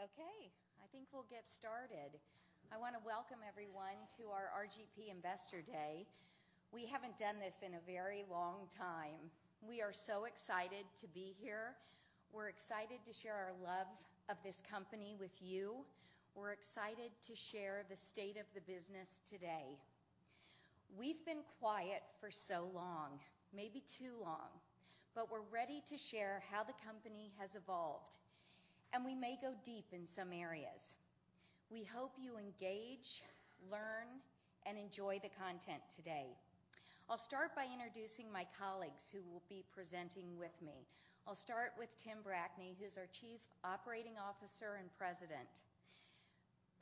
Okay, I think we'll get started. I wanna welcome everyone to our RGP Investor Day. We haven't done this in a very long time. We are so excited to be here. We're excited to share our love of this company with you. We're excited to share the state of the business today. We've been quiet for so long, maybe too long, but we're ready to share how the company has evolved, and we may go deep in some areas. We hope you engage, learn, and enjoy the content today. I'll start by introducing my colleagues who will be presenting with me. I'll start with Tim Brackney, who's our Chief Operating Officer and President.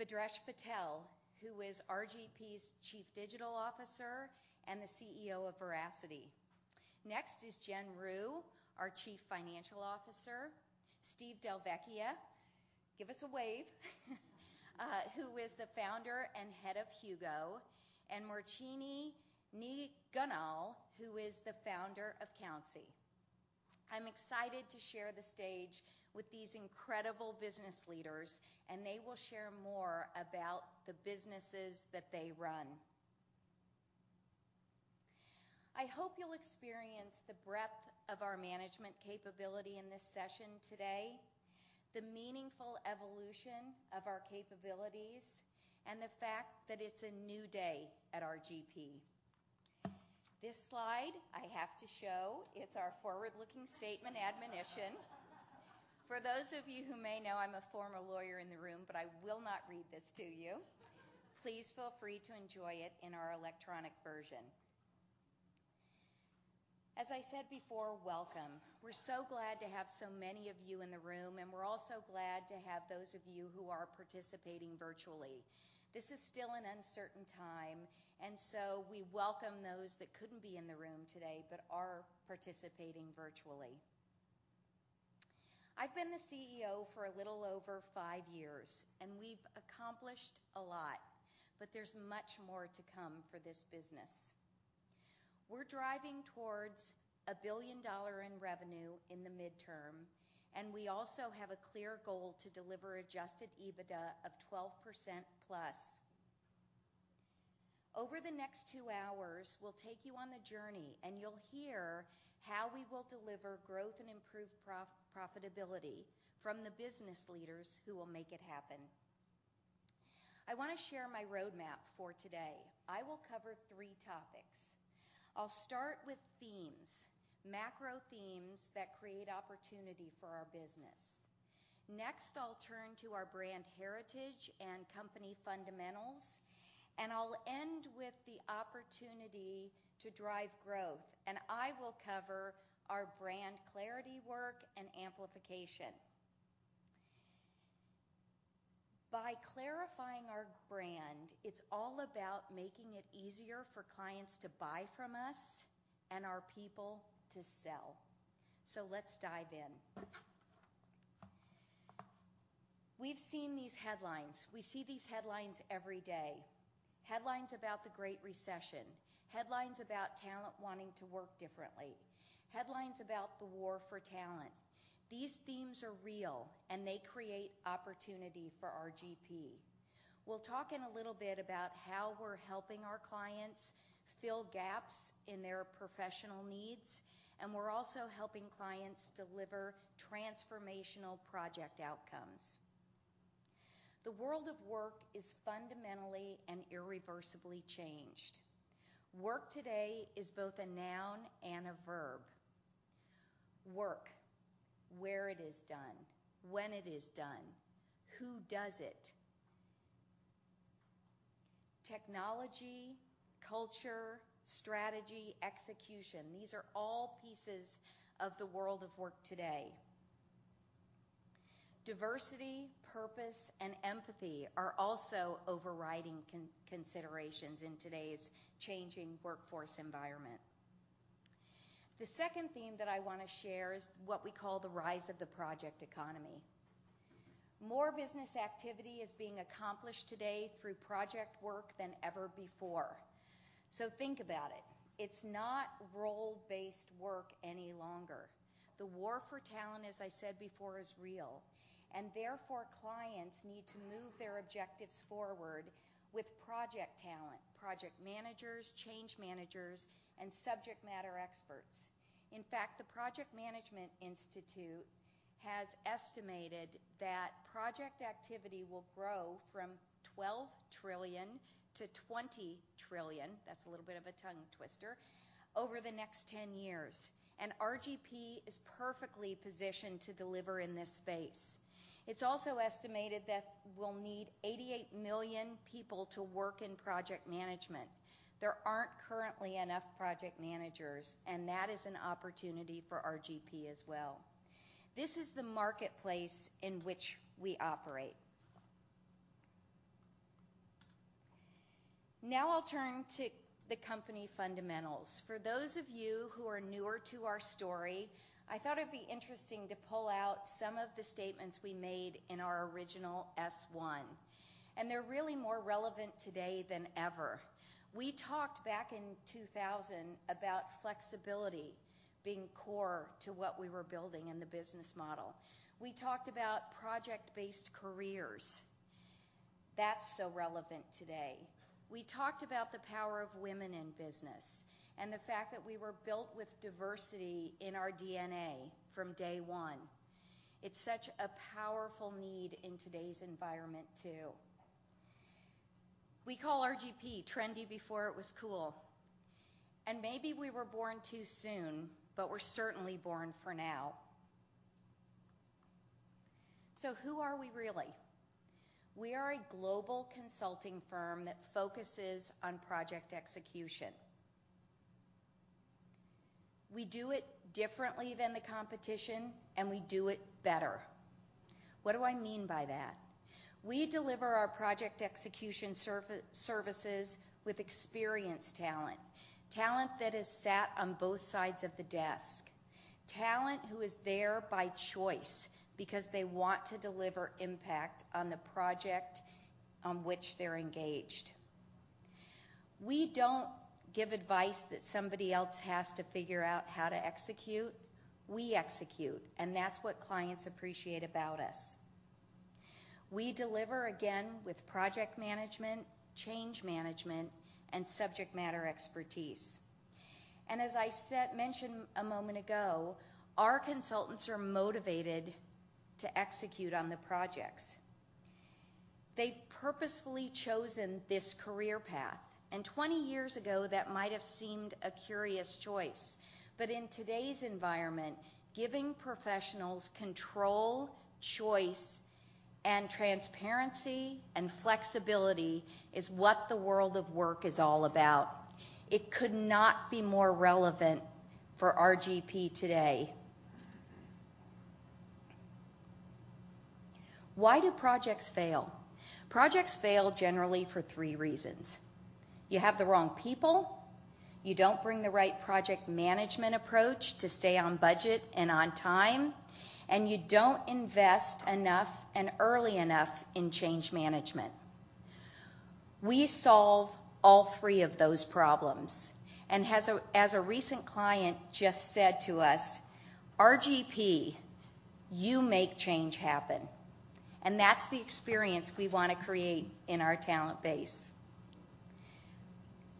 Bhadresh Patel, who is RGP's Chief Digital Officer and the CEO of Veracity. Next is Jen Ryu, our Chief Financial Officer. Steve Del Vecchio, give us a wave, who is the founder and head of HUGO, and Mairtini Ni Dhomhnaill, who is the founder of Countsy. I'm excited to share the stage with these incredible business leaders, and they will share more about the businesses that they run. I hope you'll experience the breadth of our management capability in this session today, the meaningful evolution of our capabilities, and the fact that it's a new day at RGP. This slide I have to show. It's our forward-looking statement admonition. For those of you who may know, I'm a former lawyer in the room, but I will not read this to you. Please feel free to enjoy it in our electronic version. As I said before, welcome. We're so glad to have so many of you in the room, and we're also glad to have those of you who are participating virtually. This is still an uncertain time, and so we welcome those that couldn't be in the room today, but are participating virtually. I've been the CEO for a little over five years, and we've accomplished a lot, but there's much more to come for this business. We're driving towards $1 billion in revenue in the midterm, and we also have a clear goal to deliver adjusted EBITDA of 12%+. Over the next two hours, we'll take you on the journey, and you'll hear how we will deliver growth and improve profitability from the business leaders who will make it happen. I wanna share my roadmap for today. I will cover three topics. I'll start with themes, macro themes that create opportunity for our business. Next, I'll turn to our brand heritage and company fundamentals, and I'll end with the opportunity to drive growth, and I will cover our brand clarity work and amplification. By clarifying our brand, it's all about making it easier for clients to buy from us and our people to sell. Let's dive in. We've seen these headlines. We see these headlines every day. Headlines about the Great Recession, headlines about talent wanting to work differently, headlines about the war for talent. These themes are real, and they create opportunity for RGP. We'll talk in a little bit about how we're helping our clients fill gaps in their professional needs, and we're also helping clients deliver transformational project outcomes. The world of work is fundamentally and irreversibly changed. Work today is both a noun and a verb. Work, where it is done, when it is done, who does it? Technology, culture, strategy, execution, these are all pieces of the world of work today. Diversity, purpose, and empathy are also overriding considerations in today's changing workforce environment. The second theme that I wanna share is what we call the rise of the project economy. More business activity is being accomplished today through project work than ever before. Think about it. It's not role-based work any longer. The war for talent, as I said before, is real, and therefore clients need to move their objectives forward with project talent, project managers, change managers, and subject matter experts. In fact, the Project Management Institute has estimated that project activity will grow from $12 trillion-$20 trillion, that's a little bit of a tongue twister, over the next 10 years, and RGP is perfectly positioned to deliver in this space. It's also estimated that we'll need 88 million people to work in project management. There aren't currently enough project managers, and that is an opportunity for RGP as well. This is the marketplace in which we operate. Now I'll turn to the company fundamentals. For those of you who are newer to our story, I thought it'd be interesting to pull out some of the statements we made in our original S-1. They're really more relevant today than ever. We talked back in 2000 about flexibility being core to what we were building in the business model. We talked about project-based careers. That's so relevant today. We talked about the power of women in business and the fact that we were built with diversity in our DNA from day one. It's such a powerful need in today's environment too. We call RGP trendy before it was cool, and maybe we were born too soon, but we're certainly born for now. Who are we really? We are a global consulting firm that focuses on project execution. We do it differently than the competition, and we do it better. What do I mean by that? We deliver our project execution services with experienced talent. Talent that has sat on both sides of the desk. Talent who is there by choice because they want to deliver impact on the project on which they're engaged. We don't give advice that somebody else has to figure out how to execute. We execute, and that's what clients appreciate about us. We deliver, again, with project management, change management, and subject matter expertise. Mentioned a moment ago, our consultants are motivated to execute on the projects. They've purposefully chosen this career path, and 20 years ago, that might have seemed a curious choice. In today's environment, giving professionals control, choice, and transparency and flexibility is what the world of work is all about. It could not be more relevant for RGP today. Why do projects fail? Projects fail generally for three reasons. You have the wrong people, you don't bring the right project management approach to stay on budget and on time, and you don't invest enough and early enough in change management. We solve all three of those problems, and as a recent client just said to us, "RGP, you make change happen." That's the experience we wanna create in our talent base.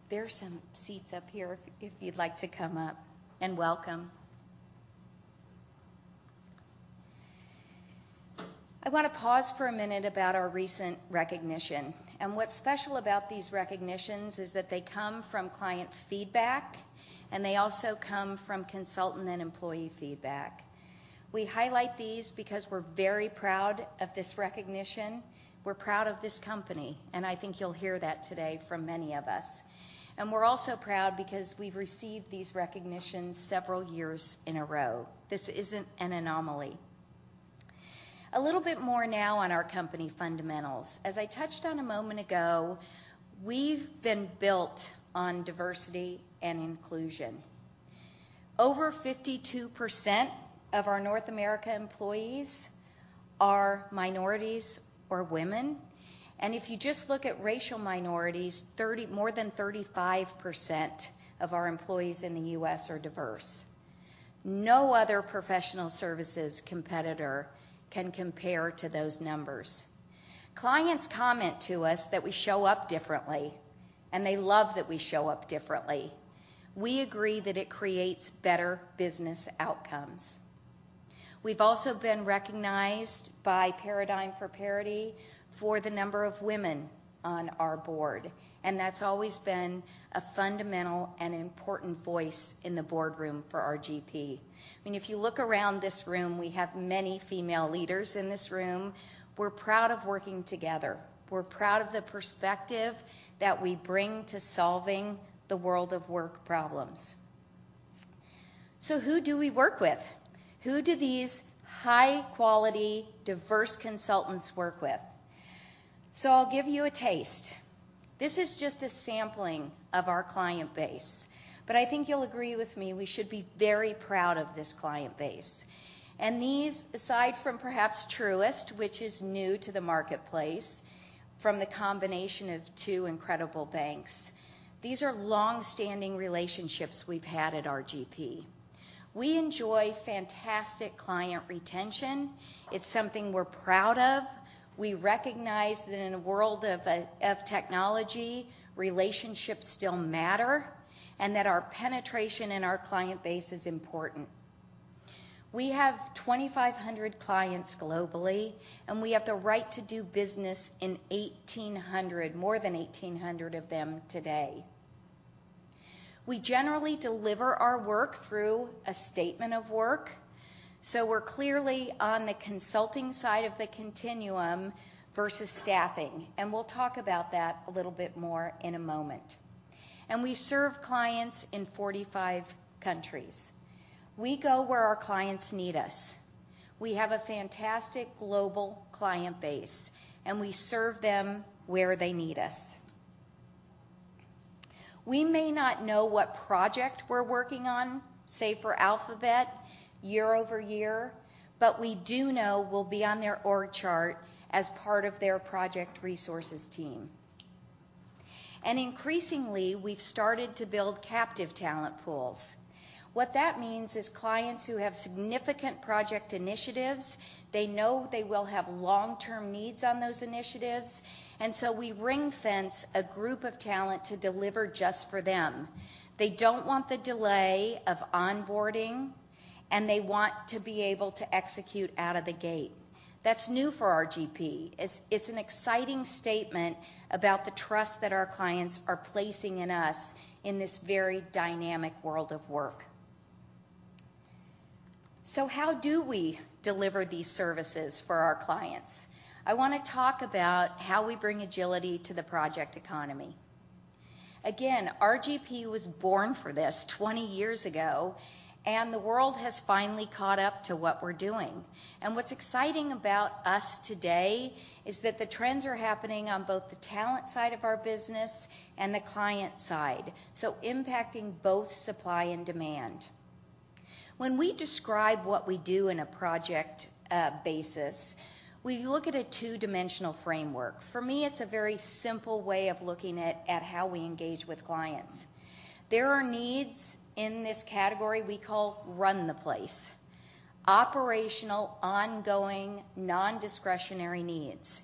There are some seats up here if you'd like to come up, and welcome. I wanna pause for a minute about our recent recognition. What's special about these recognitions is that they come from client feedback, and they also come from consultant and employee feedback. We highlight these because we're very proud of this recognition. We're proud of this company, and I think you'll hear that today from many of us. We're also proud because we've received these recognitions several years in a row. This isn't an anomaly. A little bit more now on our company fundamentals. As I touched on a moment ago, we've been built on diversity and inclusion. Over 52% of our North America employees are minorities or women. If you just look at racial minorities, more than 35% of our employees in the U.S. are diverse. No other professional services competitor can compare to those numbers. Clients comment to us that we show up differently, and they love that we show up differently. We agree that it creates better business outcomes. We've also been recognized by Paradigm for Parity for the number of women on our board, and that's always been a fundamental and important voice in the boardroom for RGP. I mean, if you look around this room, we have many female leaders in this room. We're proud of working together. We're proud of the perspective that we bring to solving the world of work problems. Who do we work with? Who do these high-quality, diverse consultants work with? I'll give you a taste. This is just a sampling of our client base, but I think you'll agree with me, we should be very proud of this client base. These, aside from perhaps Truist, which is new to the marketplace from the combination of two incredible banks, these are long-standing relationships we've had at RGP. We enjoy fantastic client retention. It's something we're proud of. We recognize that in a world of technology, relationships still matter, and that our penetration in our client base is important. We have 2,500 clients globally, and we have the right to do business in more than 1,800 of them today. We generally deliver our work through a statement of work. We're clearly on the consulting side of the continuum versus staffing, and we'll talk about that a little bit more in a moment. We serve clients in 45 countries. We go where our clients need us. We have a fantastic global client base, and we serve them where they need us. We may not know what project we're working on, say for Alphabet year over year, but we do know we'll be on their org chart as part of their project resources team. Increasingly, we've started to build captive talent pools. What that means is clients who have significant project initiatives, they know they will have long-term needs on those initiatives, and so we ring-fence a group of talent to deliver just for them. They don't want the delay of onboarding, and they want to be able to execute out of the gate. That's new for RGP. It's an exciting statement about the trust that our clients are placing in us in this very dynamic world of work. How do we deliver these services for our clients? I wanna talk about how we bring agility to the project economy. Again, RGP was born for this 20 years ago, and the world has finally caught up to what we're doing. What's exciting about us today is that the trends are happening on both the talent side of our business and the client side, so impacting both supply and demand. When we describe what we do in a project basis, we look at a two-dimensional framework. For me, it's a very simple way of looking at how we engage with clients. There are needs in this category we call run the place, operational, ongoing, non-discretionary needs.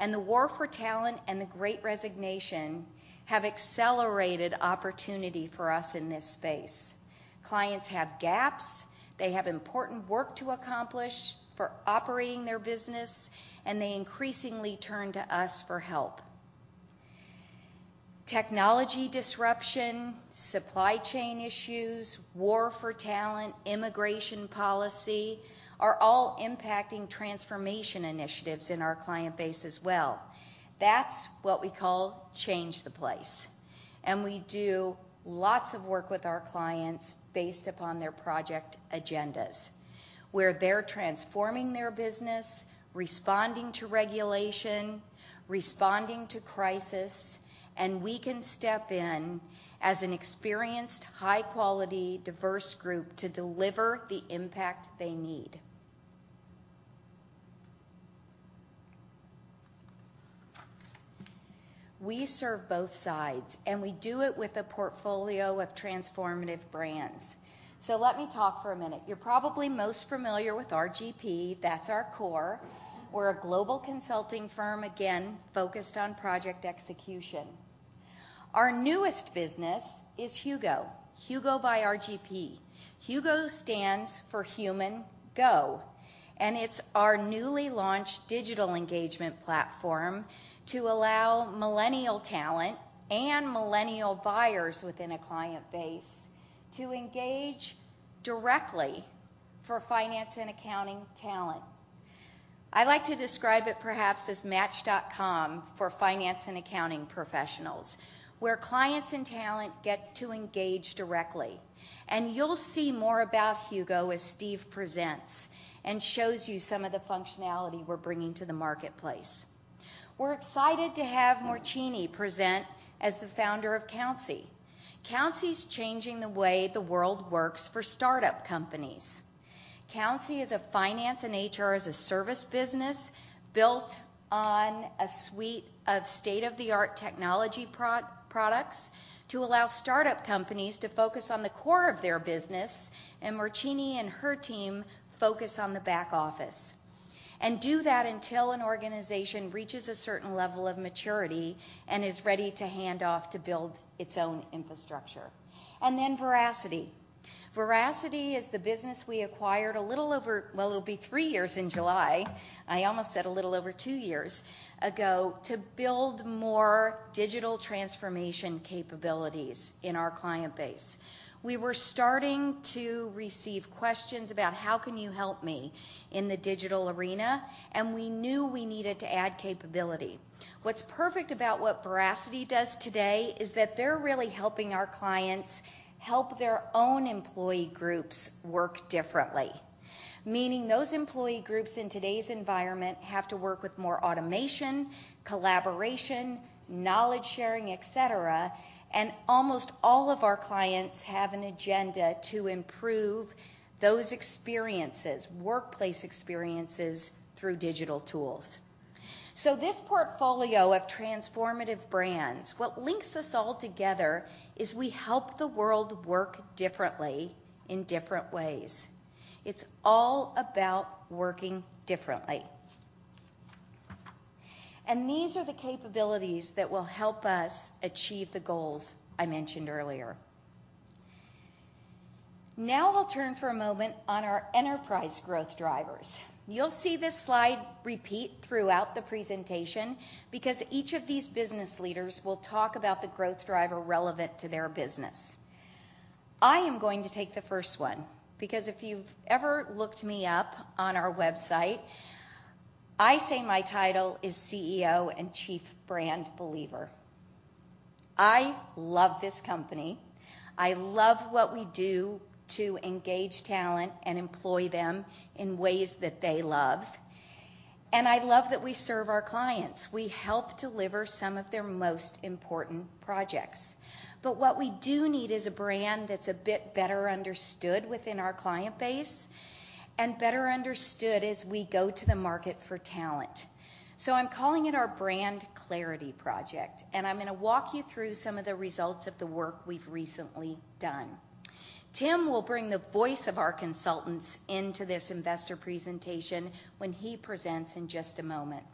The war for talent and the great resignation have accelerated opportunity for us in this space. Clients have gaps, they have important work to accomplish for operating their business, and they increasingly turn to us for help. Technology disruption, supply chain issues, war for talent, immigration policy are all impacting transformation initiatives in our client base as well. That's what we call change the place, and we do lots of work with our clients based upon their project agendas, where they're transforming their business, responding to regulation, responding to crisis, and we can step in as an experienced, high-quality, diverse group to deliver the impact they need. We serve both sides, and we do it with a portfolio of transformative brands. Let me talk for a minute. You're probably most familiar with RGP, that's our core. We're a global consulting firm, again, focused on project execution. Our newest business is HUGO by RGP. HUGO stands for Human Go, and it's our newly launched digital engagement platform to allow millennial talent and millennial buyers within a client base to engage directly for finance and accounting talent. I like to describe it perhaps as Match.com for finance and accounting professionals, where clients and talent get to engage directly. You'll see more about HUGO as Steve presents and shows you some of the functionality we're bringing to the marketplace. We're excited to have Mairtini present as the founder of Countsy. Countsy's changing the way the world works for startup companies. Countsy is a finance and HR as a service business built on a suite of state-of-the-art technology products to allow startup companies to focus on the core of their business, and Mairtini and her team focus on the back office. Do that until an organization reaches a certain level of maturity and is ready to hand off to build its own infrastructure. Then Veracity. Veracity is the business we acquired a little over, well, it'll be three years in July. I almost said a little over two years ago, to build more digital transformation capabilities in our client base. We were starting to receive questions about, "How can you help me in the digital arena?" We knew we needed to add capability. What's perfect about what Veracity does today is that they're really helping our clients help their own employee groups work differently. Meaning those employee groups in today's environment have to work with more automation, collaboration, knowledge sharing, etc. Almost all of our clients have an agenda to improve those experiences, workplace experiences through digital tools. This portfolio of transformative brands, what links us all together is we help the world work differently in different ways. It's all about working differently. These are the capabilities that will help us achieve the goals I mentioned earlier. Now I'll turn for a moment on our enterprise growth drivers. You'll see this slide repeat throughout the presentation because each of these business leaders will talk about the growth driver relevant to their business. I am going to take the first one, because if you've ever looked me up on our website, I say my title is CEO and Chief Brand Believer. I love this company. I love what we do to engage talent and employ them in ways that they love. I love that we serve our clients. We help deliver some of their most important projects. But what we do need is a brand that's a bit better understood within our client base and better understood as we go to the market for talent. I'm calling it our brand clarity project, and I'm gonna walk you through some of the results of the work we've recently done. Tim will bring the voice of our consultants into this investor presentation when he presents in just a moment.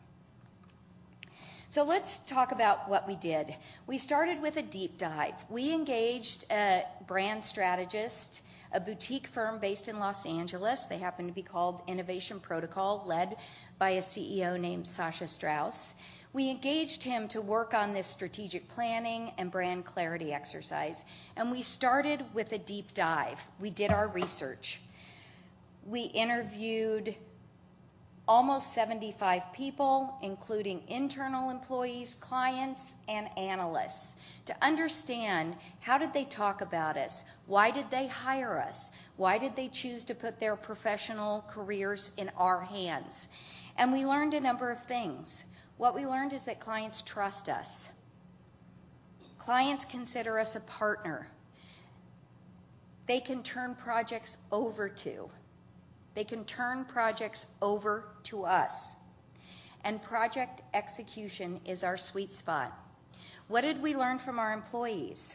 Let's talk about what we did. We started with a deep dive. We engaged a brand strategist, a boutique firm based in Los Angeles. They happen to be called Innovation Protocol, led by a CEO named Sasha Strauss. We engaged him to work on this strategic planning and brand clarity exercise, and we started with a deep dive. We did our research. We interviewed almost 75 people, including internal employees, clients, and analysts, to understand how did they talk about us? Why did they hire us? Why did they choose to put their professional careers in our hands? We learned a number of things. What we learned is that clients trust us. Clients consider us a partner they can turn projects over to. They can turn projects over to us, and project execution is our sweet spot. What did we learn from our employees?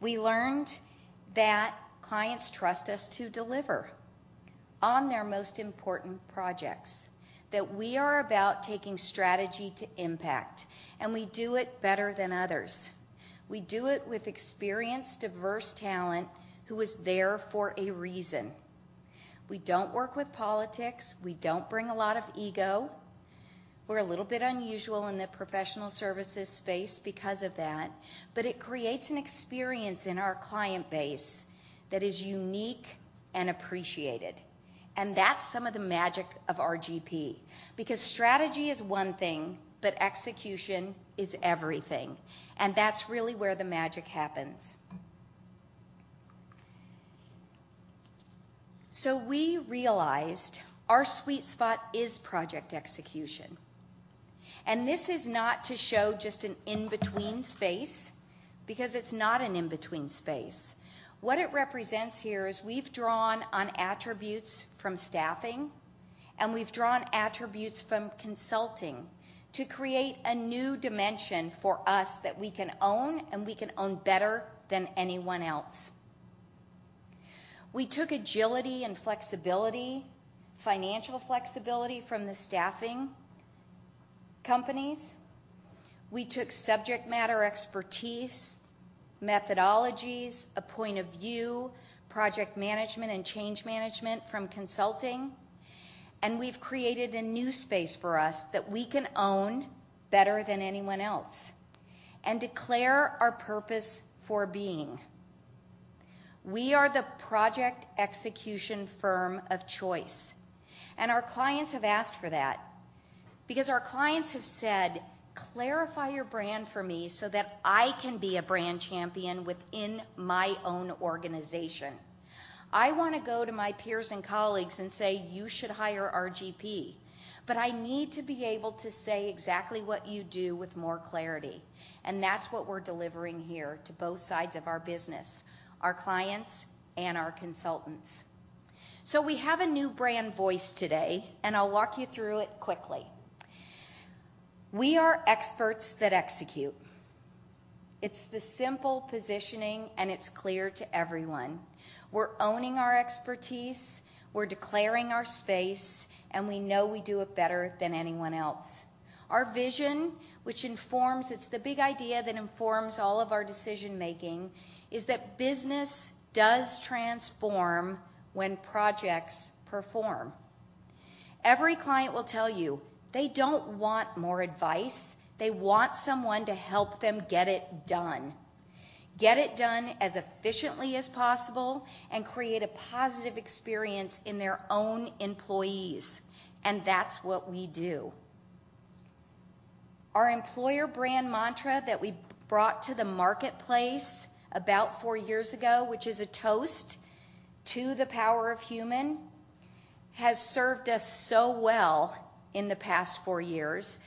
We learned that clients trust us to deliver on their most important projects, that we are about taking strategy to impact, and we do it better than others. We do it with experienced, diverse talent who is there for a reason. We don't work with politics. We don't bring a lot of ego. We're a little bit unusual in the professional services space because of that, but it creates an experience in our client base that is unique and appreciated. That's some of the magic of RGP, because strategy is one thing, but execution is everything, and that's really where the magic happens. We realized our sweet spot is project execution. This is not to show just an in-between space, because it's not an in-between space. What it represents here is we've drawn on attributes from staffing, and we've drawn attributes from consulting to create a new dimension for us that we can own and we can own better than anyone else. We took agility and flexibility, financial flexibility from the staffing companies. We took subject matter expertise, methodologies, a point of view, project management and change management from consulting, and we've created a new space for us that we can own better than anyone else and declare our purpose for being. We are the project execution firm of choice, and our clients have asked for that because our clients have said, "Clarify your brand for me so that I can be a brand champion within my own organization. I wanna go to my peers and colleagues and say, "You should hire RGP," but I need to be able to say exactly what you do with more clarity. That's what we're delivering here to both sides of our business, our clients and our consultants. We have a new brand voice today, and I'll walk you through it quickly. We are experts that execute. It's the simple positioning, and it's clear to everyone. We're owning our expertise, we're declaring our space, and we know we do it better than anyone else. Our vision, which informs, it's the big idea that informs all of our decision-making, is that business does transform when projects perform. Every client will tell you they don't want more advice. They want someone to help them get it done. Get it done as efficiently as possible and create a positive experience in their own employees, and that's what we do. Our employer brand mantra that we brought to the marketplace about four years ago, which is A Toast to The Power of Human, has served us so well in the past four years.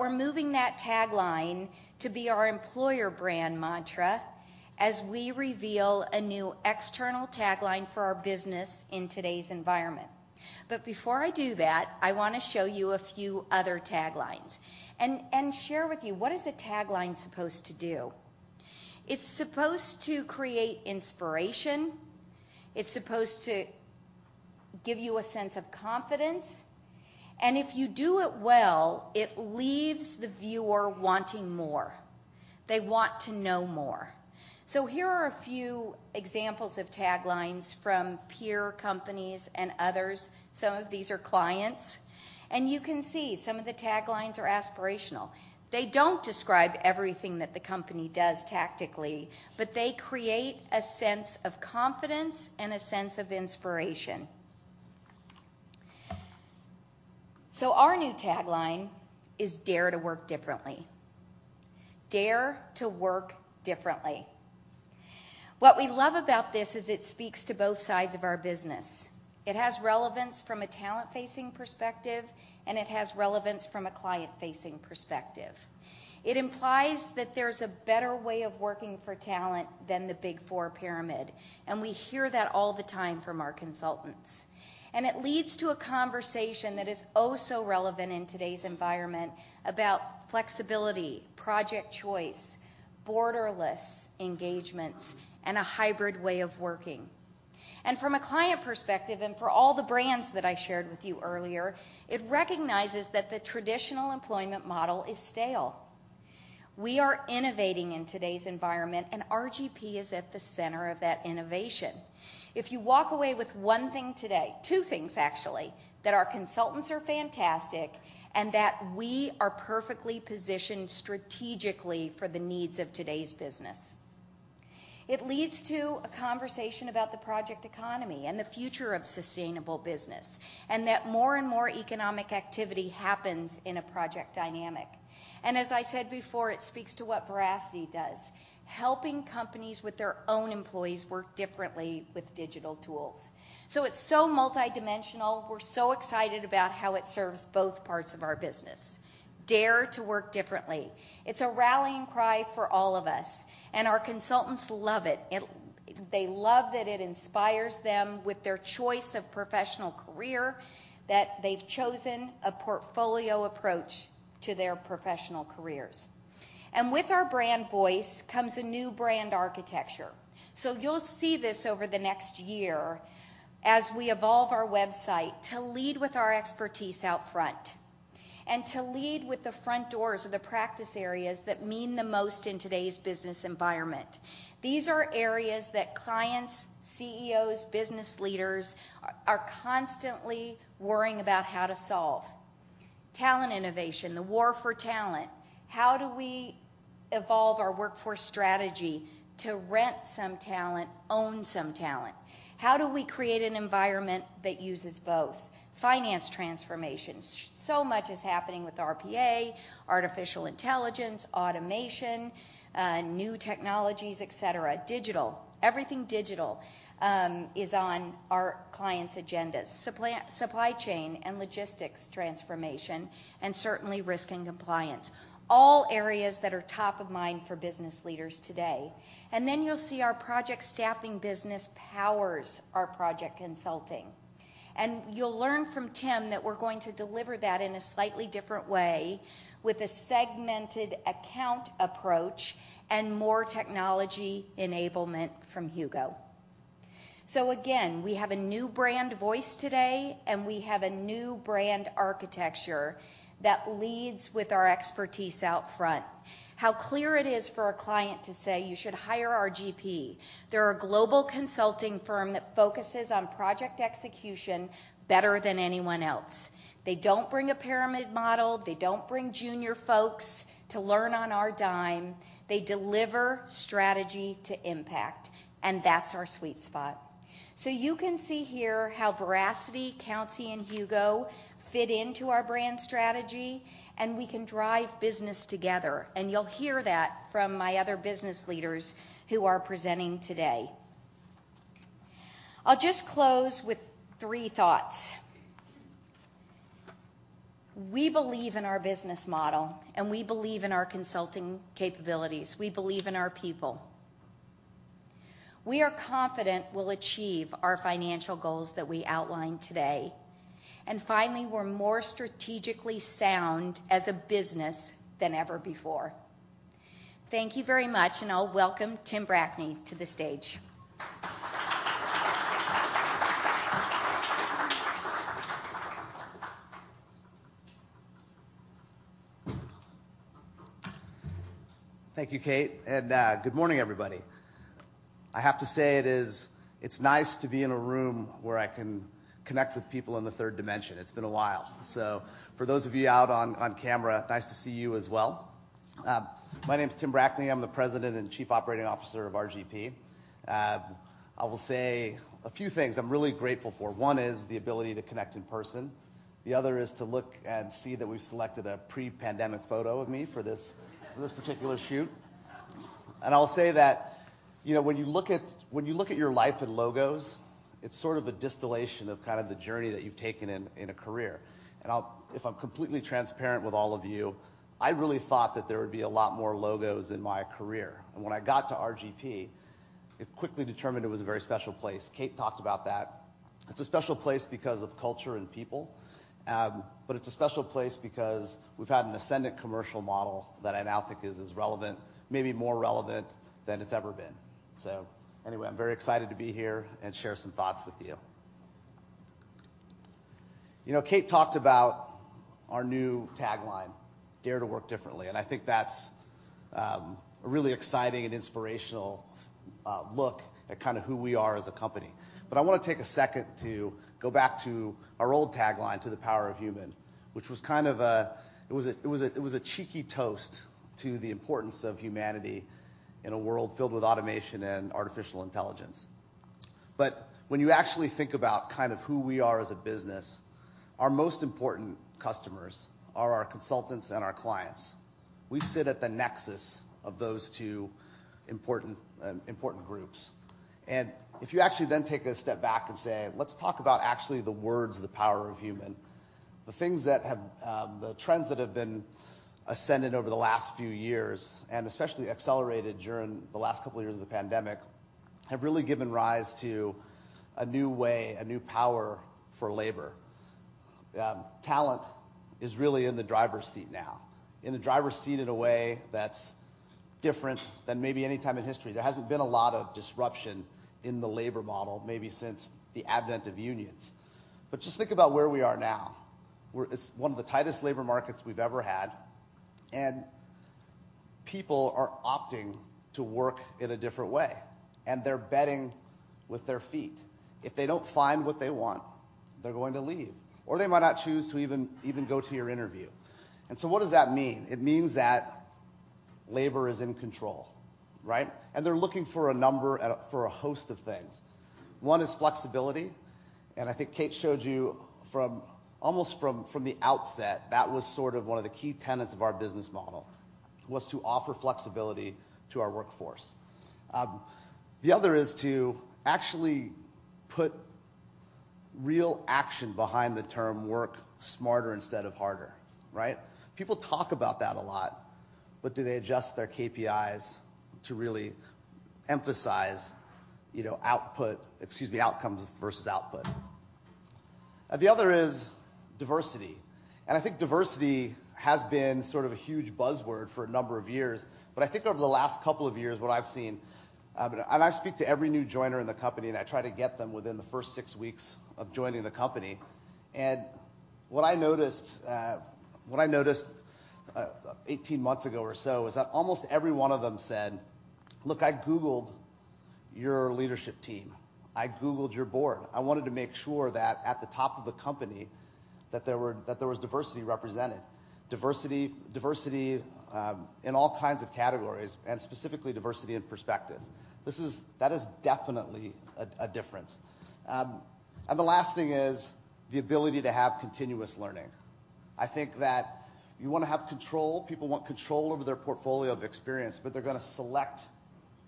We're moving that tagline to be our employer brand mantra as we reveal a new external tagline for our business in today's environment. Before I do that, I wanna show you a few other taglines and share with you what is a tagline supposed to do. It's supposed to create inspiration. It's supposed to give you a sense of confidence, and if you do it well, it leaves the viewer wanting more. They want to know more. Here are a few examples of taglines from peer companies and others. Some of these are clients. You can see some of the taglines are aspirational. They don't describe everything that the company does tactically, but they create a sense of confidence and a sense of inspiration. Our new tagline is Dare to Work Differently. What we love about this is it speaks to both sides of our business. It has relevance from a talent-facing perspective, and it has relevance from a client-facing perspective. It implies that there's a better way of working for talent than the Big Four pyramid, and we hear that all the time from our consultants. It leads to a conversation that is oh so relevant in today's environment about flexibility, project choice, borderless engagements, and a hybrid way of working. From a client perspective, and for all the brands that I shared with you earlier, it recognizes that the traditional employment model is stale. We are innovating in today's environment, and RGP is at the center of that innovation. If you walk away with one thing today, two things actually, that our consultants are fantastic and that we are perfectly positioned strategically for the needs of today's business. It leads to a conversation about the project economy and the future of sustainable business, and that more and more economic activity happens in a project dynamic. As I said before, it speaks to what Veracity does, helping companies with their own employees work differently with digital tools. It's so multidimensional. We're so excited about how it serves both parts of our business. Dare to Work Differently. It's a rallying cry for all of us, and our consultants love it. They love that it inspires them with their choice of professional career, that they've chosen a portfolio approach to their professional careers. With our brand voice comes a new brand architecture. You'll see this over the next year as we evolve our website to lead with our expertise out front and to lead with the front doors of the practice areas that mean the most in today's business environment. These are areas that clients, CEOs, business leaders are constantly worrying about how to solve. Talent innovation, the war for talent. How do we evolve our workforce strategy to rent some talent, own some talent? How do we create an environment that uses both? Finance transformation. So much is happening with RPA, artificial intelligence, automation, new technologies, et cetera. Digital. Everything digital is on our clients' agendas. Supply chain and logistics transformation, and certainly risk and compliance. All areas that are top of mind for business leaders today. You'll see our project staffing business powers our project consulting. You'll learn from Tim that we're going to deliver that in a slightly different way with a segmented account approach and more technology enablement from HUGO. Again, we have a new brand voice today, and we have a new brand architecture that leads with our expertise out front. How clear it is for a client to say, "You should hire RGP. They're a global consulting firm that focuses on project execution better than anyone else. They don't bring a pyramid model. They don't bring junior folks to learn on our dime. They deliver strategy to impact," and that's our sweet spot. You can see here how Veracity, Countsy, and HUGO fit into our brand strategy, and we can drive business together, and you'll hear that from my other business leaders who are presenting today. I'll just close with three thoughts. We believe in our business model, and we believe in our consulting capabilities. We believe in our people. We are confident we'll achieve our financial goals that we outlined today. Finally, we're more strategically sound as a business than ever before. Thank you very much, and I'll welcome Tim Brackney to the stage. Thank you, Kate, and good morning, everybody. I have to say it's nice to be in a room where I can connect with people in the third dimension. It's been a while. For those of you out on camera, nice to see you as well. My name's Tim Brackney. I'm the President and Chief Operating Officer of RGP. I will say a few things I'm really grateful for. One is the ability to connect in person. The other is to look and see that we've selected a pre-pandemic photo of me for this particular shoot. I'll say that, you know, when you look at your life in logos, it's sort of a distillation of kind of the journey that you've taken in a career. If I'm completely transparent with all of you, I really thought that there would be a lot more logos in my career. When I got to RGP, it quickly determined it was a very special place. Kate talked about that. It's a special place because of culture and people, but it's a special place because we've had an ascendant commercial model that I now think is as relevant, maybe more relevant than it's ever been. Anyway, I'm very excited to be here and share some thoughts with you. You know, Kate talked about our new tagline, "Dare to Work Differently," and I think that's a really exciting and inspirational look at kinda who we are as a company. I wanna take a second to go back to our old tagline, to "The Power of Human," which was kind of a cheeky toast to the importance of humanity in a world filled with automation and artificial intelligence. When you actually think about kind of who we are as a business, our most important customers are our consultants and our clients. We sit at the nexus of those two important groups. If you actually then take a step back and say, "Let's talk about actually the words, the power of human," the trends that have been intensified over the last few years, and especially accelerated during the last couple of years of the pandemic, have really given rise to a new way, a new power for labor. Talent is really in the driver's seat now in a way that's different than maybe any time in history. There hasn't been a lot of disruption in the labor model maybe since the advent of unions. Just think about where we are now. It's one of the tightest labor markets we've ever had, and people are opting to work in a different way, and they're betting with their feet. If they don't find what they want, they're going to leave, or they might not choose to even go to your interview. What does that mean? It means that labor is in control, right? They're looking for a number for a host of things. One is flexibility, and I think Kate showed you almost from the outset, that was sort of one of the key tenets of our business model was to offer flexibility to our workforce. The other is to actually put real action behind the term work smarter instead of harder, right? People talk about that a lot, but do they adjust their KPIs to really emphasize, you know, outcomes versus output? The other is diversity, and I think diversity has been sort of a huge buzzword for a number of years. I think over the last couple of years, what I've seen. I speak to every new joiner in the company, and I try to get them within the first six weeks of joining the company. What I noticed 18 months ago or so is that almost every one of them said, "Look, I googled your leadership team. I googled your board. I wanted to make sure that at the top of the company, that there was diversity represented." Diversity in all kinds of categories, and specifically diversity in perspective. That is definitely a difference. The last thing is the ability to have continuous learning. I think that you wanna have control. People want control over their portfolio of experience, but they're gonna select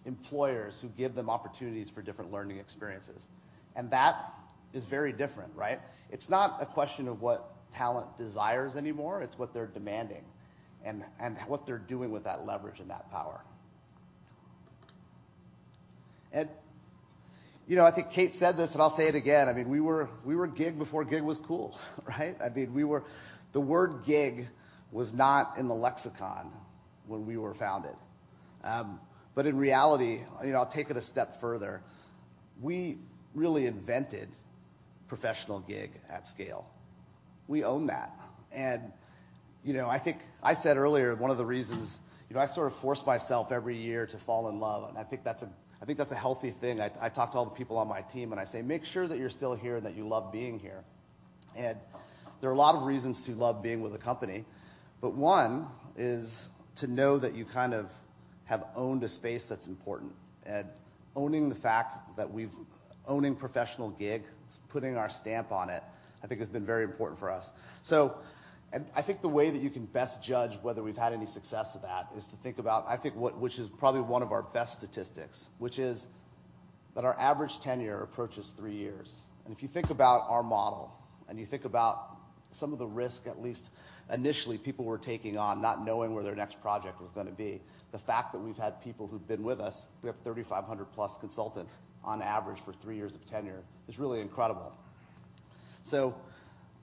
employers who give them opportunities for different learning experiences, and that is very different, right? It's not a question of what talent desires anymore. It's what they're demanding and what they're doing with that leverage and that power. You know, I think Kate said this, and I'll say it again. I mean, we were gig before gig was cool, right? I mean, the word gig was not in the lexicon when we were founded. In reality, you know, I'll take it a step further. We really invented professional gig at scale. We own that. You know, I think I said earlier one of the reasons, you know, I sort of force myself every year to fall in love, and I think that's a healthy thing. I talk to all the people on my team, and I say, "Make sure that you're still here and that you love being here." There are a lot of reasons to love being with a company, but one is to know that you kind of have owned a space that's important. Owning professional gig, putting our stamp on it, I think has been very important for us. I think the way that you can best judge whether we've had any success with that is to think about which is probably one of our best statistics, which is that our average tenure approaches three years. If you think about our model, and you think about some of the risk, at least initially, people were taking on not knowing where their next project was gonna be, the fact that we've had people who've been with us, we have 3,500+ consultants on average for three years of tenure, is really incredible.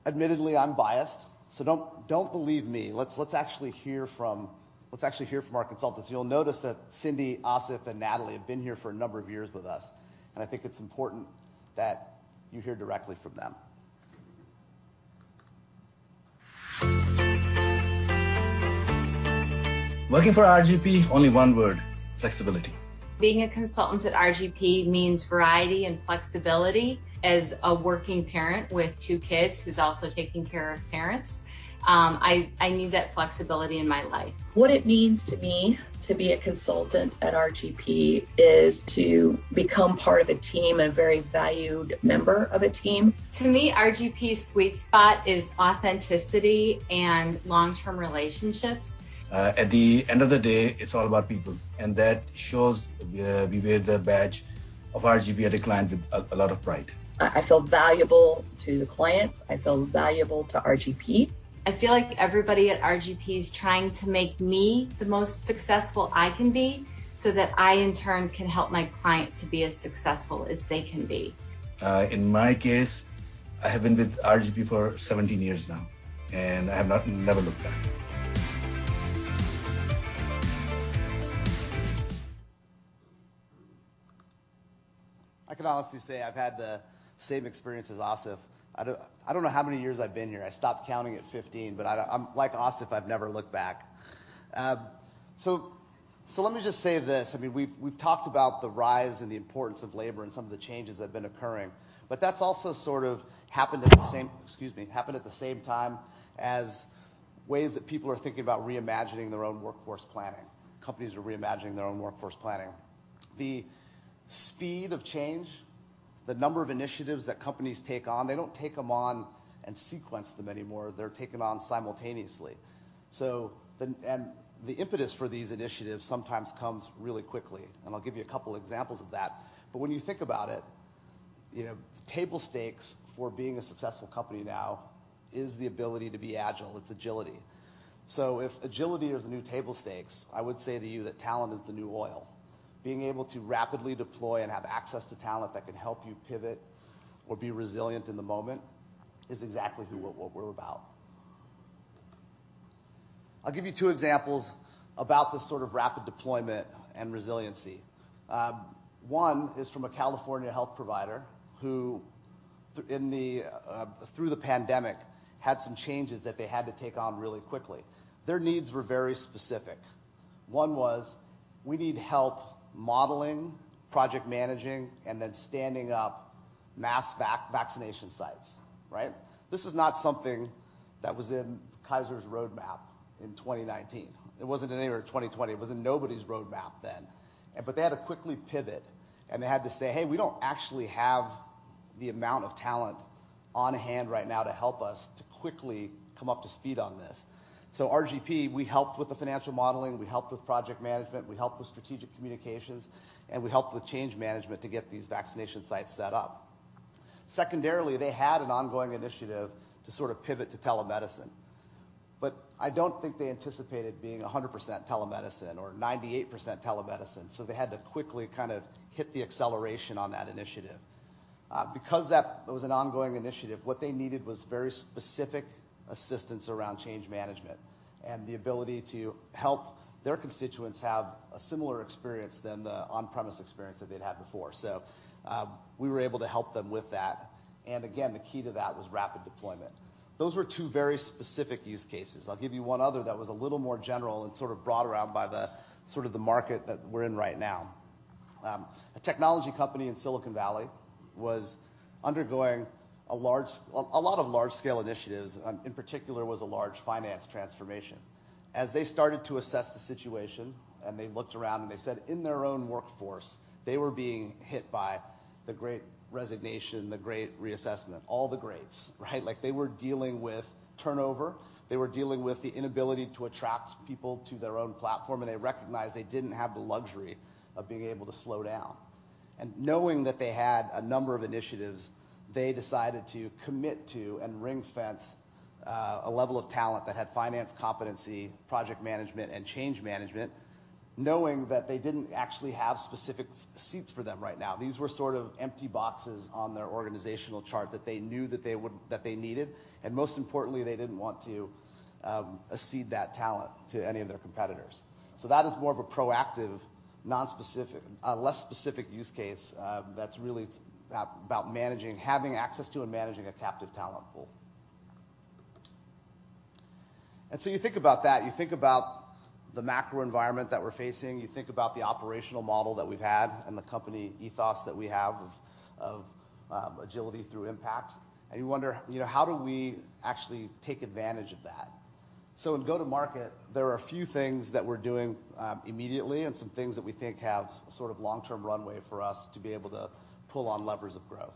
Admittedly, I'm biased, so don't believe me. Let's actually hear from our consultants. You'll notice that Cindy, Asif, and Natalie have been here for a number of years with us, and I think it's important that you hear directly from them. Working for RGP, only one word, flexibility. Being a consultant at RGP means variety and flexibility. As a working parent with two kids who's also taking care of parents, I need that flexibility in my life. What it means to me to be a consultant at RGP is to become part of a team, a very valued member of a team. To me, RGP's sweet spot is authenticity and long-term relationships. At the end of the day, it's all about people, and that shows, we wear the badge of RGP at a client with a lot of pride. I feel valuable to the clients. I feel valuable to RGP. I feel like everybody at RGP is trying to make me the most successful I can be, so that I, in turn, can help my client to be as successful as they can be. In my case, I have been with RGP for 17 years now, and I have never looked back. I can honestly say I've had the same experience as Asif. I don't know how many years I've been here. I stopped counting at 15, but like Asif, I've never looked back. Let me just say this. I mean, we've talked about the rise and the importance of labor and some of the changes that have been occurring, but that's also sort of happened at the same time as ways that people are thinking about reimagining their own workforce planning. Companies are reimagining their own workforce planning. The speed of change, the number of initiatives that companies take on, they don't take them on and sequence them anymore. They're taken on simultaneously. The impetus for these initiatives sometimes comes really quickly, and I'll give you a couple examples of that. When you think about it, you know, table stakes for being a successful company now is the ability to be agile. It's agility. If agility is the new table stakes, I would say to you that talent is the new oil. Being able to rapidly deploy and have access to talent that can help you pivot or be resilient in the moment is exactly what we're about. I'll give you two examples about the sort of rapid deployment and resiliency. One is from a California health provider who through the pandemic had some changes that they had to take on really quickly. Their needs were very specific. One was, we need help modeling, project managing, and then standing up mass vaccination sites, right? This is not something that was in Kaiser's roadmap in 2019. It wasn't in anywhere in 2020. It was in nobody's roadmap then. They had to quickly pivot, and they had to say, "Hey, we don't actually have the amount of talent on hand right now to help us to quickly come up to speed on this." RGP, we helped with the financial modeling, we helped with project management, we helped with strategic communications, and we helped with change management to get these vaccination sites set up. Secondarily, they had an ongoing initiative to sort of pivot to telemedicine. I don't think they anticipated being 100% telemedicine or 98% telemedicine, so they had to quickly kind of hit the acceleration on that initiative. Because that was an ongoing initiative, what they needed was very specific assistance around change management and the ability to help their constituents have a similar experience than the on-premise experience that they'd had before. We were able to help them with that. Again, the key to that was rapid deployment. Those were two very specific use cases. I'll give you one other that was a little more general and sort of brought around by the market that we're in right now. A technology company in Silicon Valley was undergoing a lot of large-scale initiatives, in particular, a large finance transformation. As they started to assess the situation, and they looked around and they said in their own workforce, they were being hit by the great resignation, the great reassessment, all the greats, right? Like, they were dealing with turnover. They were dealing with the inability to attract people to their own platform, and they recognized they didn't have the luxury of being able to slow down. Knowing that they had a number of initiatives, they decided to commit to and ring-fence a level of talent that had finance competency, project management, and change management, knowing that they didn't actually have specific seats for them right now. These were sort of empty boxes on their organizational chart that they knew that they needed, and most importantly, they didn't want to cede that talent to any of their competitors. That is more of a proactive, nonspecific, a less specific use case, that's really about managing, having access to and managing a captive talent pool. You think about that, you think about the macro environment that we're facing, you think about the operational model that we've had and the company ethos that we have of agility through impact, and you wonder, you know, how do we actually take advantage of that? In go-to-market, there are a few things that we're doing immediately and some things that we think have a sort of long-term runway for us to be able to pull on levers of growth.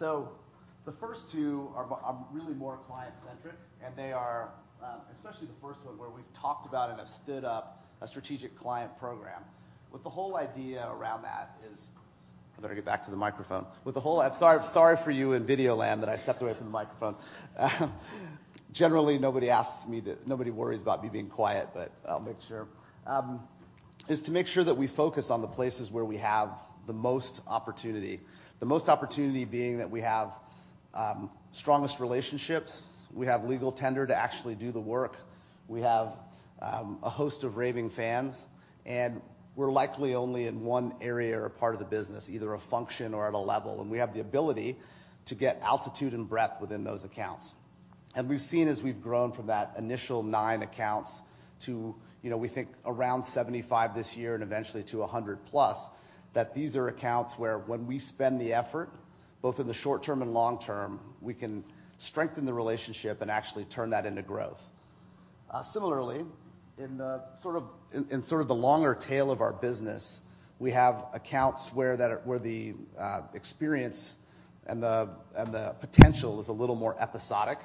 The first two are really more client-centric, and they are, especially the first one where we've talked about and have stood up a strategic client program. The whole idea around that is I better get back to the microphone. I'm sorry for you in video land that I stepped away from the microphone. Generally, nobody worries about me being quiet, but I'll make sure. It is to make sure that we focus on the places where we have the most opportunity. The most opportunity being that we have strongest relationships, we have the talent to actually do the work, we have a host of raving fans, and we're likely only in one area or part of the business, either a function or at a level, and we have the ability to get altitude and breadth within those accounts. We've seen as we've grown from that initial 9 accounts to, you know, we think around 75 this year and eventually to 100+, that these are accounts where when we spend the effort, both in the short term and long term, we can strengthen the relationship and actually turn that into growth. Similarly, in sort of the longer tail of our business, we have accounts where the experience and the potential is a little more episodic,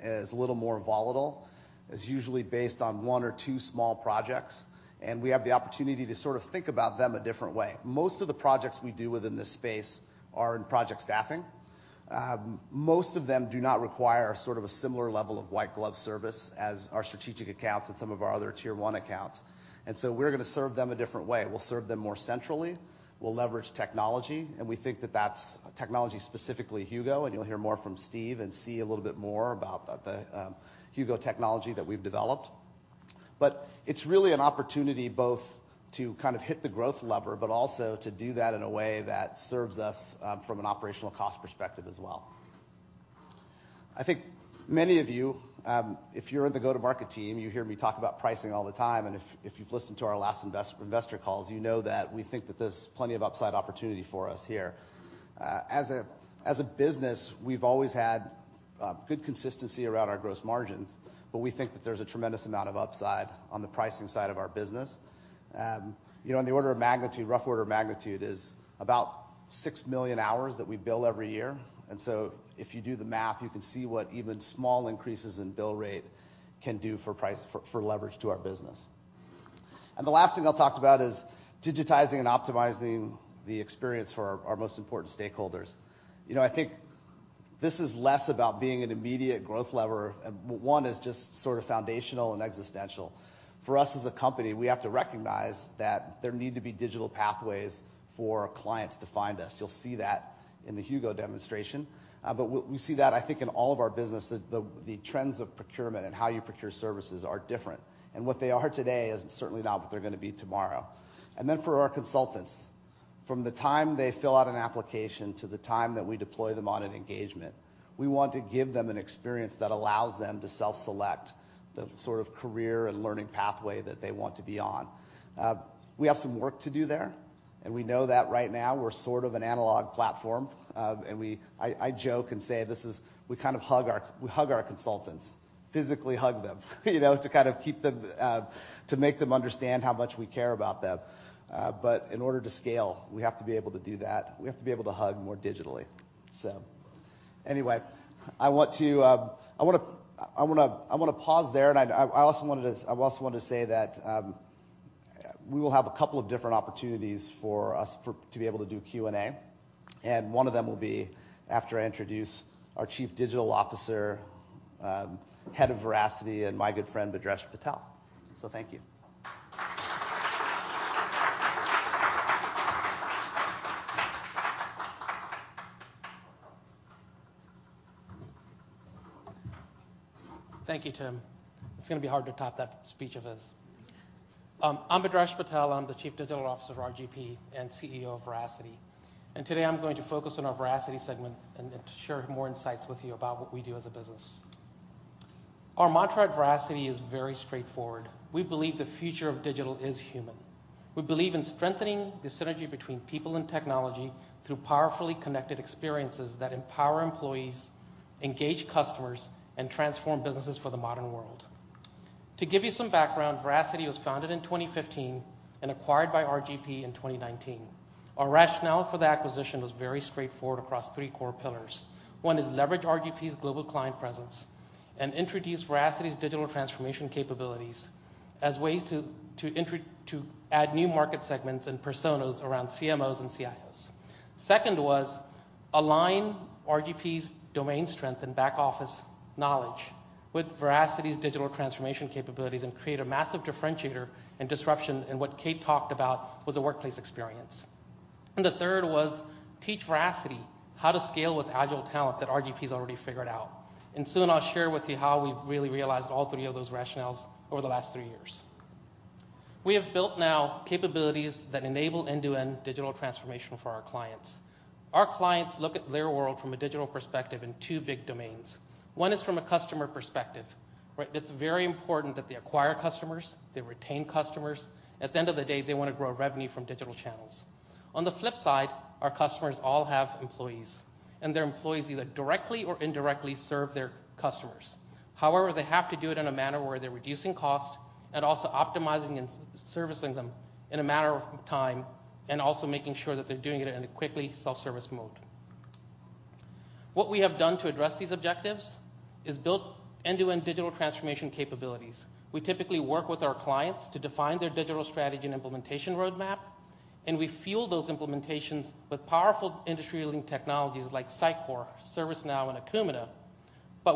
is a little more volatile. It's usually based on one or two small projects, and we have the opportunity to sort of think about them a different way. Most of the projects we do within this space are in project staffing. Most of them do not require sort of a similar level of white glove service as our strategic accounts and some of our other Tier 1 accounts. We're gonna serve them a different way. We'll serve them more centrally. We'll leverage technology, and we think that that's technology, specifically HUGO, and you'll hear more from Steve and see a little bit more about the HUGO technology that we've developed. It's really an opportunity both to kind of hit the growth lever, but also to do that in a way that serves us from an operational cost perspective as well. I think many of you, if you're in the go-to-market team, you hear me talk about pricing all the time, and if you've listened to our last investor calls, you know that we think that there's plenty of upside opportunity for us here. As a business, we've always had good consistency around our gross margins, but we think that there's a tremendous amount of upside on the pricing side of our business. You know, in the order of magnitude, rough order of magnitude is about 6 million hours that we bill every year, and so if you do the math, you can see what even small increases in bill rate can do for leverage to our business. The last thing I'll talk about is digitizing and optimizing the experience for our most important stakeholders. You know, I think this is less about being an immediate growth lever, but one is just sort of foundational and existential. For us as a company, we have to recognize that there need to be digital pathways for clients to find us. You'll see that in the HUGO demonstration. But we see that I think in all of our business. The trends of procurement and how you procure services are different. What they are today is certainly not what they're gonna be tomorrow. For our consultants, from the time they fill out an application to the time that we deploy them on an engagement, we want to give them an experience that allows them to self-select the sort of career and learning pathway that they want to be on. We have some work to do there, and we know that right now we're sort of an analog platform. I joke and say this is, we kind of hug our consultants, physically hug them, you know, to kind of keep them, to make them understand how much we care about them. In order to scale, we have to be able to do that. We have to be able to hug more digitally. Anyway, I want to pause there, and I also wanted to say that we will have a couple of different opportunities for us to be able to do Q&A. One of them will be after I introduce our Chief Digital Officer, Head of Veracity, and my good friend, Bhadresh Patel. Thank you. Thank you, Tim. It's gonna be hard to top that speech of his. I'm Bhadresh Patel. I'm the Chief Digital Officer of RGP and CEO of Veracity. Today I'm going to focus on our Veracity segment and share more insights with you about what we do as a business. Our mantra at Veracity is very straightforward. We believe the future of digital is human. We believe in strengthening the synergy between people and technology through powerfully connected experiences that empower employees, engage customers, and transform businesses for the modern world. To give you some background, Veracity was founded in 2015 and acquired by RGP in 2019. Our rationale for the acquisition was very straightforward across three core pillars. One is to leverage RGP's global client presence and introduce Veracity's digital transformation capabilities as ways to add new market segments and personas around CMOs and CIOs. Second was to align RGP's domain strength and back-office knowledge with Veracity's digital transformation capabilities and create a massive differentiator and disruption in what Kate talked about was a workplace experience. The third was to teach Veracity how to scale with agile talent that RGP's already figured out. Soon I'll share with you how we've really realized all three of those rationales over the last three years. We have built now capabilities that enable end-to-end digital transformation for our clients. Our clients look at their world from a digital perspective in two big domains. One is from a customer perspective, right? It's very important that they acquire customers, they retain customers. At the end of the day, they wanna grow revenue from digital channels. On the flip side, our customers all have employees, and their employees either directly or indirectly serve their customers. However, they have to do it in a manner where they're reducing cost and also optimizing and servicing them in a matter of time and also making sure that they're doing it in a quickly self-service mode. What we have done to address these objectives is built end-to-end digital transformation capabilities. We typically work with our clients to define their digital strategy and implementation roadmap, and we fuel those implementations with powerful industry-leading technologies like Sitecore, ServiceNow, and Akumina.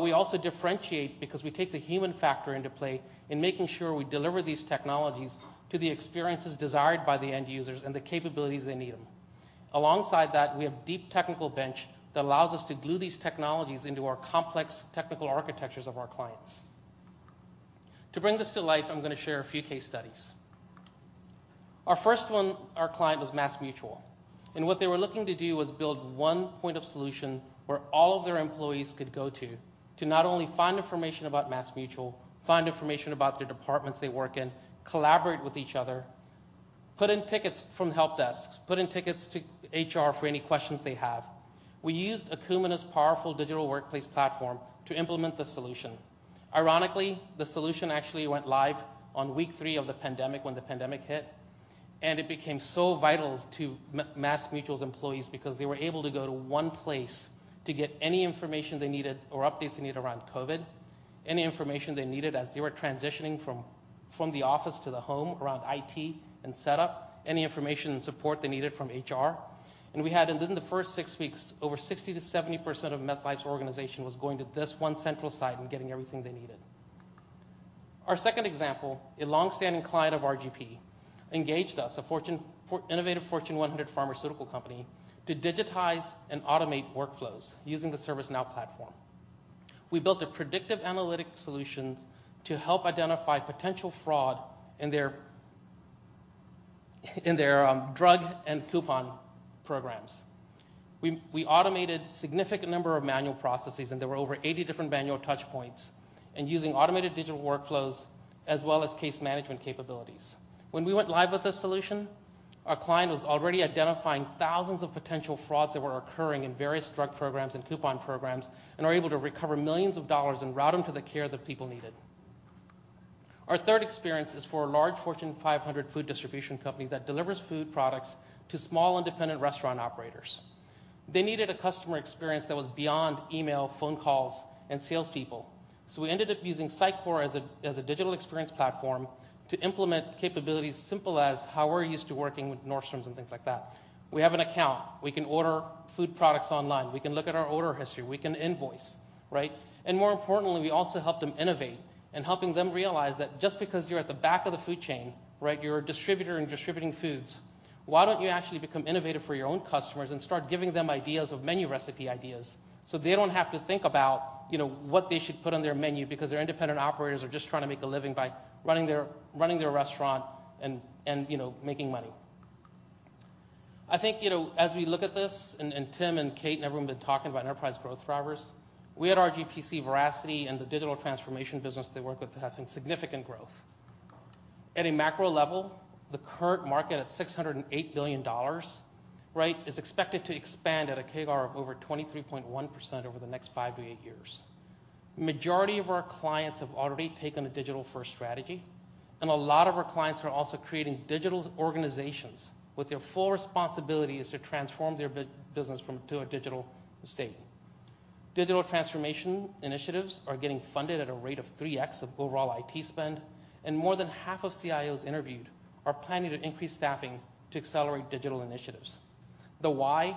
We also differentiate because we take the human factor into play in making sure we deliver these technologies to the experiences desired by the end users and the capabilities they need them. Alongside that, we have deep technical bench that allows us to glue these technologies into our complex technical architectures of our clients. To bring this to life, I'm gonna share a few case studies. Our first one, our client was MassMutual, and what they were looking to do was build one-stop solution where all of their employees could go to not only find information about MassMutual, find information about the departments they work in, collaborate with each other, put in tickets from help desks, put in tickets to HR for any questions they have. We used Akumina's powerful digital workplace platform to implement the solution. Ironically, the solution actually went live on week three of the pandemic when the pandemic hit, and it became so vital to MassMutual's employees because they were able to go to one place to get any information they needed or updates they need around COVID, any information they needed as they were transitioning from the office to the home around IT and setup, any information and support they needed from HR. We had within the first six weeks, over 60%-70% of MassMutual's organization was going to this one central site and getting everything they needed. Our second example, a longstanding client of RGP engaged us, a Fortune 100 innovative pharmaceutical company, to digitize and automate workflows using the ServiceNow platform. We built a predictive analytic solution to help identify potential fraud in their drug and coupon programs. We automated significant number of manual processes, and there were over 80 different manual touch points, using automated digital workflows as well as case management capabilities. When we went live with this solution, our client was already identifying thousands of potential frauds that were occurring in various drug programs and coupon programs and are able to recover millions of dollar and route them to the care that people needed. Our third experience is for a large Fortune 500 food distribution company that delivers food products to small independent restaurant operators. They needed a customer experience that was beyond email, phone calls, and salespeople. We ended up using Sitecore as a digital experience platform to implement capabilities simple as how we're used to working with Nordstrom's and things like that. We have an account. We can order food products online. We can look at our order history. We can invoice, right? More importantly, we also help them innovate and helping them realize that just because you're at the back of the food chain, right? You're a distributor and distributing foods, why don't you actually become innovative for your own customers and start giving them ideas of menu recipe ideas so they don't have to think about, you know, what they should put on their menu because their independent operators are just trying to make a living by running their restaurant and, you know, making money. I think, you know, as we look at this and Tim and Kate and everyone have been talking about enterprise growth drivers, we at RGP see Veracity and the digital transformation business they work with have seen significant growth. At a macro level, the current market at $608 billion, right, is expected to expand at a CAGR of over 23.1% over the next five to eight years. Majority of our clients have already taken a digital-first strategy, and a lot of our clients are also creating digital organizations with their full responsibilities to transform their business from to a digital state. Digital transformation initiatives are getting funded at a rate of 3x of overall IT spend, and more than half of CIOs interviewed are planning to increase staffing to accelerate digital initiatives. The why?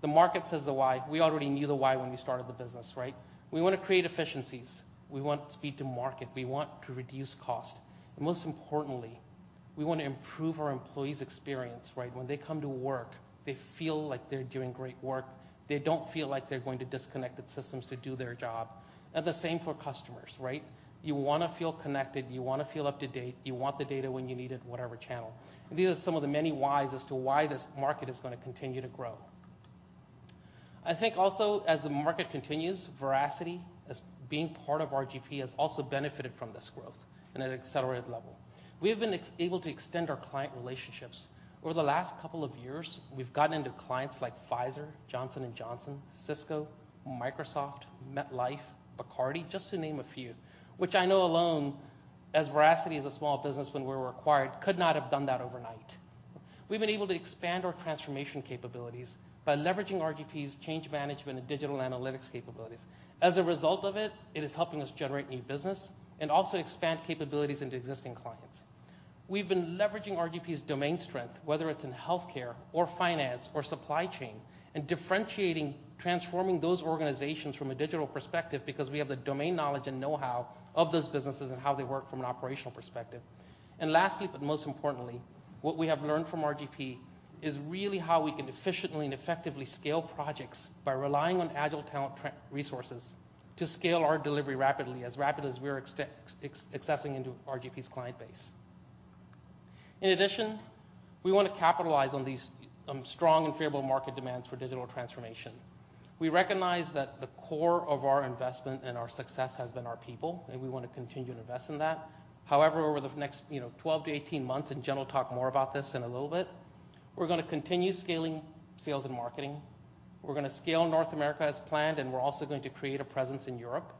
The market says the why. We already knew the why when we started the business, right? We wanna create efficiencies. We want speed to market. We want to reduce cost. Most importantly, we want to improve our employees' experience, right? When they come to work, they feel like they're doing great work. They don't feel like they're going to disconnected systems to do their job. The same for customers, right? You wanna feel connected, you wanna feel up to date, you want the data when you need it, whatever channel. These are some of the many whys as to why this market is gonna continue to grow. I think also as the market continues, Veracity as being part of RGP has also benefited from this growth in an accelerated level. We have been able to extend our client relationships. Over the last couple of years, we've gotten into clients like Pfizer, Johnson & Johnson, Cisco, Microsoft, MetLife, Bacardi, just to name a few. Which I know alone, as Veracity as a small business when we were acquired, could not have done that overnight. We've been able to expand our transformation capabilities by leveraging RGP's change management and digital analytics capabilities. As a result of it is helping us generate new business and also expand capabilities into existing clients. We've been leveraging RGP's domain strength, whether it's in healthcare or finance or supply chain, and differentiating transforming those organizations from a digital perspective because we have the domain knowledge and know-how of those businesses and how they work from an operational perspective. Lastly, but most importantly, what we have learned from RGP is really how we can efficiently and effectively scale projects by relying on agile talent resources to scale our delivery rapidly, as rapid as we are accessing into RGP's client base. In addition, we wanna capitalize on these strong and favorable market demands for digital transformation. We recognize that the core of our investment and our success has been our people, and we wanna continue to invest in that. However, over the next, you know, 12-18 months, and Jen will talk more about this in a little bit, we're gonna continue scaling sales and marketing. We're gonna scale North America as planned, and we're also going to create a presence in Europe.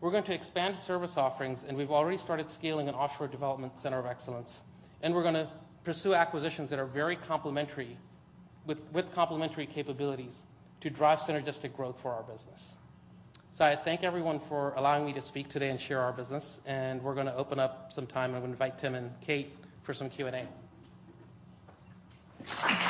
We're going to expand service offerings, and we've already started scaling an offshore development center of excellence, and we're gonna pursue acquisitions that are very complementary with complementary capabilities to drive synergistic growth for our business. I thank everyone for allowing me to speak today and share our business, and we're gonna open up some time, and I'm gonna invite Tim and Kate for some Q&A. I got it. Yeah, we will.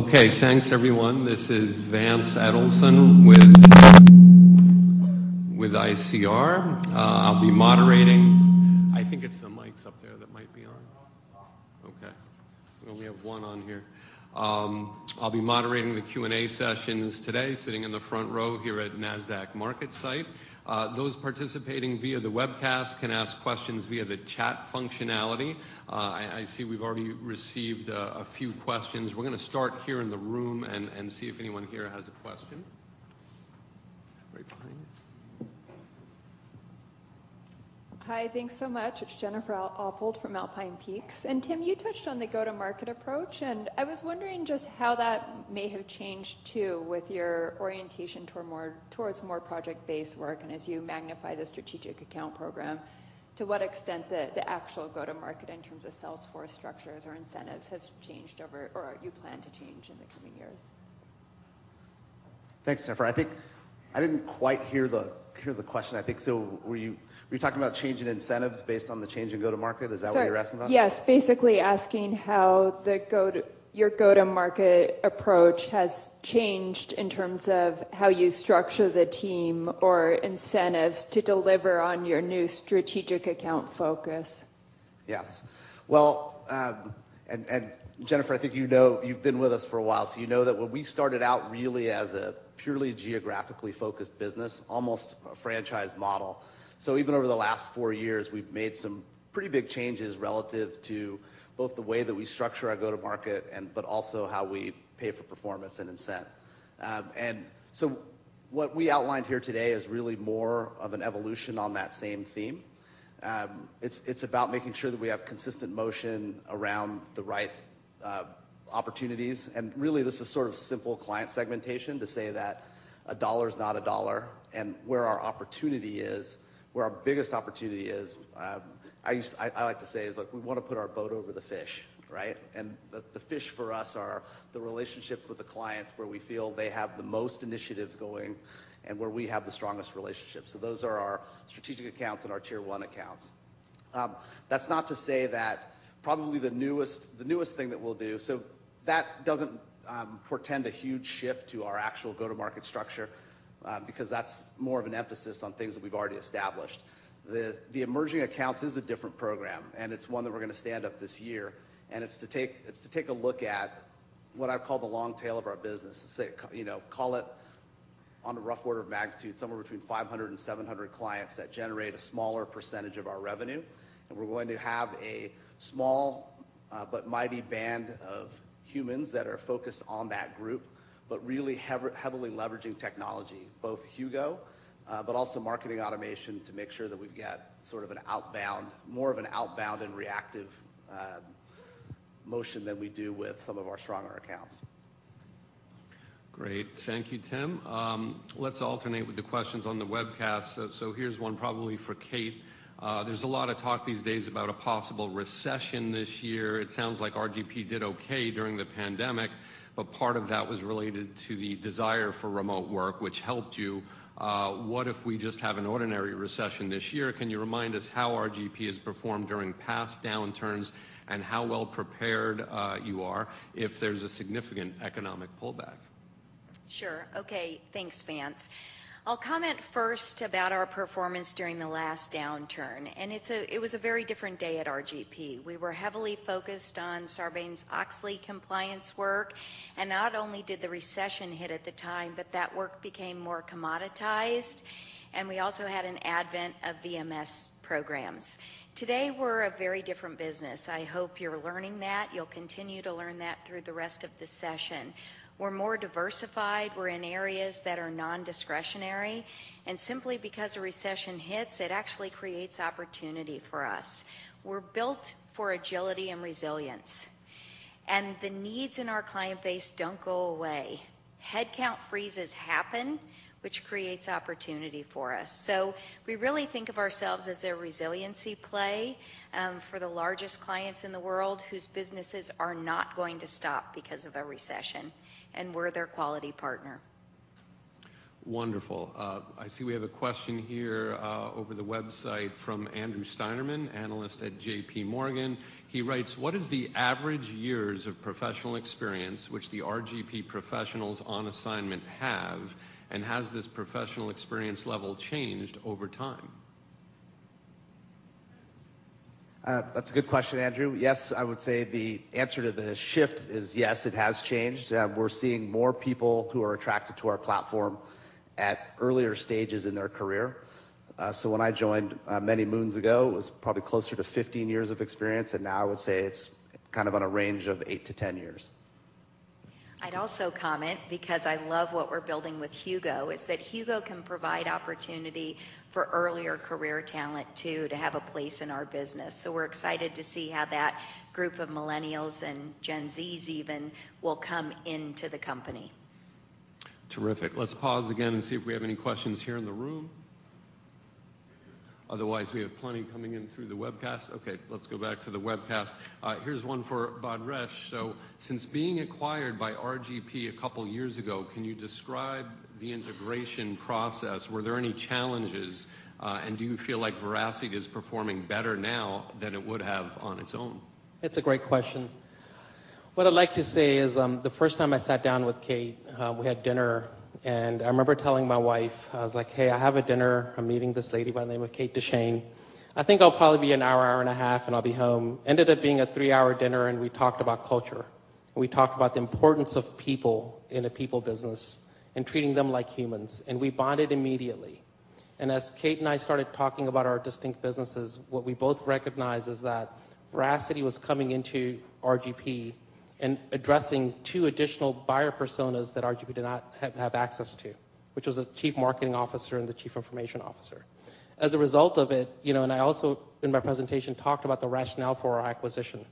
Okay. Thanks, everyone. This is Vance Edelson with ICR. I'll be moderating. I think it's the mics up there that might be on. Oh. Okay. We only have one on here. I'll be moderating the Q&A sessions today sitting in the front row here at Nasdaq MarketSite. Those participating via the webcast can ask questions via the chat functionality. I see we've already received a few questions. We're gonna start here in the room and see if anyone here has a question. Right behind you. Hi. Thanks so much. It's Jennifer Ralph Oppold from Alpine Peaks. Tim, you touched on the go-to-market approach, and I was wondering just how that may have changed too with your orientation toward more, towards more project-based work and as you magnify the strategic account program, to what extent the actual go-to-market in terms of sales force structures or incentives has changed over or you plan to change in the coming years? Thanks, Jennifer. I think I didn't quite hear the question. I think so were you talking about changing incentives based on the change in go-to-market? Is that what you're asking about? Yes, basically asking how your go-to-market approach has changed in terms of how you structure the team or incentives to deliver on your new strategic account focus. Yes. Well, Jennifer, I think you know, you've been with us for a while, so you know that when we started out really as a purely geographically focused business, almost a franchise model. Even over the last four years, we've made some pretty big changes relative to both the way that we structure our go-to-market and but also how we pay for performance and incent. What we outlined here today is really more of an evolution on that same theme. It's about making sure that we have consistent motion around the right opportunities. Really this is sort of simple client segmentation to say that a dollar is not a dollar. Where our opportunity is, where our biggest opportunity is, I like to say is like we wanna put our boat over the fish, right? The fish for us are the relationships with the clients where we feel they have the most initiatives going and where we have the strongest relationships. Those are our Strategic Accounts and our Tier 1 Accounts. That's not to say that probably the newest thing that we'll do. That doesn't portend a huge shift to our actual go-to-market structure, because that's more of an emphasis on things that we've already established. The Emerging Accounts is a different program, and it's one that we're gonna stand up this year. It's to take a look at what I call the long tail of our business, to say, you know, call it on a rough order of magnitude, somewhere between 500 and 700 clients that generate a smaller percentage of our revenue. We're going to have a small, but mighty band of humans that are focused on that group, but really heavily leveraging technology, both HUGO, but also marketing automation to make sure that we've got sort of an outbound, more of an outbound and reactive, motion than we do with some of our stronger accounts. Great. Thank you, Tim. Let's alternate with the questions on the webcast. Here's one probably for Kate. There's a lot of talk these days about a possible recession this year. It sounds like RGP did okay during the pandemic, but part of that was related to the desire for remote work, which helped you. What if we just have an ordinary recession this year? Can you remind us how RGP has performed during past downturns and how well prepared you are if there's a significant economic pullback? Sure. Okay. Thanks, Vance. I'll comment first about our performance during the last downturn, and it was a very different day at RGP. We were heavily focused on Sarbanes-Oxley compliance work, and not only did the recession hit at the time, but that work became more commoditized, and we also had an advent of VMS programs. Today, we're a very different business. I hope you're learning that. You'll continue to learn that through the rest of this session. We're more diversified. We're in areas that are non-discretionary. Simply because a recession hits, it actually creates opportunity for us. We're built for agility and resilience. The needs in our client base don't go away. Headcount freezes happen, which creates opportunity for us. We really think of ourselves as a resiliency play for the largest clients in the world whose businesses are not going to stop because of a recession, and we're their quality partner. Wonderful. I see we have a question here, over the website from Andrew Steinerman, analyst at JPMorgan. He writes, "What is the average years of professional experience which the RGP professionals on assignment have, and has this professional experience level changed over time? That's a good question, Andrew. Yes, I would say the answer to the shift is yes, it has changed. We're seeing more people who are attracted to our platform at earlier stages in their career. When I joined, many moons ago, it was probably closer to 15 years of experience, and now I would say it's kind of on a range of eight to 10 years. I'd also comment, because I love what we're building with HUGO, is that HUGO can provide opportunity for earlier career talent too to have a place in our business. We're excited to see how that group of Millennials and Gen Z's even will come into the company. Terrific. Let's pause again and see if we have any questions here in the room. Otherwise, we have plenty coming in through the webcast. Okay, let's go back to the webcast. Here's one for Bhadresh. Since being acquired by RGP a couple years ago, can you describe the integration process? Were there any challenges? And do you feel like Veracity is performing better now than it would have on its own? It's a great question. What I'd like to say is, the first time I sat down with Kate, we had dinner, and I remember telling my wife, I was like, "Hey, I have a dinner. I'm meeting this lady by the name of Kate Duchene. I think I'll probably be an hour and a half, and I'll be home." Ended up being a three-hour dinner, and we talked about culture. We talked about the importance of people in a people business and treating them like humans, and we bonded immediately. As Kate and I started talking about our distinct businesses, what we both recognized is that Veracity was coming into RGP and addressing two additional buyer personas that RGP did not have access to, which was the Chief Marketing Officer and the Chief Information Officer. As a result of it, you know, and I also in my presentation talked about the rationale for our acquisition.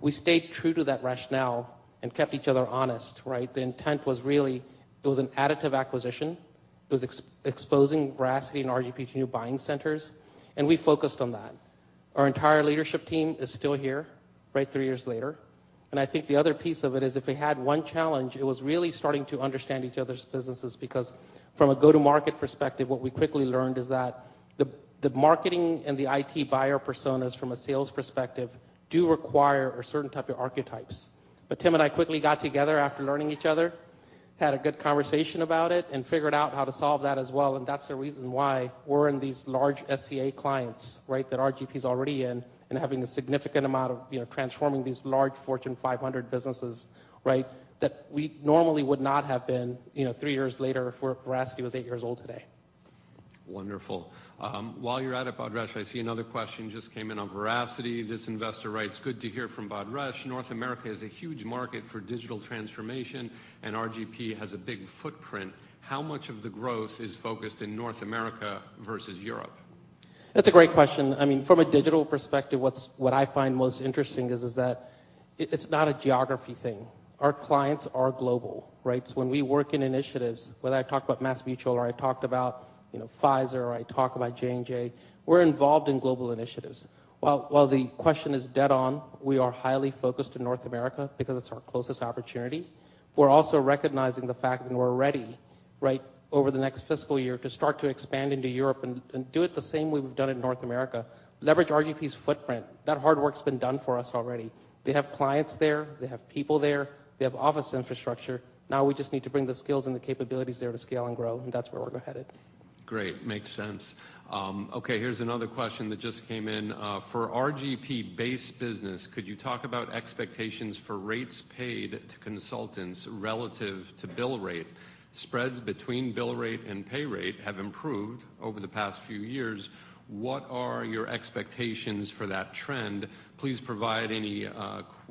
We stayed true to that rationale and kept each other honest, right? The intent was really it was an additive acquisition. It was exposing Veracity and RGP to new buying centers, and we focused on that. Our entire leadership team is still here, right, three years later. I think the other piece of it is if we had one challenge, it was really starting to understand each other's businesses because from a go-to-market perspective, what we quickly learned is that the marketing and the IT buyer personas from a sales perspective do require a certain type of archetypes. Tim and I quickly got together after learning each other had a good conversation about it and figured out how to solve that as well. That's the reason why we're in these large SCA clients, right? That RGP is already in and having a significant amount of, you know, transforming these large Fortune 500 businesses, right? That we normally would not have been, you know, three years later if Veracity was eight years old today. Wonderful. While you're at it, Bhadresh, I see another question just came in on Veracity. This investor writes, "Good to hear from Bhadresh. North America is a huge market for digital transformation, and RGP has a big footprint. How much of the growth is focused in North America versus Europe? That's a great question. I mean, from a digital perspective, what I find most interesting is that it's not a geography thing. Our clients are global, right? So when we work in initiatives, whether I talk about MassMutual, or I talked about, you know, Pfizer, or I talk about J&J, we're involved in global initiatives. While the question is dead on, we are highly focused in North America because it's our closest opportunity. We're also recognizing the fact that we're ready, right, over the next fiscal year to start to expand into Europe and do it the same way we've done in North America. Leverage RGP's footprint. That hard work's been done for us already. They have clients there. They have people there. They have office infrastructure. Now we just need to bring the skills and the capabilities there to scale and grow, and that's where we're headed. Great. Makes sense. Okay, here's another question that just came in. "For RGP base business, could you talk about expectations for rates paid to consultants relative to bill rate? Spreads between bill rate and pay rate have improved over the past few years. What are your expectations for that trend? Please provide any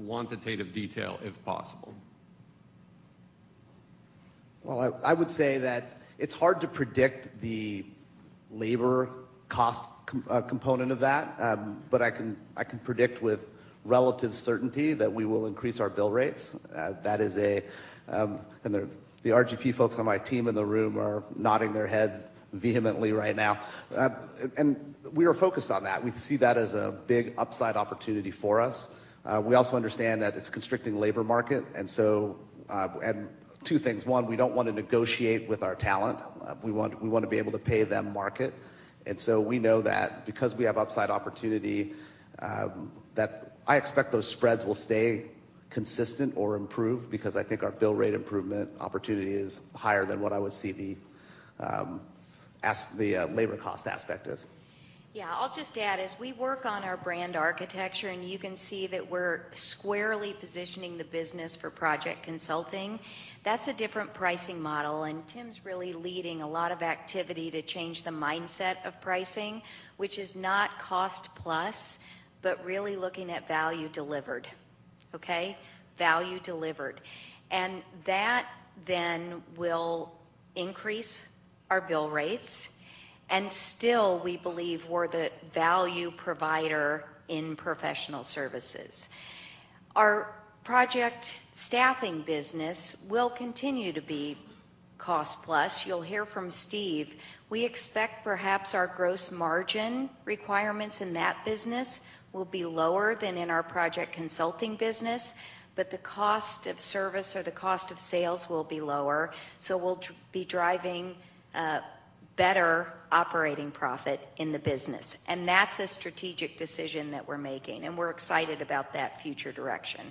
quantitative detail if possible. Well, I would say that it's hard to predict the labor cost component of that, but I can predict with relative certainty that we will increase our bill rates. The RGP folks on my team in the room are nodding their heads vehemently right now. We are focused on that. We see that as a big upside opportunity for us. We also understand that it's a constricting labor market, two things. One, we don't wanna negotiate with our talent. We wanna be able to pay them market. We know that because we have upside opportunity, that I expect those spreads will stay consistent or improve because I think our bill rate improvement opportunity is higher than what I would see the labor cost aspect is. I'll just add, as we work on our brand architecture, and you can see that we're squarely positioning the business for project consulting, that's a different pricing model, and Tim's really leading a lot of activity to change the mindset of pricing, which is not cost plus, but really looking at value delivered, okay? Value delivered. That then will increase our bill rates, and still we believe we're the value provider in professional services. Our project staffing business will continue to be cost plus. You'll hear from Steve. We expect perhaps our gross margin requirements in that business will be lower than in our project consulting business, but the cost of service or the cost of sales will be lower. We'll be driving better operating profit in the business, and that's a strategic decision that we're making, and we're excited about that future direction.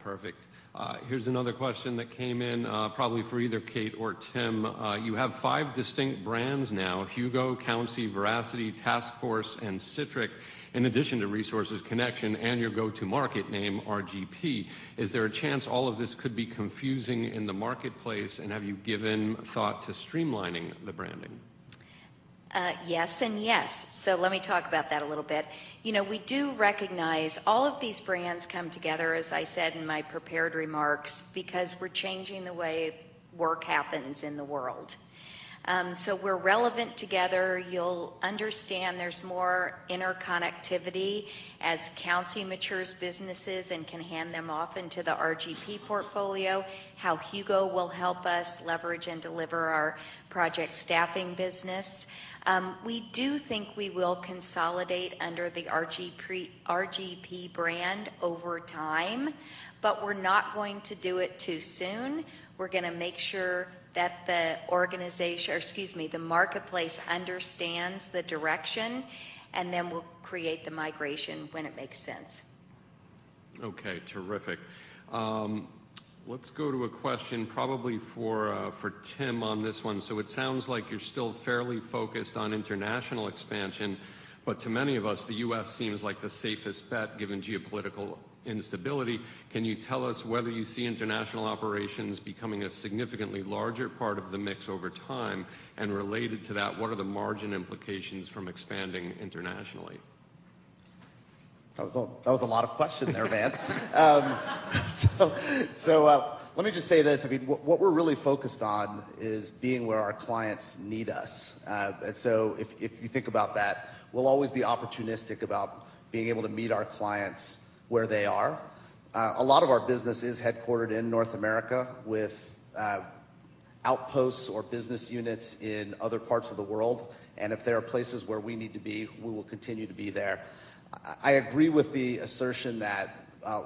Perfect. Here's another question that came in, probably for either Kate or Tim. "You have five distinct brands now, HUGO, Countsy, Veracity, Taskforce, and Sitrick, in addition to Resources Connection and your go-to-market name, RGP. Is there a chance all of this could be confusing in the marketplace, and have you given thought to streamlining the branding? Yes and yes. Let me talk about that a little bit. You know, we do recognize all of these brands come together, as I said in my prepared remarks, because we're changing the way work happens in the world. We're relevant together. You'll understand there's more interconnectivity as Countsy matures businesses and can hand them off into the RGP portfolio, how HUGO will help us leverage and deliver our project staffing business. We do think we will consolidate under the RGP brand over time, but we're not going to do it too soon. We're gonna make sure that the marketplace understands the direction, and then we'll create the migration when it makes sense. Okay. Terrific. Let's go to a question probably for Tim on this one. "So it sounds like you're still fairly focused on international expansion, but to many of us, the U.S. seems like the safest bet given geopolitical instability. Can you tell us whether you see international operations becoming a significantly larger part of the mix over time? And related to that, what are the margin implications from expanding internationally? That was a lot of questions there, Vance. Let me just say this. I mean, what we're really focused on is being where our clients need us. If you think about that, we'll always be opportunistic about being able to meet our clients where they are. A lot of our business is headquartered in North America with outposts or business units in other parts of the world, and if there are places where we need to be, we will continue to be there. I agree with the assertion that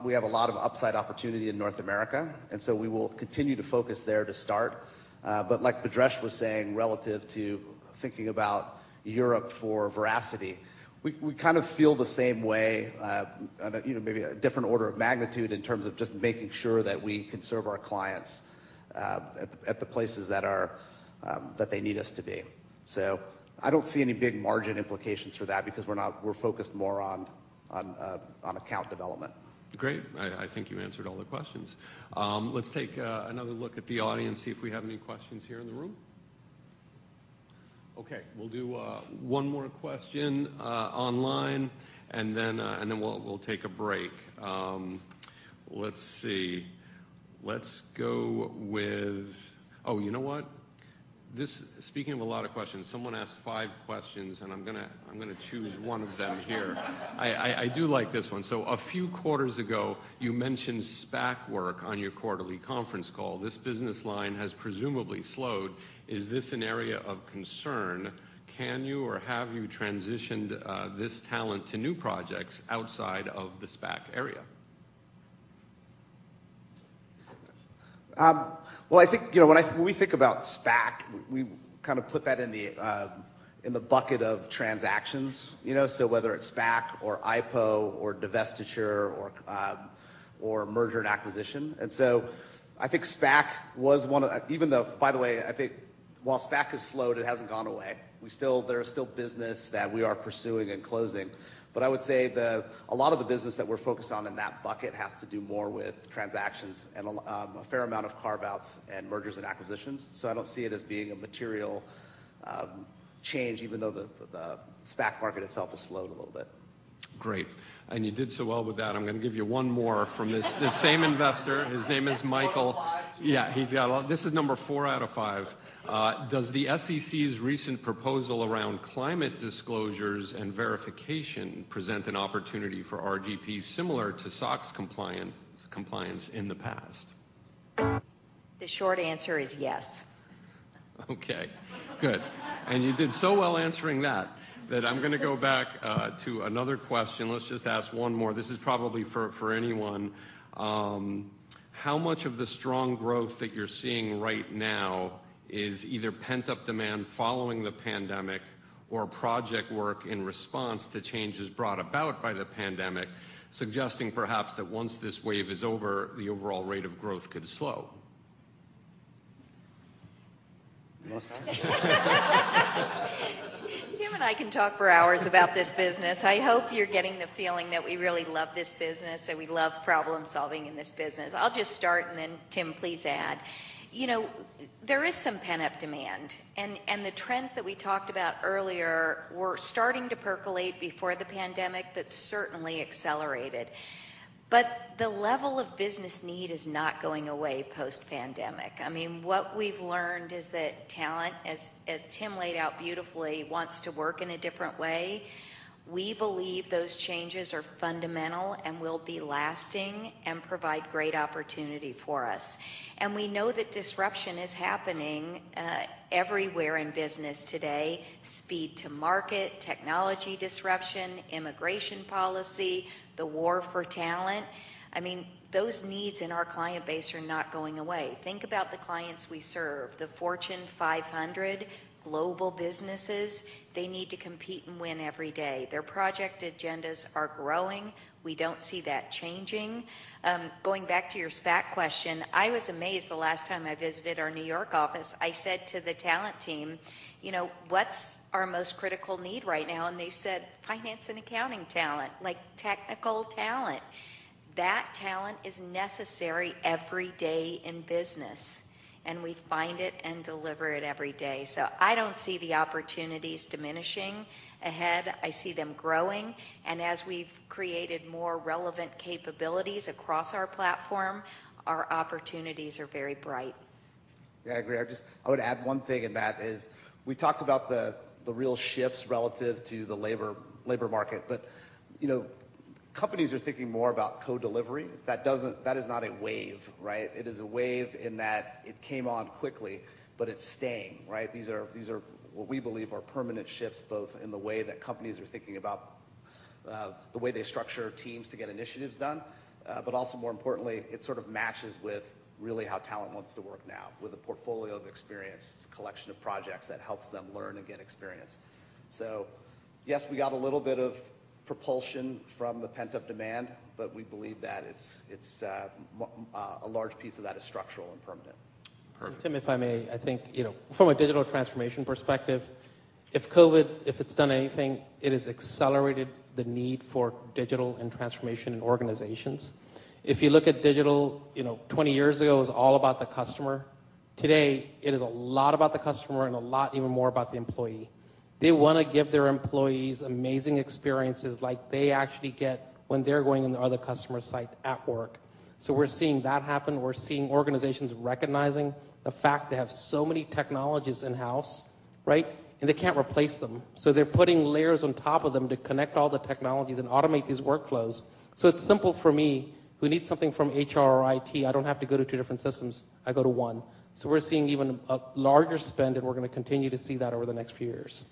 we have a lot of upside opportunity in North America, and we will continue to focus there to start. Like Bhadresh was saying, relative to thinking about Europe for Veracity, we kind of feel the same way, you know, maybe a different order of magnitude in terms of just making sure that we can serve our clients at the places that they need us to be. I don't see any big margin implications for that because we're focused more on account development. Great. I think you answered all the questions. Let's take another look at the audience, see if we have any questions here in the room. Okay. We'll do one more question online, and then we'll take a break. Let's see. Oh, you know what? Speaking of a lot of questions, someone asked five questions, and I'm gonna choose one of them here. I do like this one. A few quarters ago, you mentioned SPAC work on your quarterly conference call. This business line has presumably slowed. Is this an area of concern? Can you or have you transitioned this talent to new projects outside of the SPAC area? Well, I think, you know, when we think about SPAC, we kind of put that in the bucket of transactions, you know, so whether it's SPAC or IPO or divestiture or merger and acquisition. I think SPAC was one of. Even though, by the way, I think while SPAC has slowed, it hasn't gone away. We still. There is still business that we are pursuing and closing. But I would say a lot of the business that we're focused on in that bucket has to do more with transactions and a fair amount of carve-outs and mergers and acquisitions. I don't see it as being a material change even though the SPAC market itself has slowed a little bit. Great. You did so well with that, I'm gonna give you one more from this same investor. His name is Michael. four out of five. Yeah. He's got a lot. This is number four out of five. Does the SEC's recent proposal around climate disclosures and verification present an opportunity for RGP similar to SOX compliance in the past? The short answer is yes. Okay. Good. You did so well answering that I'm gonna go back to another question. Let's just ask one more. This is probably for anyone. How much of the strong growth that you're seeing right now is either pent-up demand following the pandemic or project work in response to changes brought about by the pandemic, suggesting perhaps that once this wave is over, the overall rate of growth could slow? You wanna start? Tim and I can talk for hours about this business. I hope you're getting the feeling that we really love this business, and we love problem-solving in this business. I'll just start, and then Tim, please add. You know, there is some pent-up demand, and the trends that we talked about earlier were starting to percolate before the pandemic, but certainly accelerated. The level of business need is not going away post-pandemic. I mean, what we've learned is that talent, as Tim laid out beautifully, wants to work in a different way. We believe those changes are fundamental and will be lasting and provide great opportunity for us. We know that disruption is happening, everywhere in business today, speed to market, technology disruption, immigration policy, the war for talent. I mean, those needs in our client base are not going away. Think about the clients we serve, the Fortune 500 global businesses. They need to compete and win every day. Their project agendas are growing. We don't see that changing. Going back to your SPAC question, I was amazed the last time I visited our New York office. I said to the talent team, you know, "What's our most critical need right now?" And they said, "Finance and accounting talent, like technical talent." That talent is necessary every day in business, and we find it and deliver it every day. So I don't see the opportunities diminishing ahead. I see them growing. As we've created more relevant capabilities across our platform, our opportunities are very bright. Yeah, I agree. I just would add one thing, and that is we talked about the real shifts relative to the labor market. You know, companies are thinking more about co-delivery. That is not a wave, right? It is a wave in that it came on quickly, but it's staying, right? These are what we believe are permanent shifts, both in the way that companies are thinking about the way they structure teams to get initiatives done. Also more importantly, it sort of matches with really how talent wants to work now, with a portfolio of experience, collection of projects that helps them learn and get experience. Yes, we got a little bit of propulsion from the pent-up demand, but we believe that it's a large piece of that is structural and permanent. Perfect. Tim, if I may. I think, you know, from a digital transformation perspective, if COVID has done anything, it has accelerated the need for digital and transformation in organizations. If you look at digital, you know, 20 years ago, it was all about the customer. Today, it is a lot about the customer and a lot even more about the employee. They wanna give their employees amazing experiences like they actually get when they're going in the other customer side at work. We're seeing that happen. We're seeing organizations recognizing the fact they have so many technologies in-house, right? And they can't replace them. They're putting layers on top of them to connect all the technologies and automate these workflows. It's simple for me, who needs something from HR or IT. I don't have to go to two different systems. I go to one. We're seeing even a larger spend, and we're gonna continue to see that over the next few years.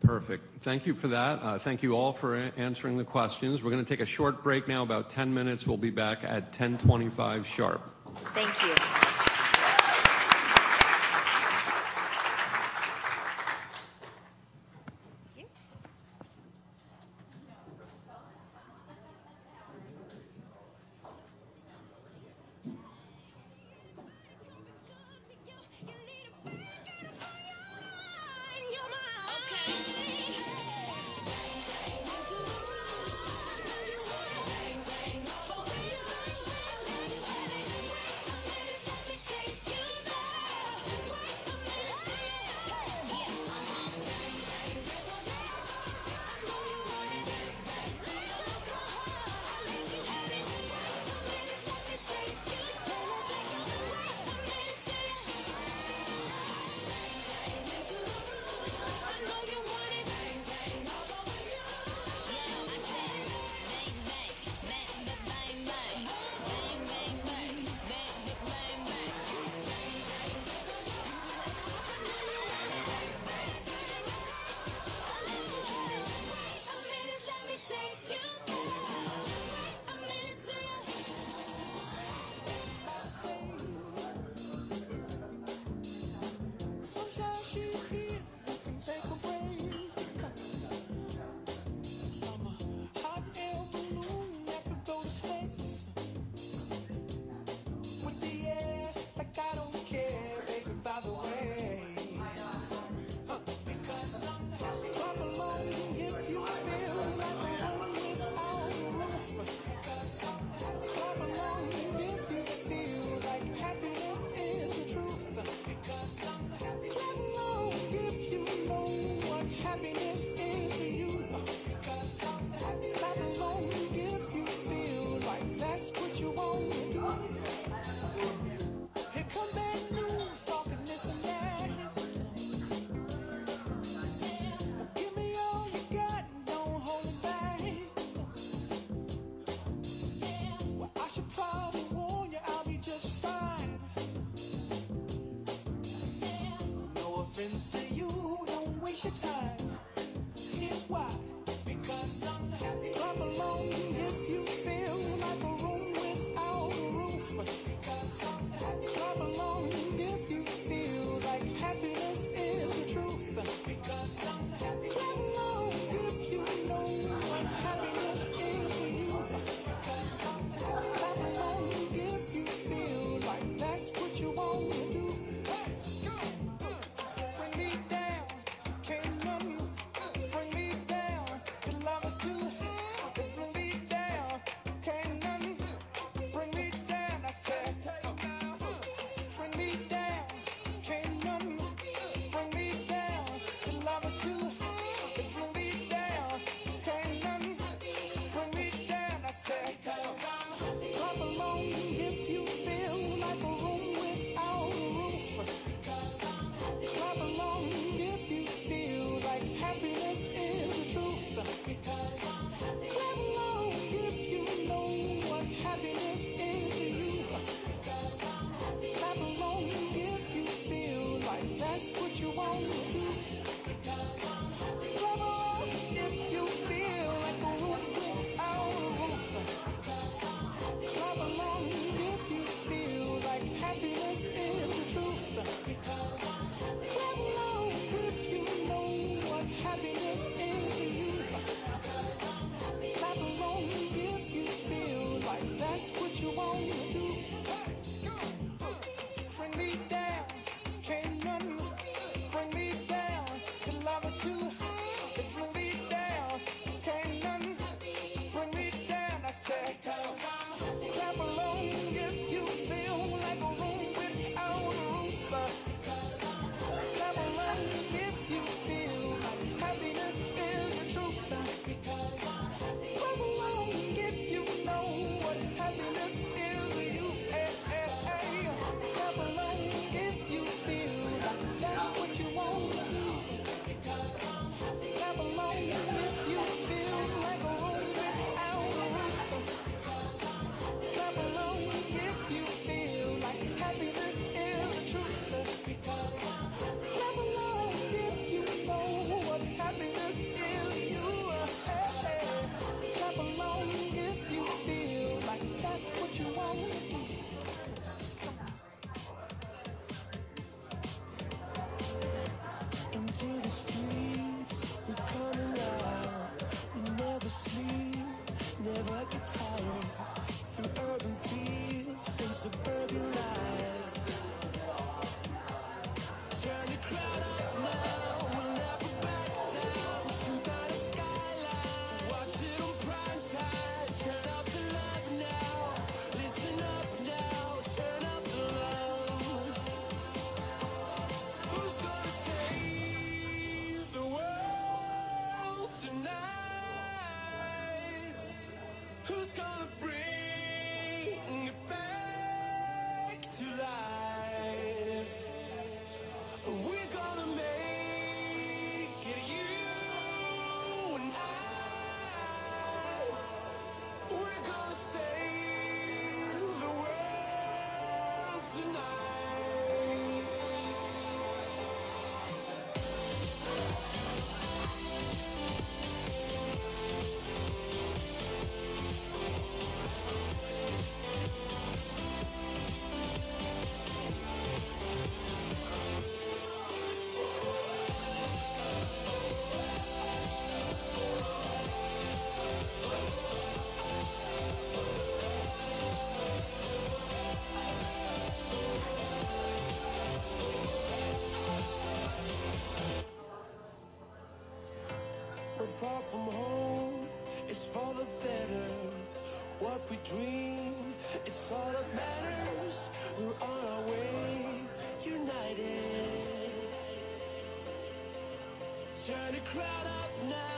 Perfect. Thank you for that. Thank you all for answering the questions. We're gonna take a short break now, about 10 minutes. We'll be back at 10:25 sharp. Thank you. We're gonna have to do this a little, I think.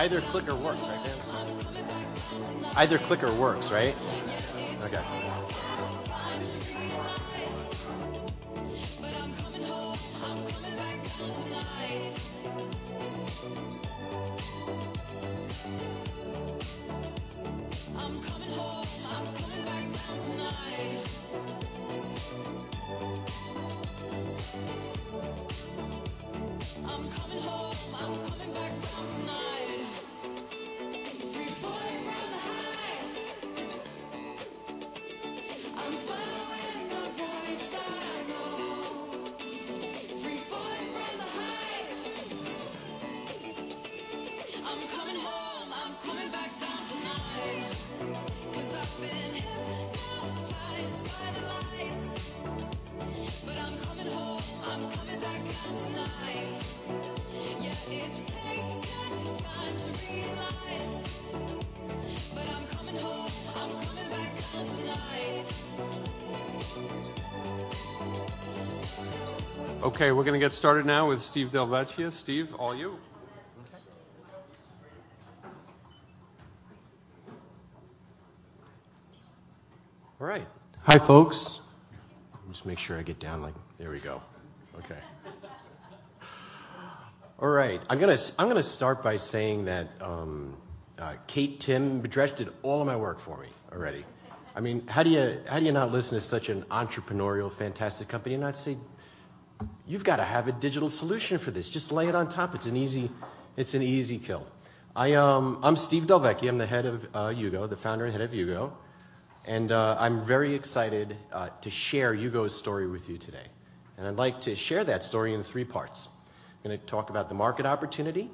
Either clicker works, right, Dan? Okay. Okay, we're gonna get started now with Steve Del Vecchio. Steve, all you. Okay. All right. Hi, folks. Let me just make sure I get down like. There we go. Okay. All right. I'm gonna start by saying that, Kate, Tim, Bhadresh did all of my work for me already. I mean, how do you, how do you not listen to such an entrepreneurial, fantastic company and not say, "You've gotta have a digital solution for this. Just lay it on top. It's an easy kill." I'm Steve Del Vecchio. I'm the head of, HUGO, the founder and head of HUGO, and, I'm very excited, to share HUGO's story with you today. I'd like to share that story in three parts. I'm gonna talk about the market opportunity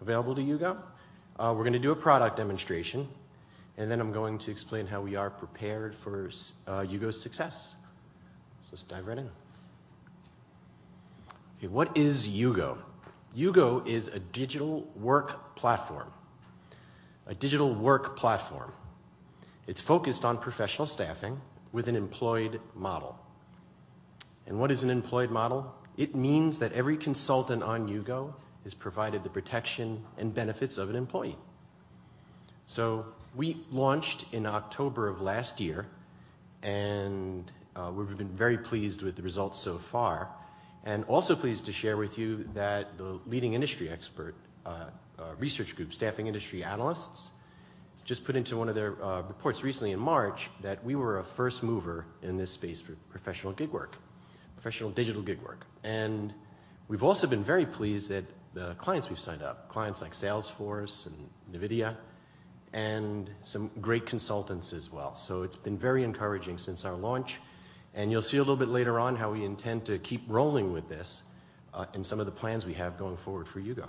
available to HUGO. We're gonna do a product demonstration, and then I'm going to explain how we are prepared for HUGO's success. Let's dive right in. Okay, what is HUGO? HUGO is a digital work platform. It's focused on professional staffing with an employed model. What is an employed model? It means that every consultant on HUGO is provided the protection and benefits of an employee. We launched in October of last year, and we've been very pleased with the results so far, and also pleased to share with you that the leading industry expert research group, Staffing Industry Analysts, just put into one of their reports recently in March that we were a first mover in this space for professional gig work, professional digital gig work. We've also been very pleased that the clients we've signed up, clients like Salesforce and NVIDIA and some great consultants as well. It's been very encouraging since our launch, and you'll see a little bit later on how we intend to keep rolling with this, and some of the plans we have going forward for HUGO.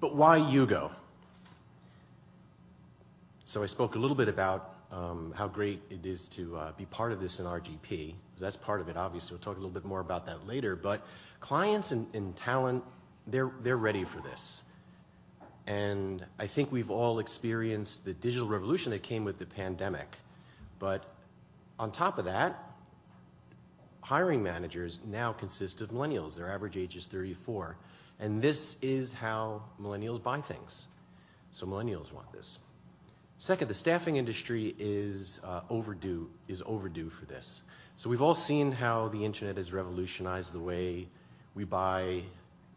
Why HUGO? I spoke a little bit about how great it is to be part of this in RGP. That's part of it, obviously. We'll talk a little bit more about that later. Clients and talent, they're ready for this. I think we've all experienced the digital revolution that came with the pandemic. On top of that, hiring managers now consist of millennials. Their average age is 34, and this is how millennials buy things. Millennials want this. Second, the staffing industry is overdue for this. We've all seen how the internet has revolutionized the way we buy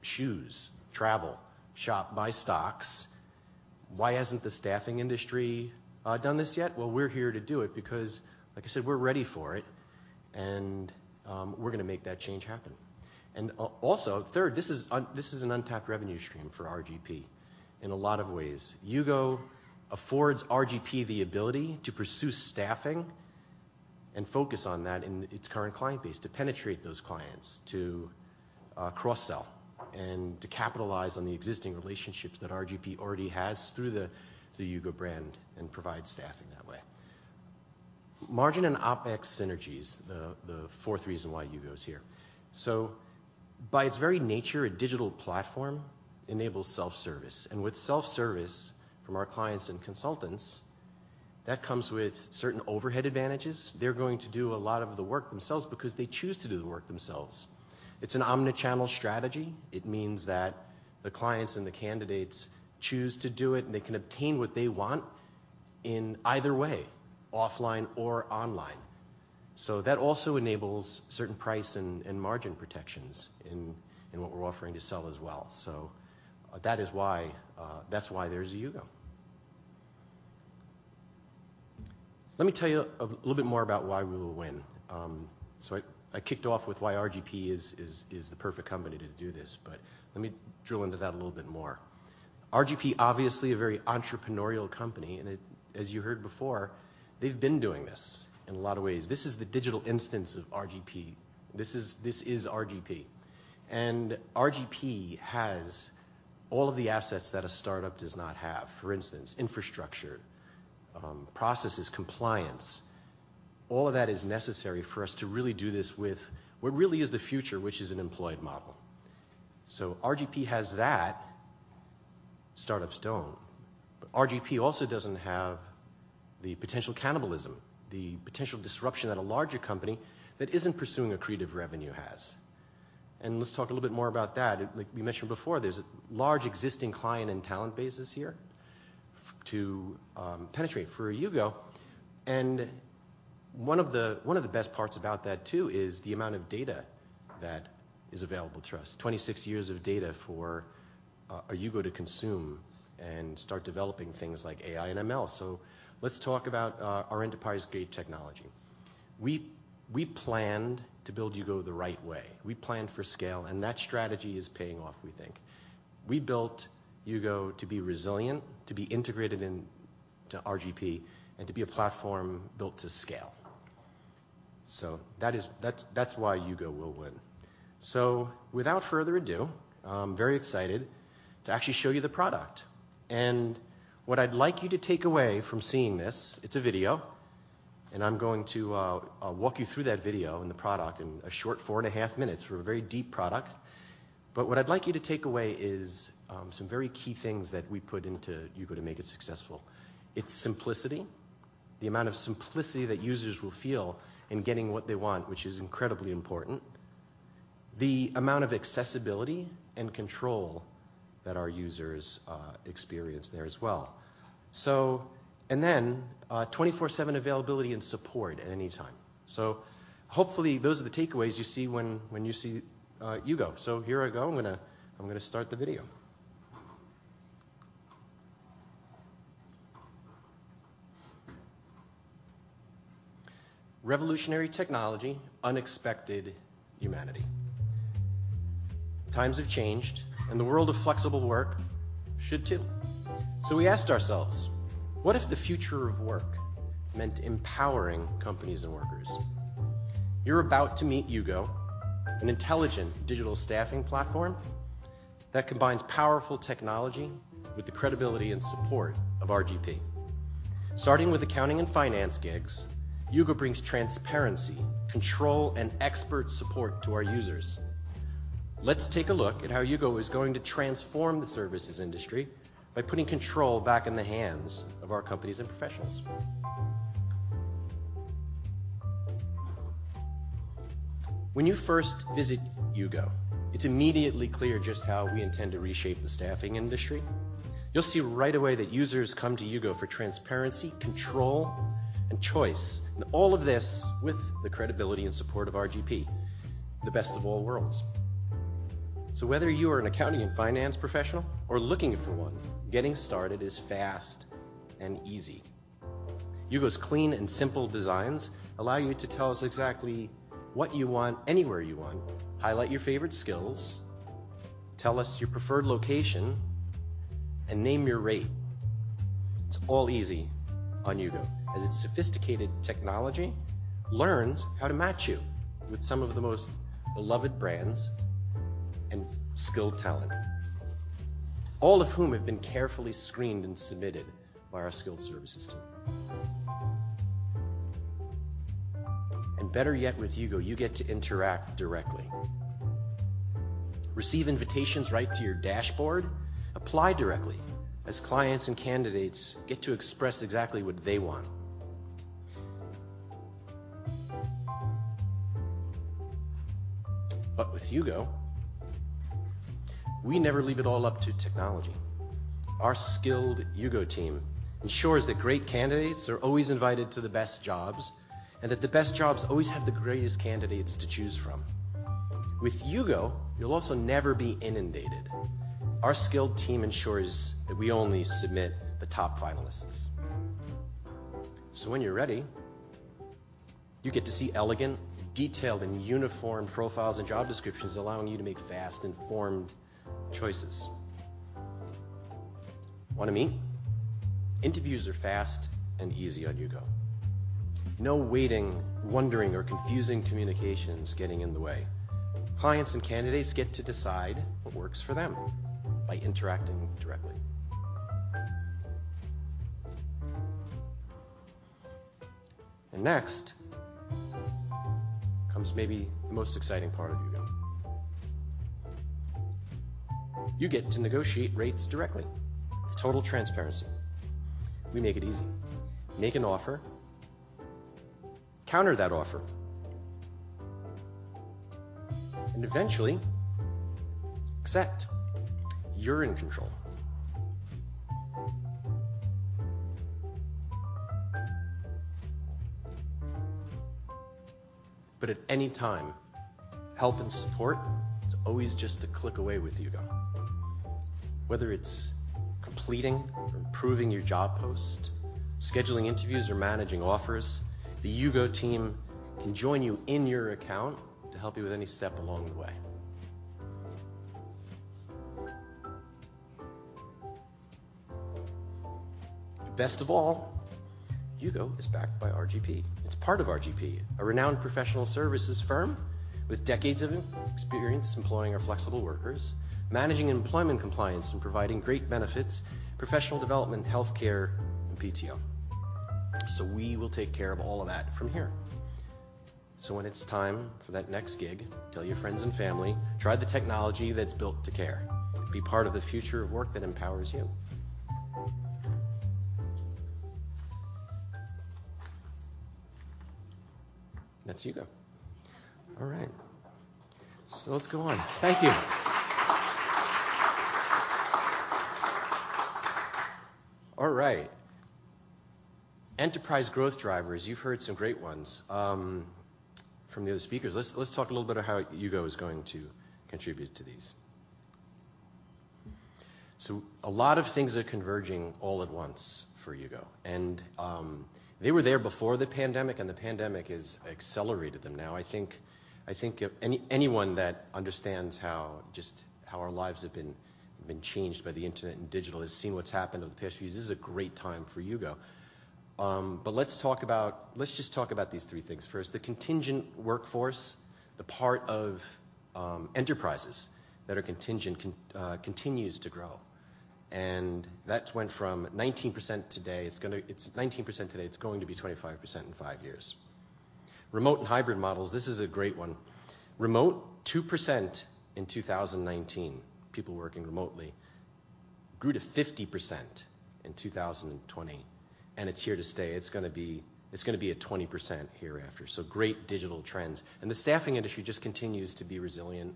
shoes, travel, shop, buy stocks. Why hasn't the staffing industry done this yet? Well, we're here to do it because, like I said, we're ready for it and we're gonna make that change happen. Also, third, this is an untapped revenue stream for RGP in a lot of ways. HUGO affords RGP the ability to pursue staffing and focus on that in its current client base, to penetrate those clients, to cross-sell, and to capitalize on the existing relationships that RGP already has through the HUGO brand and provide staffing that way. Margin and OpEx synergies, the fourth reason why HUGO is here. By its very nature, a digital platform enables self-service, and with self-service from our clients and consultants, that comes with certain overhead advantages. They're going to do a lot of the work themselves because they choose to do the work themselves. It's an omni-channel strategy. It means that the clients and the candidates choose to do it, and they can obtain what they want in either way, offline or online. That also enables certain price and margin protections in what we're offering to sell as well. That is why that's why there's a HUGO. Let me tell you a little bit more about why we will win. I kicked off with why RGP is the perfect company to do this, but let me drill into that a little bit more. RGP, obviously a very entrepreneurial company, and it... As you heard before, they've been doing this in a lot of ways. This is the digital instance of RGP. This is RGP. RGP has all of the assets that a startup does not have. For instance, infrastructure, processes, compliance. All of that is necessary for us to really do this with what really is the future, which is an employed model. RGP has that. Startups don't. RGP also doesn't have the potential cannibalism, the potential disruption that a larger company that isn't pursuing accretive revenue has. Let's talk a little bit more about that. Like we mentioned before, there's a large existing client and talent bases here to penetrate for HUGO. One of the best parts about that too is the amount of data that is available to us. 26 years of data for HUGO to consume and start developing things like AI and ML. Let's talk about our enterprise-grade technology. We planned to build HUGO the right way. We planned for scale, and that strategy is paying off, we think. We built HUGO to be resilient, to be integrated to RGP, and to be a platform built to scale. That's why HUGO will win. Without further ado, I'm very excited to actually show you the product. What I'd like you to take away from seeing this, it's a video, and I'm going to walk you through that video and the product in a short 4.5 minutes for a very deep product. What I'd like you to take away is some very key things that we put into HUGO to make it successful. It's simplicity, the amount of simplicity that users will feel in getting what they want, which is incredibly important, the amount of accessibility and control that our users experience there as well. 24/7 availability and support at any time. Hopefully those are the takeaways you see when you see HUGO. Here I go. I'm gonna start the video. Revolutionary technology, unexpected humanity. Times have changed, and the world of flexible work should too. We asked ourselves, "What if the future of work meant empowering companies and workers?" You're about to meet HUGO, an intelligent digital staffing platform that combines powerful technology with the credibility and support of RGP. Starting with accounting and finance gigs, HUGO brings transparency, control, and expert support to our users. Let's take a look at how HUGO is going to transform the services industry by putting control back in the hands of our companies and professionals. When you first visit HUGO, it's immediately clear just how we intend to reshape the staffing industry. You'll see right away that users come to HUGO for transparency, control, and choice. All of this with the credibility and support of RGP, the best of all worlds. Whether you are an accounting and finance professional or looking for one, getting started is fast and easy. HUGO's clean and simple designs allow you to tell us exactly what you want anywhere you want, highlight your favorite skills, tell us your preferred location, and name your rate. It's all easy on HUGO, as its sophisticated technology learns how to match you with some of the most beloved brands and skilled talent, all of whom have been carefully screened and submitted by our skilled services team. Better yet, with HUGO, you get to interact directly. Receive invitations right to your dashboard, apply directly as clients and candidates get to express exactly what they want. With HUGO, we never leave it all up to technology. Our skilled HUGO team ensures that great candidates are always invited to the best jobs and that the best jobs always have the greatest candidates to choose from. With HUGO, you'll also never be inundated. Our skilled team ensures that we only submit the top finalists. When you're ready, you get to see elegant, detailed, and uniform profiles and job descriptions, allowing you to make fast, informed choices. Wanna meet? Interviews are fast and easy on HUGO. No waiting, wondering, or confusing communications getting in the way. Clients and candidates get to decide what works for them by interacting directly. Next comes maybe the most exciting part of HUGO. You get to negotiate rates directly with total transparency. We make it easy. Make an offer, counter that offer, and eventually accept. You're in control. At any time, help and support is always just a click away with HUGO. Whether it's completing or improving your job post, scheduling interviews, or managing offers, the HUGO team can join you in your account to help you with any step along the way. Best of all, HUGO is backed by RGP. It's part of RGP, a renowned professional services firm with decades of experience employing our flexible workers, managing employment compliance, and providing great benefits, professional development, healthcare, and PTO. We will take care of all of that from here. When it's time for that next gig, tell your friends and family, try the technology that's built to care. Be part of the future of work that empowers you. That's HUGO. All right. Let's go on. Thank you. All right. Enterprise growth drivers, you've heard some great ones from the other speakers. Let's talk a little bit about how HUGO is going to contribute to these. A lot of things are converging all at once for HUGO, and they were there before the pandemic, and the pandemic has accelerated them now. I think if anyone that understands how just how our lives have been changed by the internet and digital has seen what's happened over the past few years, this is a great time for HUGO. Let's just talk about these three things. First, the contingent workforce, the part of enterprises that are contingent continues to grow, and that's gone from 19% today to 25% in five years. Remote and hybrid models, this is a great one. Remote, 2% in 2019, people working remotely, grew to 50% in 2020, and it's here to stay. It's going to be at 20% hereafter, so great digital trends. The staffing industry just continues to be resilient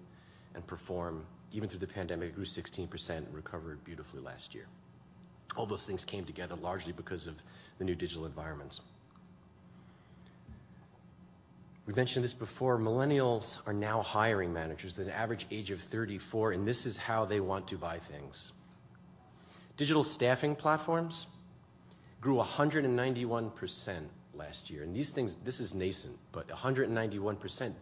and perform even through the pandemic. It grew 16% and recovered beautifully last year. All those things came together largely because of the new digital environments. We've mentioned this before. Millennials are now hiring managers at an average age of 34, and this is how they want to buy things. Digital staffing platforms grew 191% last year, and these things, this is nascent, but 191%.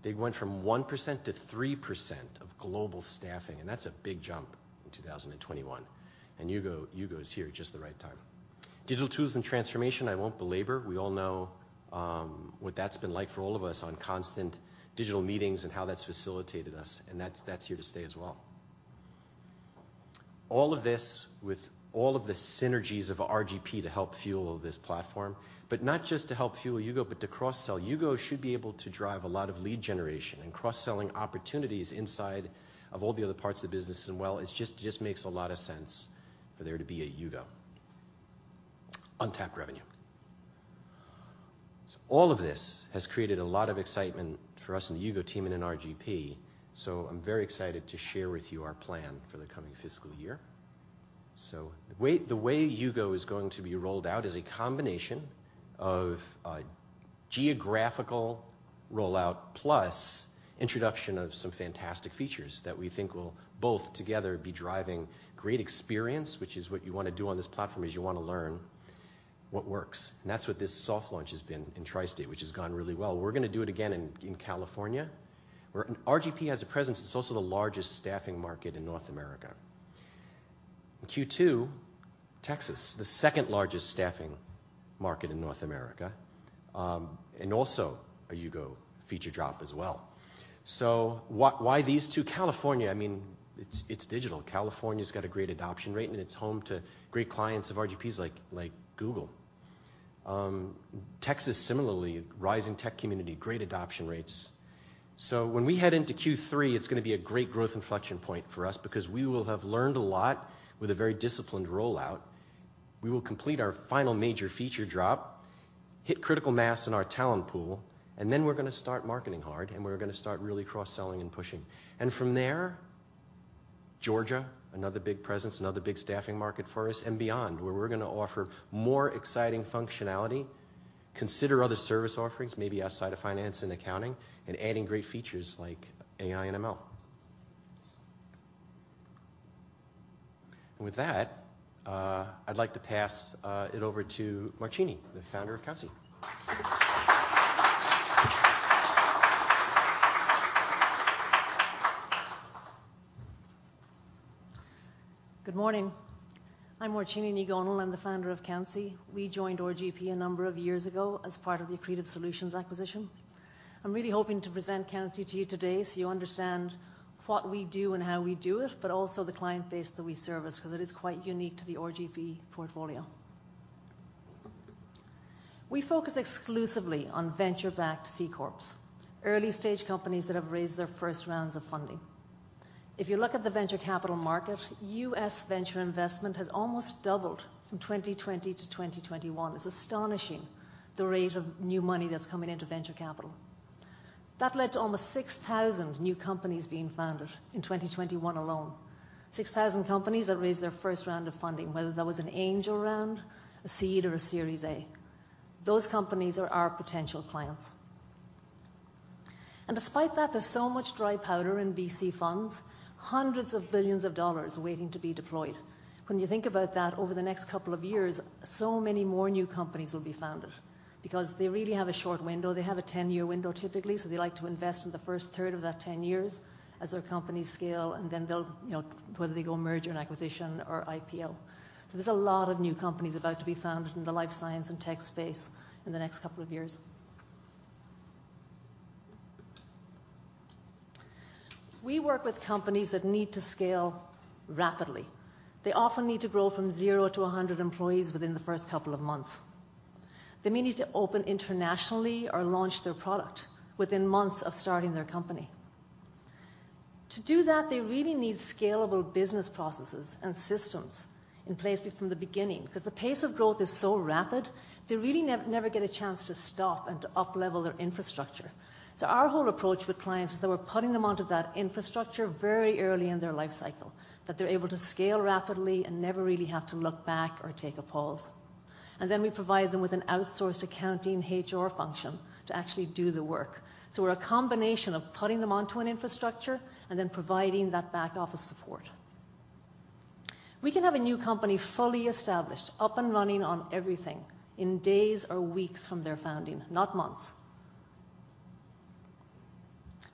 They went from 1%-3% of global staffing, and that's a big jump in 2021. HUGO's here at just the right time. Digital tools and transformation, I won't belabor. We all know what that's been like for all of us on constant digital meetings and how that's facilitated us, and that's here to stay as well. All of this with all of the synergies of RGP to help fuel this platform, but not just to help fuel HUGO, but to cross-sell. HUGO should be able to drive a lot of lead generation and cross-selling opportunities inside of all the other parts of the business, and well, it just makes a lot of sense for there to be a HUGO. Untapped revenue. All of this has created a lot of excitement for us in the HUGO team and in RGP, so I'm very excited to share with you our plan for the coming fiscal year. The way HUGO is going to be rolled out is a combination of a geographical rollout plus introduction of some fantastic features that we think will both together be driving great experience, which is what you wanna do on this platform, is you wanna learn what works. That's what this soft launch has been in Tri-State, which has gone really well. We're gonna do it again in California, where RGP has a presence. It's also the largest staffing market in North America. In Q2, Texas, the second-largest staffing market in North America, and also a HUGO feature drop as well. Why these two? California, I mean, it's digital. California's got a great adoption rate, and it's home to great clients of RGP's like Google. Texas similarly, rising tech community, great adoption rates. When we head into Q3, it's gonna be a great growth inflection point for us because we will have learned a lot with a very disciplined rollout. We will complete our final major feature drop, hit critical mass in our talent pool, and then we're gonna start marketing hard, and we're gonna start really cross-selling and pushing. From there, Georgia, another big presence, another big staffing market for us, and beyond, where we're gonna offer more exciting functionality, consider other service offerings, maybe outside of finance and accounting, and adding great features like AI and ML. With that, I'd like to pass it over to Mairtini, the founder of Countsy. Good morning. I'm Mairtini Ni Dhomhnaill. I'm the founder of Countsy. We joined RGP a number of years ago as part of the Accretive Solutions acquisition. I'm really hoping to present Countsy to you today so you understand what we do and how we do it, but also the client base that we service 'cause it is quite unique to the RGP portfolio. We focus exclusively on venture-backed C-corps, early-stage companies that have raised their first rounds of funding. If you look at the venture capital market, U.S. venture investment has almost doubled from 2020 to 2021. It's astonishing the rate of new money that's coming into venture capital. That led to almost 6,000 new companies being founded in 2021 alone. 6,000 companies that raised their first round of funding, whether that was an angel round, a seed, or a Series A. Those companies are our potential clients. Despite that there's so much dry powder in VC funds, hundreds of billions of dollars waiting to be deployed. When you think about that over the next couple of years, so many more new companies will be founded because they really have a short window. They have a 10-year window typically, so they like to invest in the first third of that 10 years as their companies scale, and then they'll, you know, whether they go merger and acquisition or IPO. There's a lot of new companies about to be founded in the life science and tech space in the next couple of years. We work with companies that need to scale rapidly. They often need to grow from zero to 100 employees within the first couple of months. They may need to open internationally or launch their product within months of starting their company. To do that, they really need scalable business processes and systems in place from the beginning 'cause the pace of growth is so rapid, they really never get a chance to stop and to up-level their infrastructure. Our whole approach with clients is that we're putting them onto that infrastructure very early in their life cycle, that they're able to scale rapidly and never really have to look back or take a pause. We provide them with an outsourced accounting HR function to actually do the work. We're a combination of putting them onto an infrastructure and then providing that back-office support. We can have a new company fully established, up and running on everything in days or weeks from their founding, not months.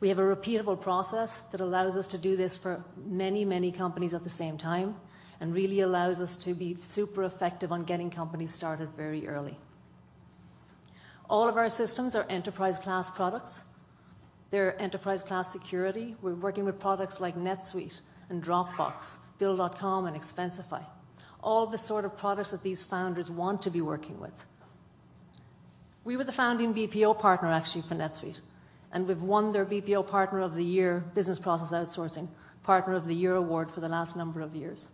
We have a repeatable process that allows us to do this for many, many companies at the same time and really allows us to be super effective on getting companies started very early. All of our systems are enterprise-class products. They're enterprise-class security. We're working with products like NetSuite and Dropbox, Bill.com and Expensify, all the sort of products that these founders want to be working with. We were the founding BPO partner actually for NetSuite, and we've won their BPO partner of the year business process outsourcing partner of the year award for the last number of years.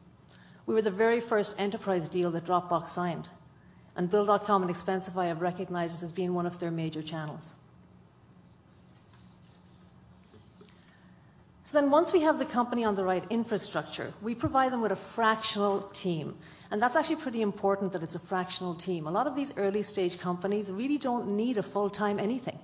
We were the very first enterprise deal that Dropbox signed, and Bill.com and Expensify have recognized us as being one of their major channels. Once we have the company on the right infrastructure, we provide them with a fractional team, and that's actually pretty important that it's a fractional team. A lot of these early-stage companies really don't need a full-time anything.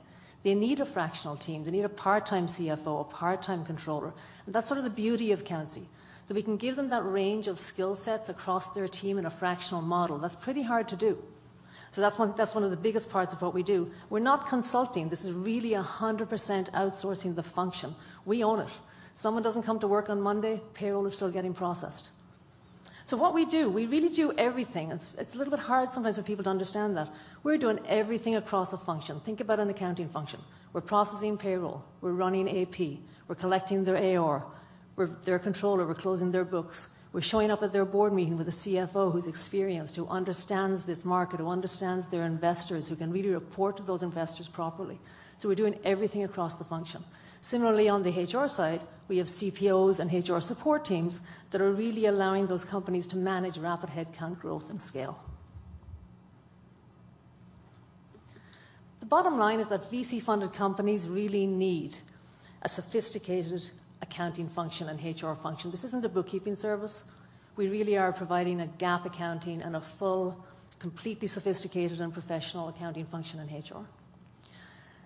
They need a fractional team. They need a part-time CFO, a part-time controller. That's sort of the beauty of Countsy. We can give them that range of skill sets across their team in a fractional model. That's pretty hard to do. That's one of the biggest parts of what we do. We're not consulting. This is really 100% outsourcing the function. We own it. Someone doesn't come to work on Monday, payroll is still getting processed. What we do, we really do everything. It's a little bit hard sometimes for people to understand that. We're doing everything across a function. Think about an accounting function. We're processing payroll. We're running AP. We're collecting their AR. We're their controller. We're closing their books. We're showing up at their board meeting with a CFO who's experienced, who understands this market, who understands their investors, who can really report to those investors properly. So we're doing everything across the function. Similarly, on the HR side, we have CPOs and HR support teams that are really allowing those companies to manage rapid headcount growth and scale. The bottom line is that VC-funded companies really need a sophisticated accounting function and HR function. This isn't a bookkeeping service. We really are providing a GAAP accounting and a full, completely sophisticated and professional accounting function and HR.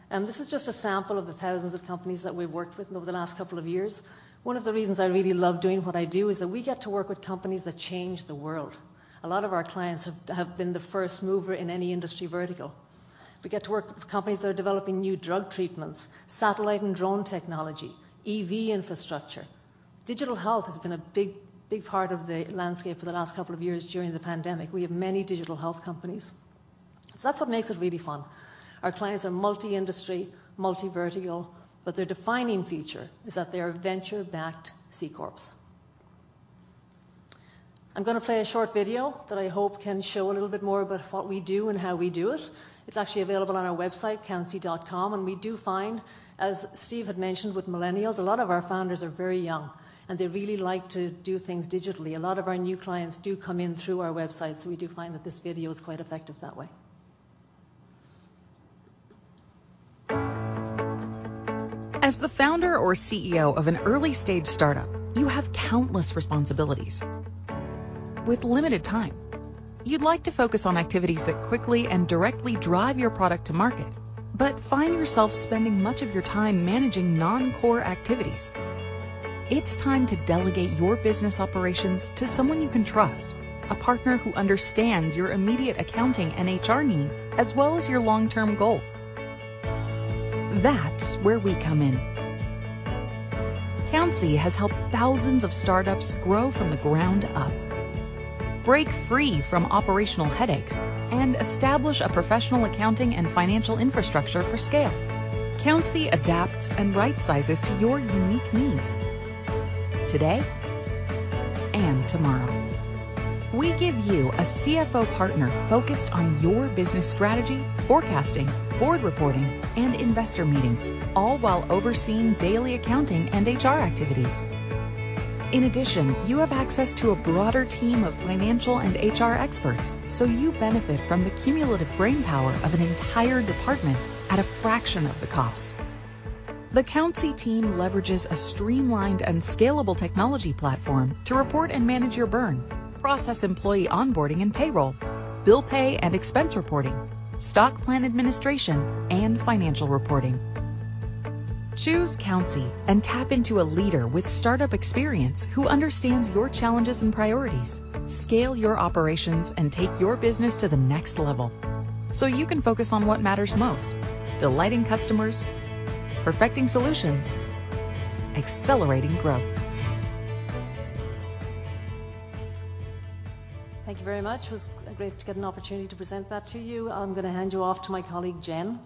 This is just a sample of the thousands of companies that we've worked with over the last couple of years. One of the reasons I really love doing what I do is that we get to work with companies that change the world. A lot of our clients have been the first mover in any industry vertical. We get to work with companies that are developing new drug treatments, satellite and drone technology, EV infrastructure. Digital health has been a big, big part of the landscape for the last couple of years during the pandemic. We have many digital health companies. That's what makes it really fun. Our clients are multi-industry, multi-vertical, but their defining feature is that they are venture-backed C-corps. I'm gonna play a short video that I hope can show a little bit more about what we do and how we do it. It's actually available on our website, countsy.com. We do find, as Steve had mentioned with millennials, a lot of our founders are very young, and they really like to do things digitally. A lot of our new clients do come in through our website, so we do find that this video is quite effective that way. As the founder or CEO of an early-stage startup, you have countless responsibilities with limited time. You'd like to focus on activities that quickly and directly drive your product to market, but find yourself spending much of your time managing non-core activities. It's time to delegate your business operations to someone you can trust, a partner who understands your immediate accounting and HR needs as well as your long-term goals. That's where we come in. Countsy has helped thousands of startups grow from the ground up, break free from operational headaches, and establish a professional accounting and financial infrastructure for scale. Countsy adapts and right-sizes to your unique needs today and tomorrow. We give you a CFO partner focused on your business strategy, forecasting, board reporting, and investor meetings, all while overseeing daily accounting and HR activities. In addition, you have access to a broader team of financial and HR experts, so you benefit from the cumulative brainpower of an entire department at a fraction of the cost. The Countsy team leverages a streamlined and scalable technology platform to report and manage your burn, process employee onboarding and payroll, bill pay and expense reporting, stock plan administration, and financial reporting. Choose Countsy and tap into a leader with startup experience who understands your challenges and priorities. Scale your operations and take your business to the next level so you can focus on what matters most, delighting customers, perfecting solutions, accelerating growth. Thank you very much. It was great to get an opportunity to present that to you. I'm gonna hand you off to my colleague, Jen.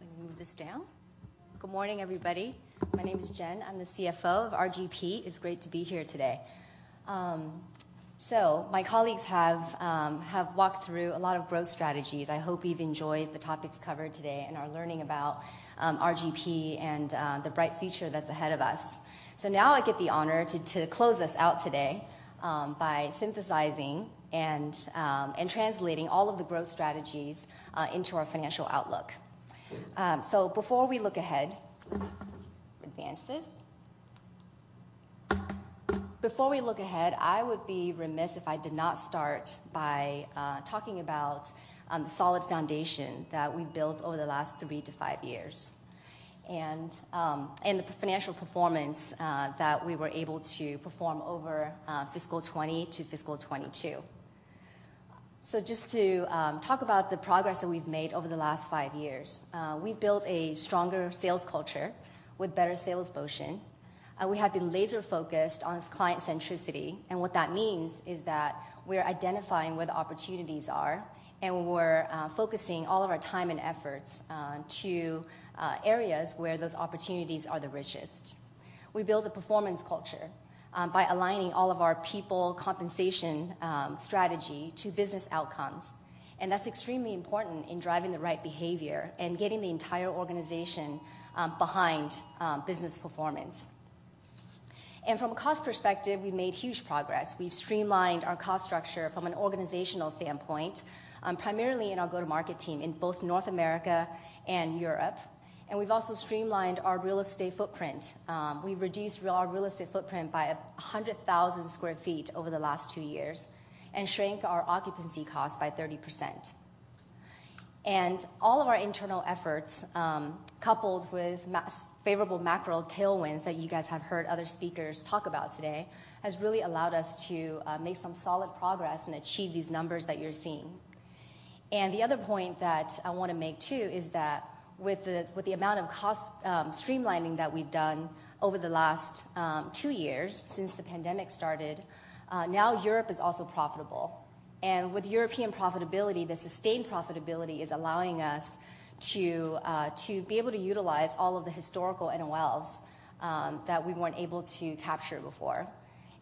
Let me move this down. Good morning, everybody. My name is Jen. I'm the CFO of RGP. It's great to be here today. My colleagues have walked through a lot of growth strategies. I hope you've enjoyed the topics covered today and are learning about RGP and the bright future that's ahead of us. Now I get the honor to close us out today by synthesizing and translating all of the growth strategies into our financial outlook. Before we look ahead, I would be remiss if I did not start by talking about the solid foundation that we've built over the last three to five years and the financial performance that we were able to perform over fiscal 2020 to fiscal 2022. Just to talk about the progress that we've made over the last five years, we've built a stronger sales culture with better sales motion. We have been laser-focused on client centricity, and what that means is that we're identifying where the opportunities are, and we're focusing all of our time and efforts to areas where those opportunities are the richest. We built a performance culture by aligning all of our people compensation strategy to business outcomes, and that's extremely important in driving the right behavior and getting the entire organization behind business performance. From a cost perspective, we've made huge progress. We've streamlined our cost structure from an organizational standpoint primarily in our go-to-market team in both North America and Europe, and we've also streamlined our real estate footprint. We've reduced our real estate footprint by 100,000 sq ft over the last two years and shrank our occupancy costs by 30%. All of our internal efforts, coupled with favorable macro tailwinds that you guys have heard other speakers talk about today, has really allowed us to make some solid progress and achieve these numbers that you're seeing. The other point that I wanna make too is that with the amount of cost streamlining that we've done over the last two years since the pandemic started, now Europe is also profitable. With European profitability, the sustained profitability is allowing us to be able to utilize all of the historical NOLs that we weren't able to capture before.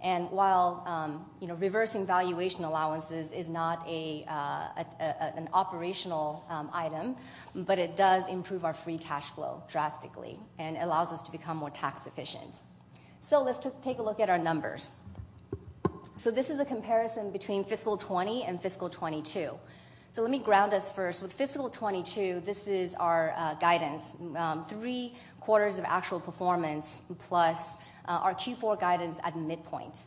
While, you know, reversing valuation allowances is not a an operational item, but it does improve our free cash flow drastically and allows us to become more tax efficient. Let's take a look at our numbers. This is a comparison between fiscal 2020 and fiscal 2022. Let me ground us first. With fiscal 2022, this is our guidance, three quarters of actual performance plus our Q4 guidance at midpoint.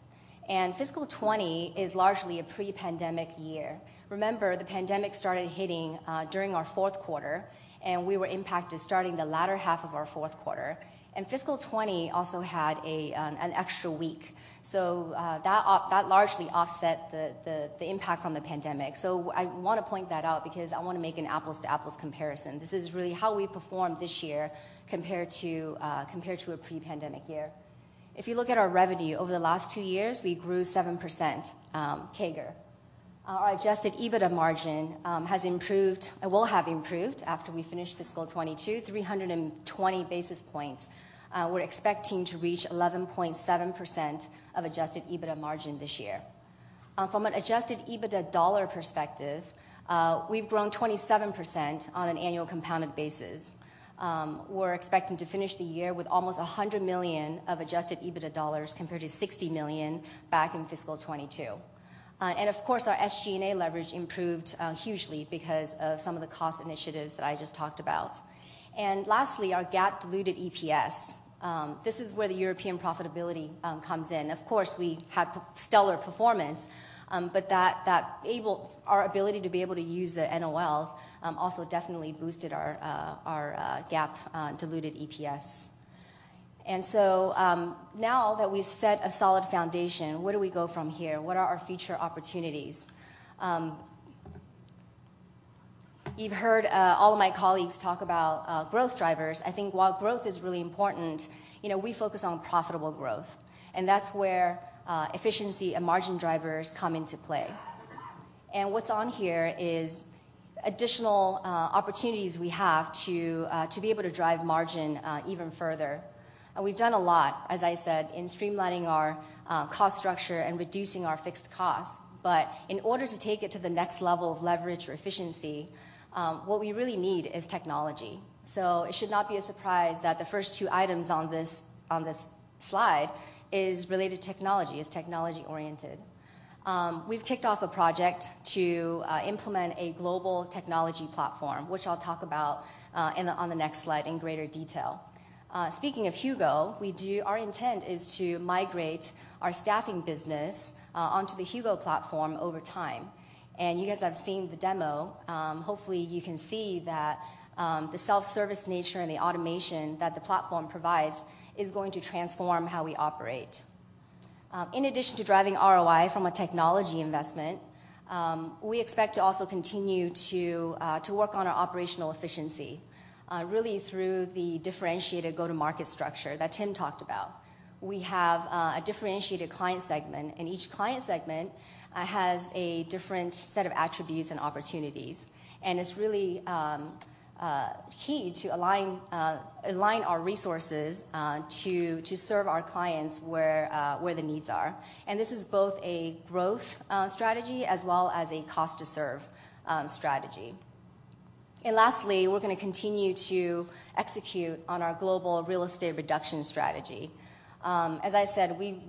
Fiscal 2020 is largely a pre-pandemic year. Remember, the pandemic started hitting during our fourth quarter, and we were impacted starting the latter half of our fourth quarter. Fiscal 2020 also had a an extra week, so that largely offset the impact from the pandemic. I wanna point that out because I wanna make an apples to apples comparison. This is really how we performed this year compared to a pre-pandemic year. If you look at our revenue over the last two years, we grew 7% CAGR. Our adjusted EBITDA margin has improved. It will have improved after we finish fiscal 2022, 320 basis points. We're expecting to reach 11.7% adjusted EBITDA margin this year. From an adjusted EBITDA dollar perspective, we've grown 27% on an annual compounded basis. We're expecting to finish the year with almost $100 million of adjusted EBITDA dollars compared to $60 million back in fiscal 2022. Of course, our SG&A leverage improved hugely because of some of the cost initiatives that I just talked about. Lastly, our GAAP diluted EPS, this is where the European profitability comes in. Of course, we had stellar performance, but that able. Our ability to be able to use the NOLs also definitely boosted our GAAP diluted EPS. Now that we've set a solid foundation, where do we go from here? What are our future opportunities? You've heard all of my colleagues talk about growth drivers. I think while growth is really important, you know, we focus on profitable growth, and that's where efficiency and margin drivers come into play. What's on here is additional opportunities we have to be able to drive margin even further. We've done a lot, as I said, in streamlining our cost structure and reducing our fixed costs. In order to take it to the next level of leverage or efficiency, what we really need is technology. It should not be a surprise that the first two items on this slide is related to technology, is technology-oriented. We've kicked off a project to implement a global technology platform, which I'll talk about on the next slide in greater detail. Speaking of HUGO, our intent is to migrate our staffing business onto the HUGO platform over time. You guys have seen the demo. Hopefully, you can see that the self-service nature and the automation that the platform provides is going to transform how we operate. In addition to driving ROI from a technology investment, we expect to also continue to work on our operational efficiency, really through the differentiated go-to-market structure that Tim talked about. We have a differentiated client segment, and each client segment has a different set of attributes and opportunities. It's really key to align our resources to serve our clients where the needs are. This is both a growth strategy as well as a cost to serve strategy. Lastly, we're gonna continue to execute on our global real estate reduction strategy. As I said, we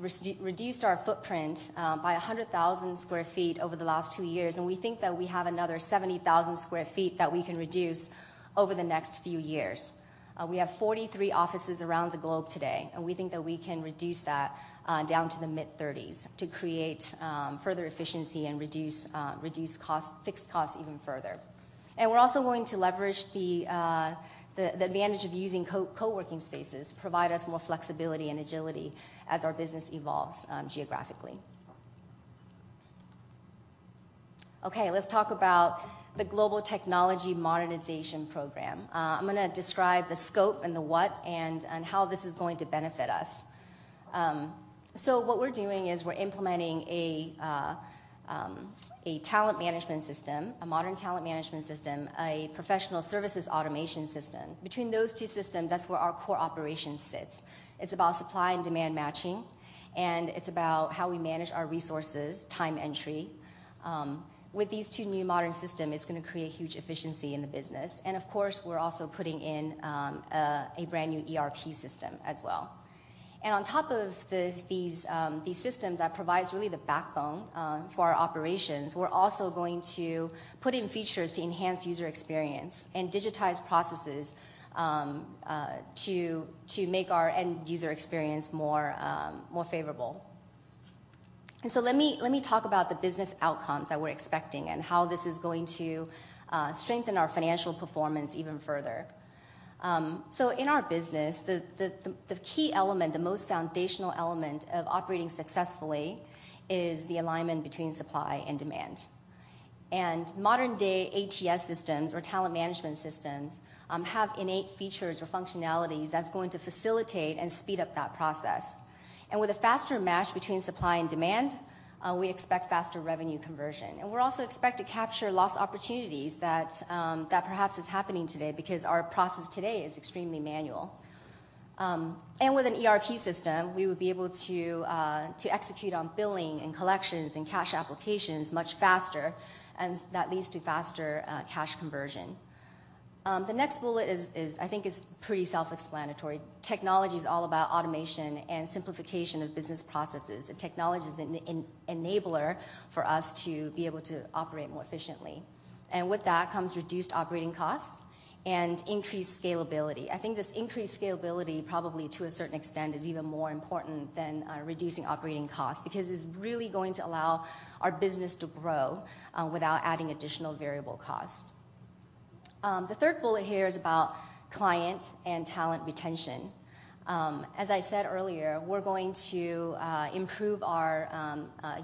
reduced our footprint by 100,000 sq ft over the last two years, and we think that we have another 70,000 sq ft that we can reduce over the next few years. We have 43 offices around the globe today, and we think that we can reduce that down to the mid-30s to create further efficiency and reduce costs, fixed costs even further. We're also going to leverage the advantage of using coworking spaces to provide us more flexibility and agility as our business evolves geographically. Okay, let's talk about the Global Technology Modernization Program. I'm gonna describe the scope and the what and how this is going to benefit us. What we're doing is we're implementing a talent management system, a modern talent management system, a professional services automation system. Between those two systems, that's where our core operations sits. It's about supply and demand matching, and it's about how we manage our resources, time entry. With these two new modern system, it's gonna create huge efficiency in the business. Of course, we're also putting in a brand-new ERP system as well. On top of this, these systems that provides really the backbone for our operations, we're also going to put in features to enhance user experience and digitize processes, to make our end user experience more favorable. Let me talk about the business outcomes that we're expecting and how this is going to strengthen our financial performance even further. In our business, the key element, the most foundational element of operating successfully is the alignment between supply and demand. Modern-day ATS systems or talent management systems have innate features or functionalities that's going to facilitate and speed up that process. With a faster match between supply and demand, we expect faster revenue conversion. We're also expect to capture lost opportunities that perhaps is happening today because our process today is extremely manual. With an ERP system, we would be able to to execute on billing and collections and cash applications much faster, and that leads to faster cash conversion. The next bullet, I think, is pretty self-explanatory. Technology is all about automation and simplification of business processes. The technology is an enabler for us to be able to operate more efficiently. With that comes reduced operating costs and increased scalability. I think this increased scalability probably to a certain extent is even more important than reducing operating costs because it's really going to allow our business to grow without adding additional variable cost. The third bullet here is about client and talent retention. As I said earlier, we're going to improve our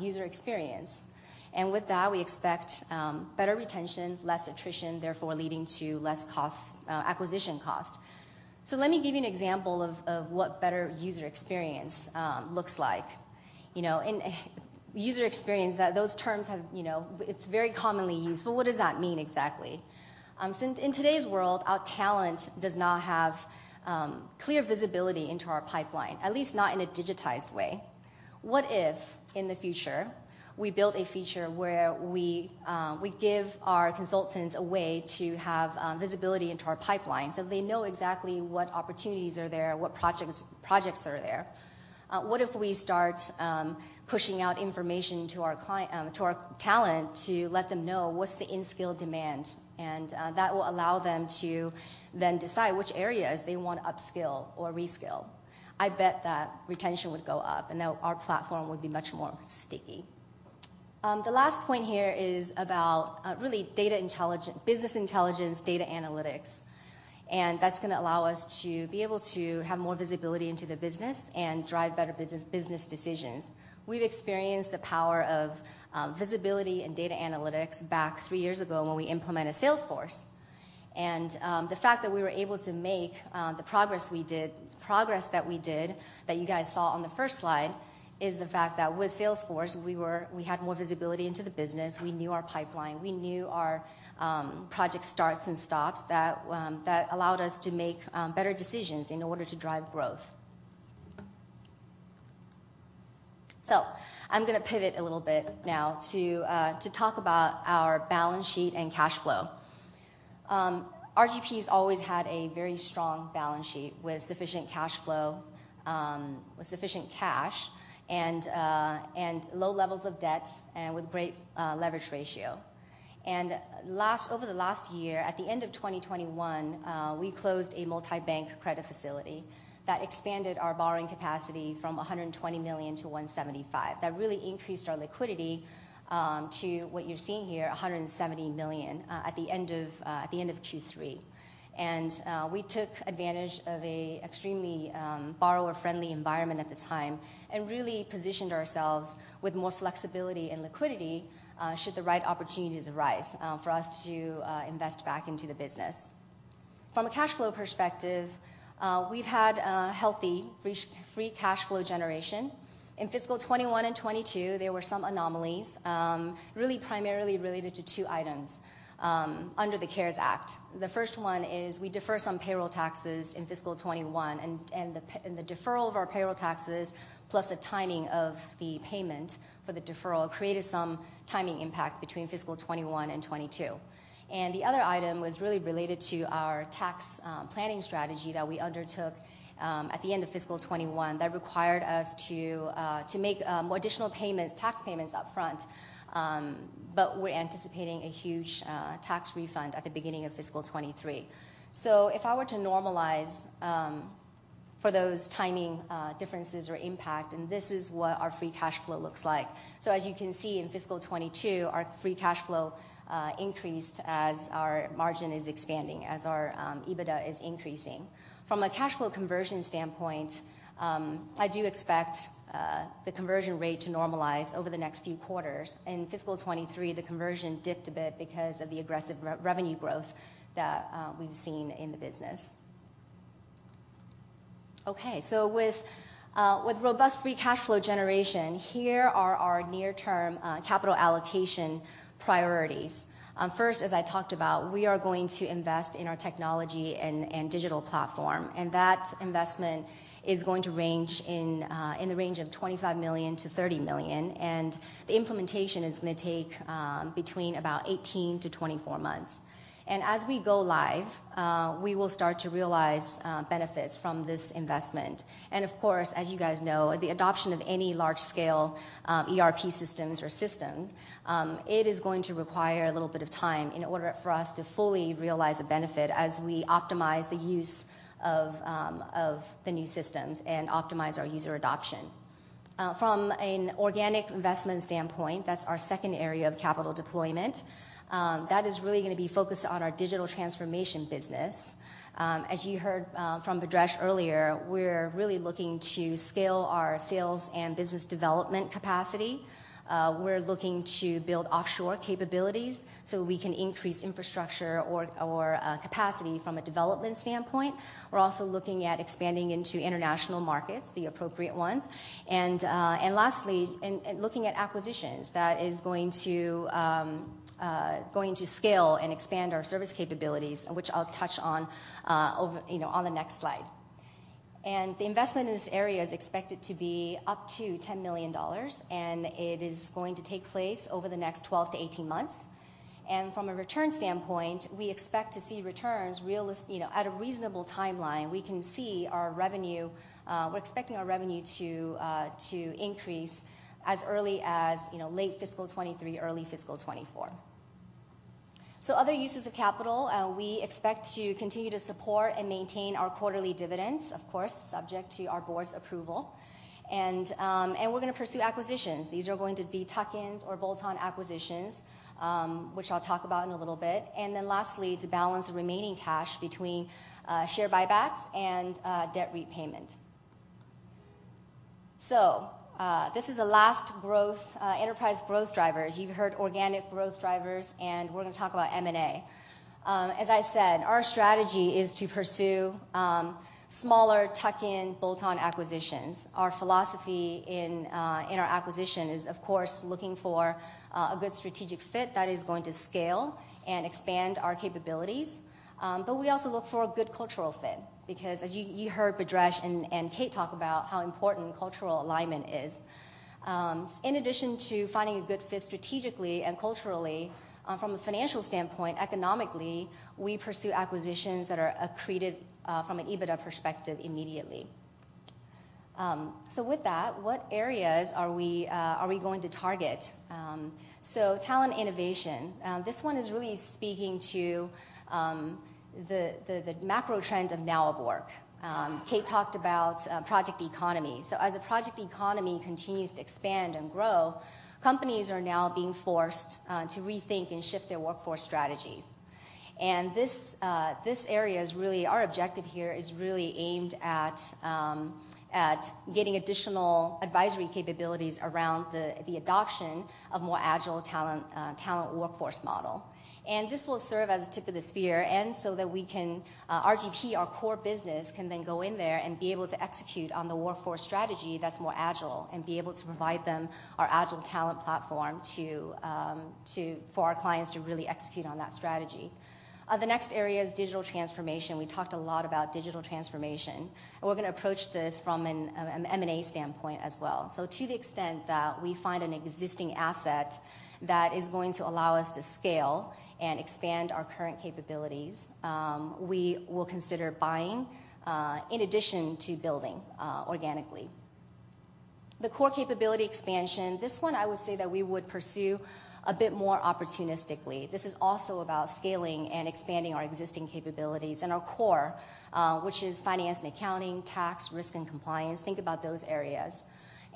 user experience, and with that, we expect better retention, less attrition, therefore leading to less costs, acquisition cost. Let me give you an example of what better user experience looks like. You know, in user experience, that those terms have, you know. It's very commonly used, but what does that mean exactly? Since in today's world, our talent does not have clear visibility into our pipeline, at least not in a digitized way. What if, in the future, we build a feature where we give our consultants a way to have visibility into our pipeline so they know exactly what opportunities are there, what projects are there? What if we start pushing out information to our talent to let them know what's the in-skill demand, and that will allow them to then decide which areas they wanna upskill or reskill. I bet that retention would go up, and now our platform would be much more sticky. The last point here is about really business intelligence, data analytics, and that's gonna allow us to be able to have more visibility into the business and drive better business decisions. We've experienced the power of visibility and data analytics back three years ago when we implemented Salesforce. The fact that we were able to make the progress we did that you guys saw on the first slide is the fact that with Salesforce, we had more visibility into the business. We knew our pipeline. We knew our project starts and stops that allowed us to make better decisions in order to drive growth. I'm gonna pivot a little bit now to talk about our balance sheet and cash flow. RGP's always had a very strong balance sheet with sufficient cash flow, with sufficient cash and low levels of debt and with great leverage ratio. Over the last year, at the end of 2021, we closed a multi-bank credit facility that expanded our borrowing capacity from $120 million-$175 million. That really increased our liquidity to what you're seeing here, $170 million, at the end of Q3. We took advantage of an extremely borrower-friendly environment at the time and really positioned ourselves with more flexibility and liquidity should the right opportunities arise for us to invest back into the business. From a cash flow perspective, we've had a healthy free cash flow generation. In fiscal 2021 and 2022, there were some anomalies, really primarily related to two items under the CARES Act. The first one is we defer some payroll taxes in fiscal 2021 and the deferral of our payroll taxes plus a timing of the payment for the deferral created some timing impact between fiscal 2021 and 2022. The other item was really related to our tax planning strategy that we undertook at the end of fiscal 2021 that required us to make additional payments, tax payments up front, but we're anticipating a huge tax refund at the beginning of fiscal 2023. If I were to normalize for those timing differences or impact, and this is what our free cash flow looks like. As you can see in fiscal 2022, our free cash flow increased as our margin is expanding, as our EBITDA is increasing. From a cash flow conversion standpoint, I do expect the conversion rate to normalize over the next few quarters. In fiscal 2023, the conversion dipped a bit because of the aggressive revenue growth that we've seen in the business. Okay. With robust free cash flow generation, here are our near-term capital allocation priorities. First, as I talked about, we are going to invest in our technology and digital platform, and that investment is going to range in the range of $25 million-$30 million, and the implementation is gonna take between about 18-24 months. As we go live, we will start to realize benefits from this investment. Of course, as you guys know, the adoption of any large scale ERP systems or systems it is going to require a little bit of time in order for us to fully realize the benefit as we optimize the use of the new systems and optimize our user adoption. From an organic investment standpoint, that's our second area of capital deployment that is really gonna be focused on our digital transformation business. As you heard from Bhadresh earlier, we're really looking to scale our sales and business development capacity. We're looking to build offshore capabilities so we can increase infrastructure or capacity from a development standpoint. We're also looking at expanding into international markets, the appropriate ones. Lastly, looking at acquisitions that is going to scale and expand our service capabilities, which I'll touch on, you know, on the next slide. The investment in this area is expected to be up to $10 million, and it is going to take place over the next 12-18 months. From a return standpoint, we expect to see returns, you know, at a reasonable timeline. We can see our revenue; we're expecting our revenue to increase as early as, you know, late fiscal 2023, early fiscal 2024. Other uses of capital, we expect to continue to support and maintain our quarterly dividends, of course, subject to our board's approval. We're gonna pursue acquisitions. These are going to be tuck-ins or bolt-on acquisitions, which I'll talk about in a little bit. Then lastly, to balance the remaining cash between share buybacks and debt repayment. This is the last growth enterprise growth drivers. You've heard organic growth drivers, and we're gonna talk about M&A. As I said, our strategy is to pursue smaller tuck-in, bolt-on acquisitions. Our philosophy in our acquisition is, of course, looking for a good strategic fit that is going to scale and expand our capabilities. We also look for a good cultural fit because as you heard Bhadresh and Kate talk about how important cultural alignment is. In addition to finding a good fit strategically and culturally, from a financial standpoint, economically, we pursue acquisitions that are accreted from an EBITDA perspective immediately. With that, what areas are we going to target? Talent innovation. This one is really speaking to the macro trend of now of work. Kate talked about project economy. As the project economy continues to expand and grow, companies are now being forced to rethink and shift their workforce strategies. This area is really our objective here is really aimed at getting additional advisory capabilities around the adoption of more agile talent workforce model. This will serve as a tip of the spear and so that we can, RGP, our core business, can then go in there and be able to execute on the workforce strategy that's more agile and be able to provide them our agile talent platform to, for our clients to really execute on that strategy. The next area is digital transformation. We talked a lot about digital transformation, and we're gonna approach this from an M&A standpoint as well. To the extent that we find an existing asset that is going to allow us to scale and expand our current capabilities, we will consider buying, in addition to building, organically. The core capability expansion, this one I would say that we would pursue a bit more opportunistically. This is also about scaling and expanding our existing capabilities in our core, which is finance and accounting, tax, risk and compliance. Think about those areas.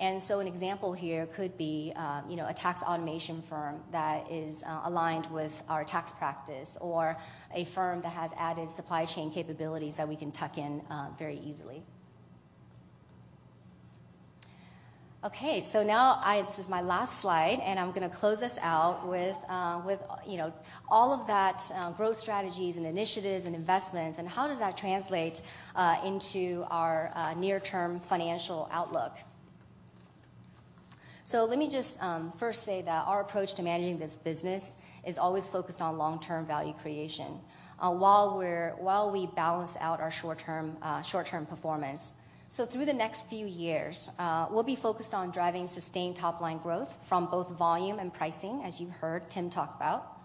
An example here could be, you know, a tax automation firm that is, aligned with our tax practice or a firm that has added supply chain capabilities that we can tuck in, very easily. Okay, now this is my last slide, and I'm gonna close us out with, you know, all of that, growth strategies and initiatives and investments, and how does that translate, into our, near-term financial outlook. Let me just, first say that our approach to managing this business is always focused on long-term value creation, while we balance out our short-term performance. Through the next few years, we'll be focused on driving sustained top-line growth from both volume and pricing, as you heard Tim talk about.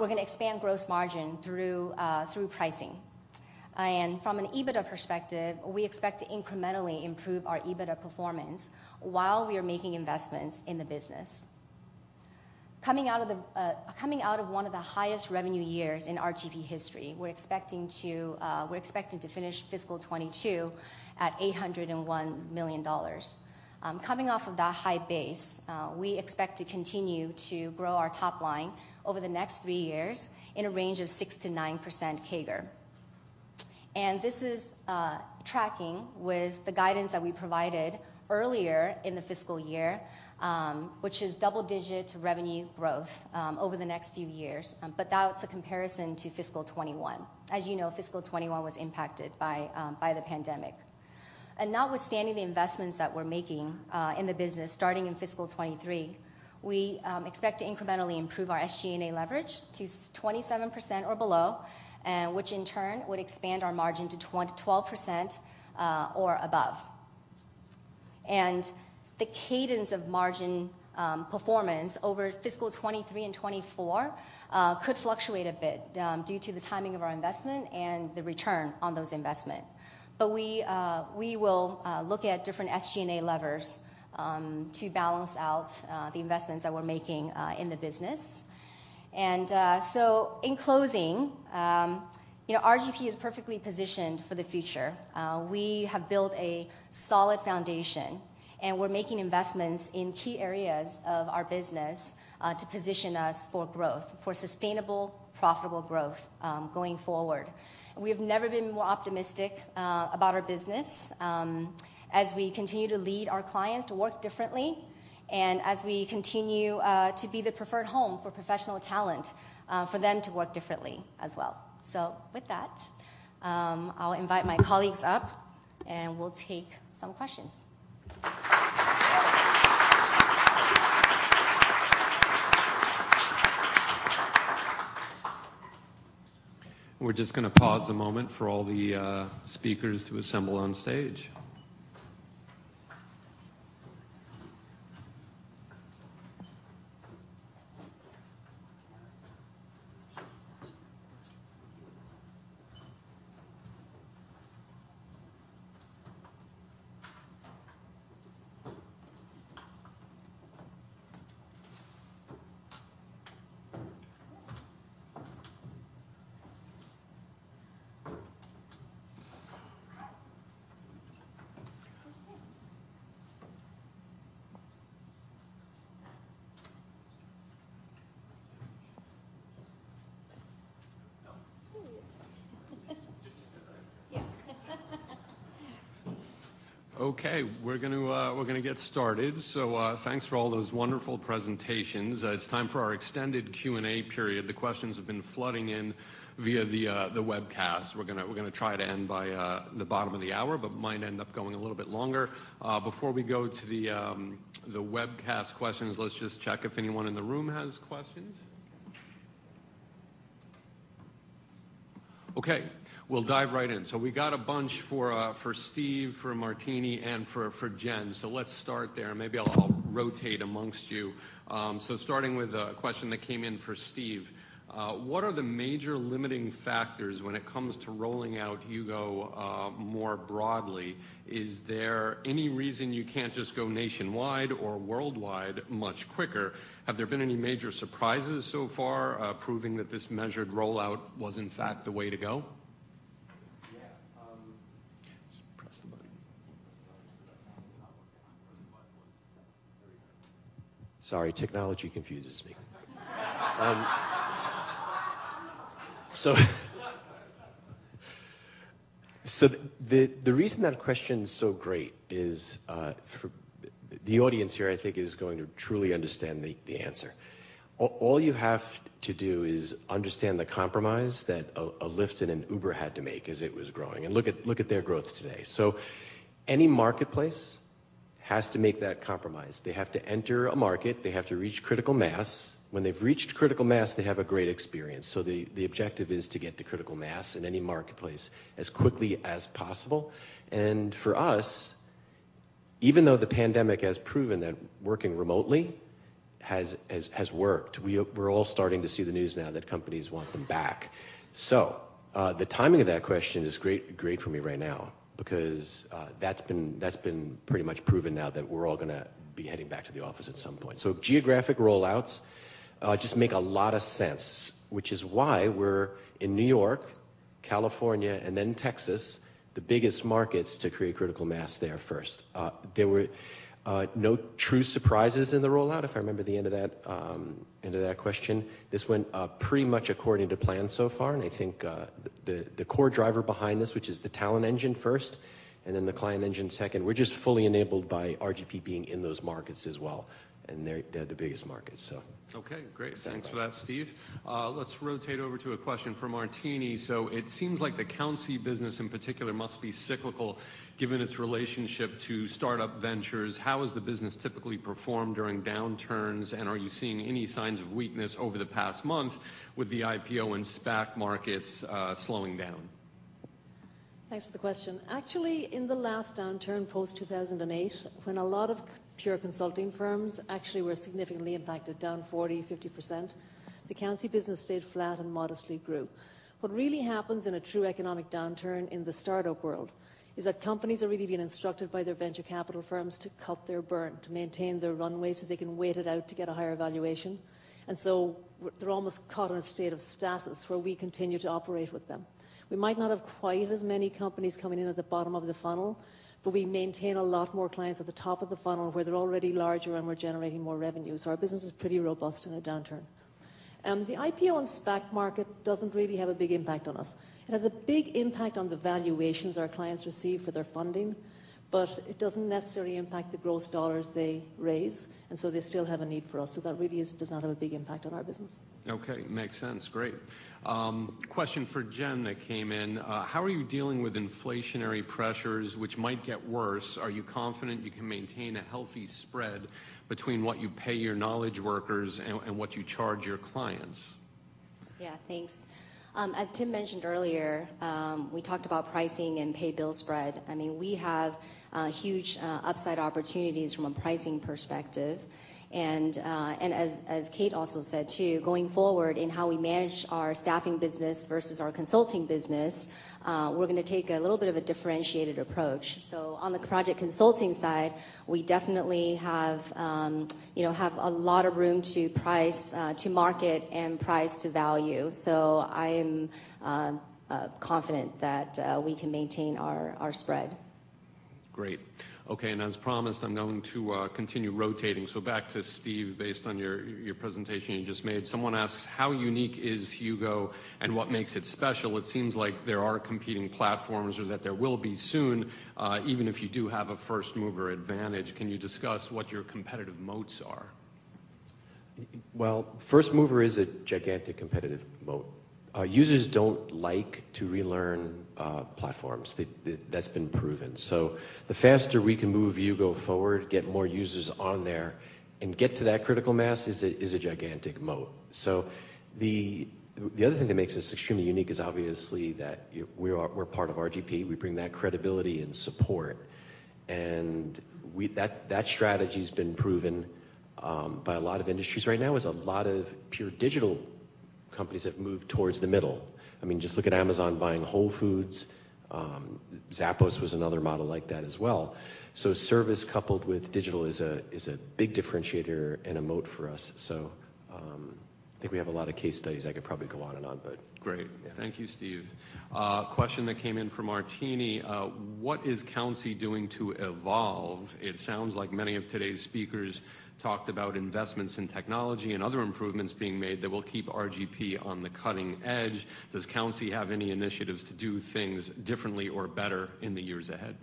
We're gonna expand gross margin through pricing. From an EBITDA perspective, we expect to incrementally improve our EBITDA performance while we are making investments in the business. Coming out of one of the highest revenue years in RGP history, we're expecting to finish fiscal 2022 at $801 million. Coming off of that high base, we expect to continue to grow our top line over the next three years in a range of 6%-9% CAGR. This is tracking with the guidance that we provided earlier in the fiscal year, which is double-digit revenue growth over the next few years. That's a comparison to fiscal 2021. As you know, fiscal 2021 was impacted by the pandemic. Notwithstanding the investments that we're making in the business starting in fiscal 2023, we expect to incrementally improve our SG&A leverage to 27% or below, which in turn would expand our margin to 12% or above. The cadence of margin performance over fiscal 2023 and 2024 could fluctuate a bit due to the timing of our investment and the return on those investment. We will look at different SG&A levers to balance out the investments that we're making in the business. In closing, you know, RGP is perfectly positioned for the future. We have built a solid foundation, and we're making investments in key areas of our business, to position us for growth, for sustainable, profitable growth, going forward. We have never been more optimistic about our business as we continue to lead our clients to work differently and as we continue to be the preferred home for professional talent for them to work differently as well. With that, I'll invite my colleagues up, and we'll take some questions. We're just gonna pause a moment for all the speakers to assemble on stage. She's such a horse. Yeah. Okay, we're gonna get started. Thanks for all those wonderful presentations. It's time for our extended Q&A period. The questions have been flooding in via the webcast. We're gonna try to end by the bottom of the hour, but might end up going a little bit longer. Before we go to the webcast questions, let's just check if anyone in the room has questions. Okay, we'll dive right in. We got a bunch for Steve, for Mairtini, and for Jen. Let's start there. Maybe I'll rotate amongst you. Starting with a question that came in for Steve. What are the major limiting factors when it comes to rolling out HUGO more broadly? Is there any reason you can't just go nationwide or worldwide much quicker? Have there been any major surprises so far, proving that this measured rollout was in fact the way to go? Yeah, just press the button. Sorry, technology confuses me. The reason that question is so great is for the audience here. I think, they are going to truly understand the answer. All you have to do is understand the compromise that a Lyft and an Uber had to make as it was growing, and look at their growth today. Any marketplace has to make that compromise. They have to enter a market. They have to reach critical mass. When they've reached critical mass, they have a great experience. The objective is to get to critical mass in any marketplace as quickly as possible. For us, even though the pandemic has proven that working remotely has worked, we're all starting to see the news now that companies want them back. The timing of that question is great for me right now because that's been pretty much proven now that we're all gonna be heading back to the office at some point. Geographic rollouts just make a lot of sense, which is why we're in New York, California and then Texas, the biggest markets to create critical mass there first. There were no true surprises in the rollout, if I remember the end of that question. This went pretty much according to plan so far, and I think the core driver behind this, which is the talent engine first and then the client engine second, were just fully enabled by RGP being in those markets as well. They're the biggest markets. Okay, great. Exactly. Thanks for that, Steve. Let's rotate over to a question for Mairtini. It seems like the Countsy business in particular must be cyclical given its relationship to startup ventures. How has the business typically performed during downturns, and are you seeing any signs of weakness over the past month with the IPO and SPAC markets slowing down? Thanks for the question. Actually, in the last downturn, post-2008, when a lot of pure consulting firms actually were significantly impacted, down 40%-50%, the Countsy business stayed flat and modestly grew. What really happens in a true economic downturn in the startup world is that companies are really being instructed by their venture capital firms to cut their burn, to maintain their runway so they can wait it out to get a higher valuation. They're almost caught in a state of stasis where we continue to operate with them. We might not have quite as many companies coming in at the bottom of the funnel, but we maintain a lot more clients at the top of the funnel, where they're already larger and we're generating more revenue. Our business is pretty robust in a downturn. The IPO and SPAC market doesn't really have a big impact on us. It has a big impact on the valuations our clients receive for their funding, but it doesn't necessarily impact the gross dollars they raise, and so they still have a need for us. That really does not have a big impact on our business. Okay. Makes sense. Great. Question for Jen that came in. How are you dealing with inflationary pressures which might get worse? Are you confident you can maintain a healthy spread between what you pay your knowledge workers and what you charge your clients? Yeah, thanks. As Tim mentioned earlier, we talked about pricing and pay/bill spread. I mean, we have huge upside opportunities from a pricing perspective. As Kate also said too, going forward in how we manage our staffing business versus our consulting business, we're gonna take a little bit of a differentiated approach. On the project consulting side, we definitely have you know a lot of room to price to market and price to value. I'm confident that we can maintain our spread. Great. Okay. As promised, I'm going to continue rotating. Back to Steve, based on your presentation you just made. Someone asks, how unique is HUGO and what makes it special? It seems like there are competing platforms or that there will be soon, even if you do have a first-mover advantage. Can you discuss what your competitive moats are? Well, first mover is a gigantic competitive moat. Users don't like to relearn platforms. That's been proven. The faster we can move HUGO forward, get more users on there and get to that critical mass is a gigantic moat. The other thing that makes us extremely unique is obviously that we are part of RGP. We bring that credibility and support. That strategy's been proven by a lot of industries right now. There's a lot of pure digital companies that have moved towards the middle. I mean, just look at Amazon buying Whole Foods. Zappos was another model like that as well. Service coupled with digital is a big differentiator and a moat for us. I think we have a lot of case studies. I could probably go on and on, but. Great. Yeah. Thank you, Steve. Question that came in for Mairtini. What is Countsy doing to evolve? It sounds like many of today's speakers talked about investments in technology and other improvements being made that will keep RGP on the cutting edge. Does Countsy have any initiatives to do things differently or better in the years ahead?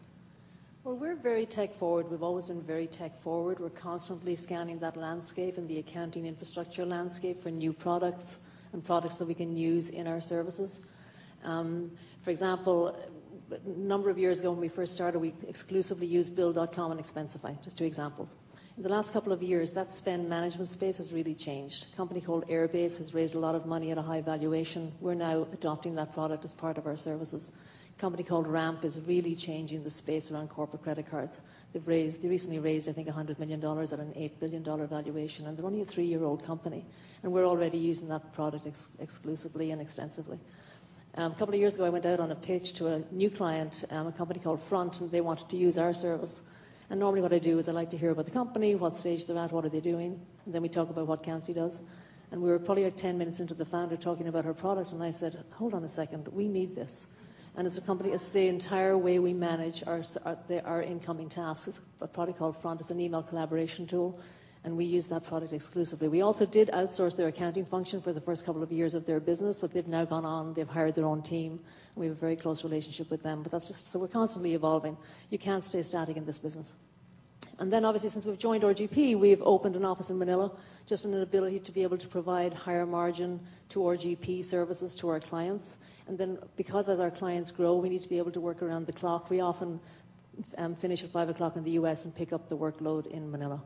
Well, we're very tech forward. We've always been very tech forward. We're constantly scanning that landscape and the accounting infrastructure landscape for new products and products that we can use in our services. For example, a number of years ago when we first started, we exclusively used Bill.com and Expensify, just two examples. In the last couple of years, that spend management space has really changed. A company called Airbase has raised a lot of money at a high valuation. We're now adopting that product as part of our services. A company called Ramp is really changing the space around corporate credit cards. They recently raised, I think, $100 million at an $8 billion valuation, and they're only a three-year-old company, and we're already using that product exclusively and extensively. A couple of years ago, I went out on a pitch to a new client, a company called Front, and they wanted to use our service. Normally what I do is I like to hear about the company, what stage they're at, what are they doing, and then we talk about what Countsy does. We were probably like 10 minutes into the founder talking about her product, and I said, "Hold on a second. We need this." As a company, it's the entire way we manage our incoming tasks. It's a product called Front. It's an email collaboration tool, and we use that product exclusively. We also did outsource their accounting function for the first couple of years of their business, but they've now gone on. They've hired their own team, and we have a very close relationship with them, but that's just. We're constantly evolving. You can't stay static in this business. Obviously, since we've joined RGP, we've opened an office in Manila, just an ability to be able to provide higher margin to RGP services to our clients. Because as our clients grow, we need to be able to work around the clock. We often finish at 5:00 P.M. in the U.S. and pick up the workload in Manila.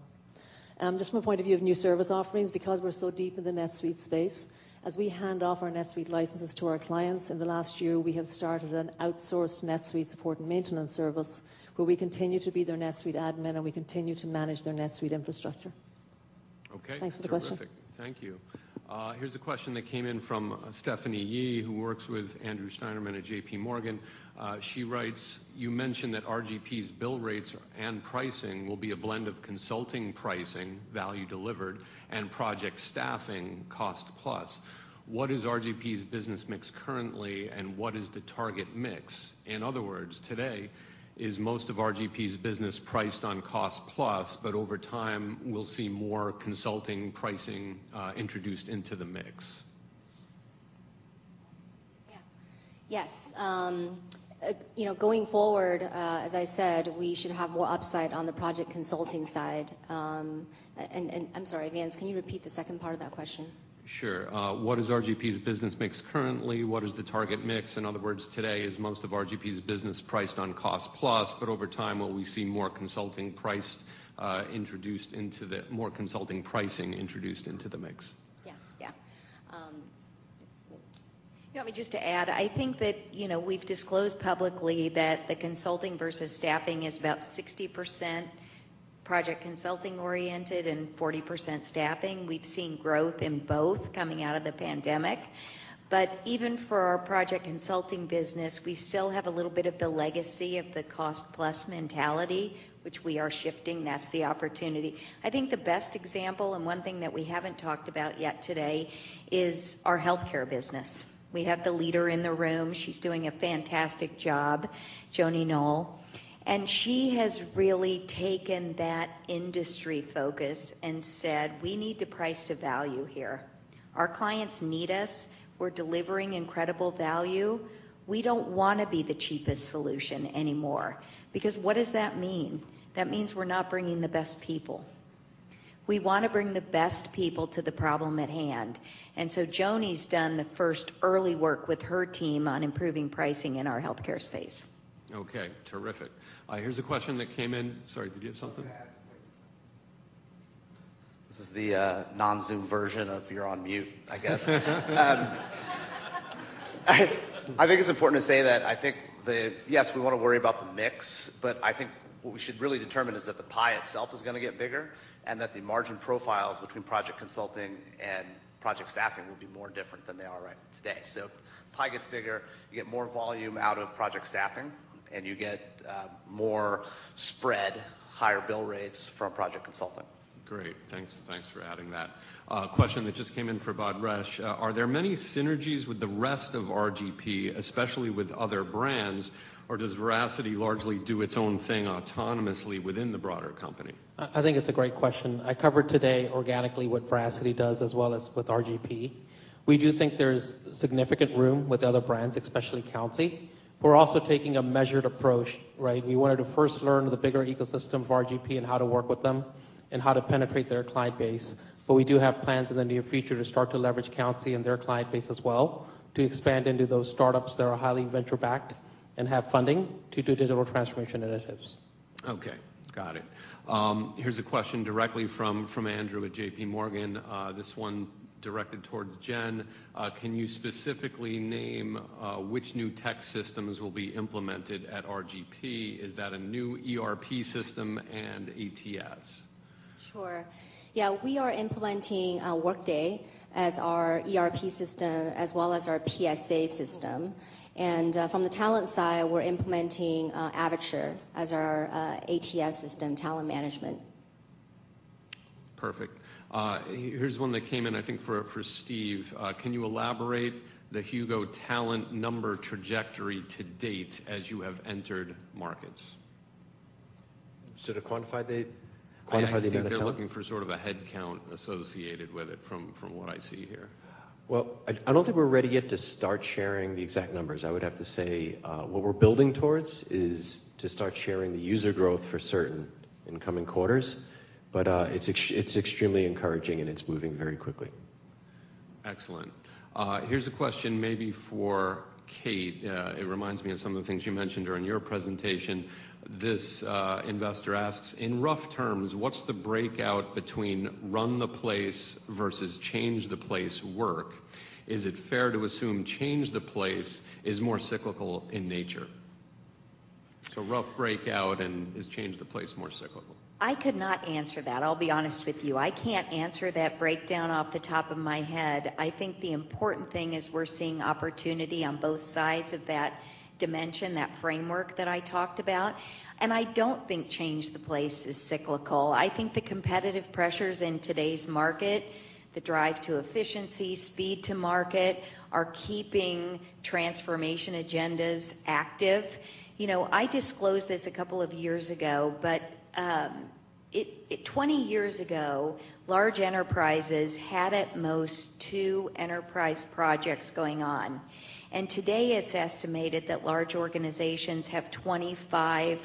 Just from a point of view of new service offerings, because we're so deep in the NetSuite space, as we hand off our NetSuite licenses to our clients, in the last year, we have started an outsourced NetSuite support and maintenance service, where we continue to be their NetSuite admin and we continue to manage their NetSuite infrastructure. Okay. Thanks for the question. Terrific. Thank you. Here's a question that came in from Stephanie Yee, who works with Andrew Steinerman at JPMorgan. She writes, "You mentioned that RGP's bill rates and pricing will be a blend of consulting pricing, value delivered, and project staffing, cost plus. What is RGP's business mix currently, and what is the target mix? In other words, today is most of RGP's business priced on cost plus, but over time we'll see more consulting pricing introduced into the mix. Yeah. Yes. You know, going forward, as I said, we should have more upside on the project consulting side. I'm sorry, Vance, can you repeat the second part of that question? Sure. What is RGP's business mix currently? What is the target mix? In other words, today, is most of RGP's business priced on cost plus, but over time will we see more consulting pricing introduced into the mix? Yeah. If you want me just to add, I think that, you know, we've disclosed publicly that the consulting versus staffing is about 60% project consulting oriented and 40% staffing. We've seen growth in both coming out of the pandemic. Even for our project consulting business, we still have a little bit of the legacy of the cost-plus mentality, which we are shifting. That's the opportunity. I think the best example, and one thing that we haven't talked about yet today, is our healthcare business. We have the leader in the room. She's doing a fantastic job, Joni Noll. She has really taken that industry focus and said, "We need to price to value here. Our clients need us. We're delivering incredible value. We don't want to be the cheapest solution anymore." Because what does that mean? That means we're not bringing the best people. We want to bring the best people to the problem at hand. Joni's done the first early work with her team on improving pricing in our healthcare space. Okay, terrific. Here's a question that came in. Sorry, did you have something? I was gonna ask, like. This is the non-Zoom version of you're on mute, I guess. I think it's important to say that I think the Yes, we want to worry about the mix, but I think what we should really determine is that the pie itself is going to get bigger, and that the margin profiles between project consulting and project staffing will be more different than they are right today. Pie gets bigger, you get more volume out of project staffing, and you get more spread, higher bill rates from project consulting. Great. Thanks. Thanks for adding that. A question that just came in for Bhadresh. Are there many synergies with the rest of RGP, especially with other brands, or does Veracity largely do its own thing autonomously within the broader company? I think it's a great question. I covered today organically what Veracity does as well as with RGP. We do think there's significant room with other brands, especially Countsy. We're also taking a measured approach, right? We wanted to first learn the bigger ecosystem of RGP and how to work with them and how to penetrate their client base. We do have plans in the near future to start to leverage Countsy and their client base as well to expand into those startups that are highly venture backed and have funding to do digital transformation initiatives. Okay. Got it. Here's a question directly from Andrew Steinerman at JPMorgan, this one directed towards Jen. Can you specifically name which new tech systems will be implemented at RGP? Is that a new ERP system and ATS? Sure. Yeah, we are implementing Workday as our ERP system as well as our PSA system. From the talent side, we're implementing Avature as our ATS system, talent management. Perfect. Here's one that came in, I think, for Steve. Can you elaborate the HUGO talent number trajectory to date as you have entered markets? to quantify the amount of talent? I think they're looking for sort of a headcount associated with it from what I see here. Well, I don't think we're ready yet to start sharing the exact numbers. I would have to say what we're building towards is to start sharing the user growth for certain in coming quarters. It's extremely encouraging, and it's moving very quickly. Excellent. Here's a question maybe for Kate. It reminds me of some of the things you mentioned during your presentation. This investor asks, "In rough terms, what's the breakout between run the place versus change the place work? Is it fair to assume change the place is more cyclical in nature?" Rough breakout, and is change the place more cyclical? I could not answer that. I'll be honest with you. I can't answer that breakdown off the top of my head. I think the important thing is we're seeing opportunity on both sides of that dimension, that framework that I talked about. I don't think the pace of change is cyclical. I think the competitive pressures in today's market, the drive to efficiency, speed to market, are keeping transformation agendas active. You know, I disclosed this a couple of years ago, but. 20 years ago, large enterprises had at most two enterprise projects going on. Today it's estimated that large organizations have 25+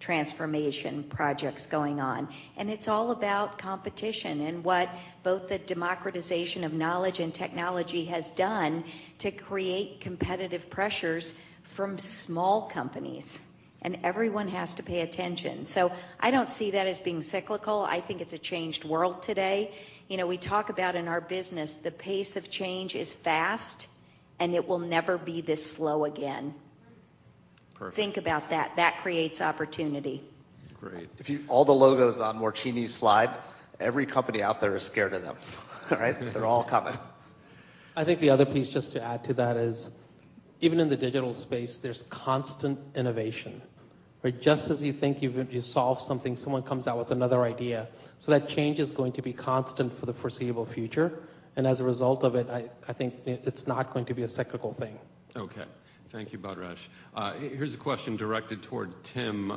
transformation projects going on. It's all about competition and what both the democratization of knowledge and technology has done to create competitive pressures from small companies, and everyone has to pay attention. I don't see that as being cyclical. I think it's a changed world today. You know, we talk about in our business, the pace of change is fast, and it will never be this slow again. Think about that. That creates opportunity. Great. All the logos on Mairtini's slide, every company out there is scared of them, right? They're all coming. I think the other piece, just to add to that, is even in the digital space, there's constant innovation. Right? Just as you think you've solved something, someone comes out with another idea. That change is going to be constant for the foreseeable future, and as a result of it, I think it's not going to be a cyclical thing. Okay. Thank you, Bhadresh. Here's a question directed toward Tim.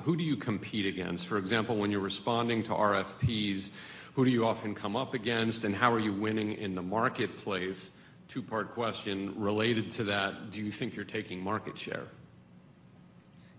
Who do you compete against? For example, when you're responding to RFPs, who do you often come up against, and how are you winning in the marketplace? Two-part question related to that, do you think you're taking market share?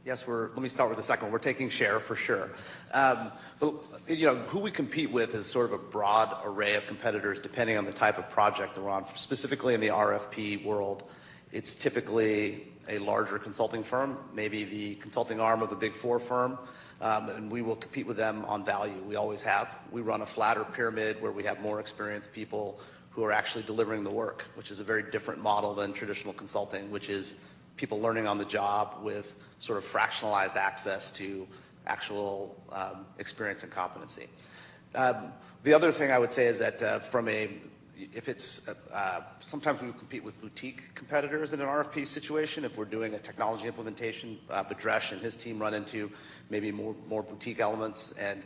Yes, we're. Let me start with the second one. We're taking share for sure. You know, who we compete with is sort of a broad array of competitors depending on the type of project that we're on. Specifically in the RFP world, it's typically a larger consulting firm, maybe the consulting arm of a Big Four firm, and we will compete with them on value. We always have. We run a flatter pyramid where we have more experienced people who are actually delivering the work, which is a very different model than traditional consulting, which is people learning on the job with sort of fractionalized access to actual experience and competency. The other thing I would say is that if it's sometimes we compete with boutique competitors in an RFP situation. If we're doing a technology implementation, Bhadresh and his team run into maybe more boutique elements, and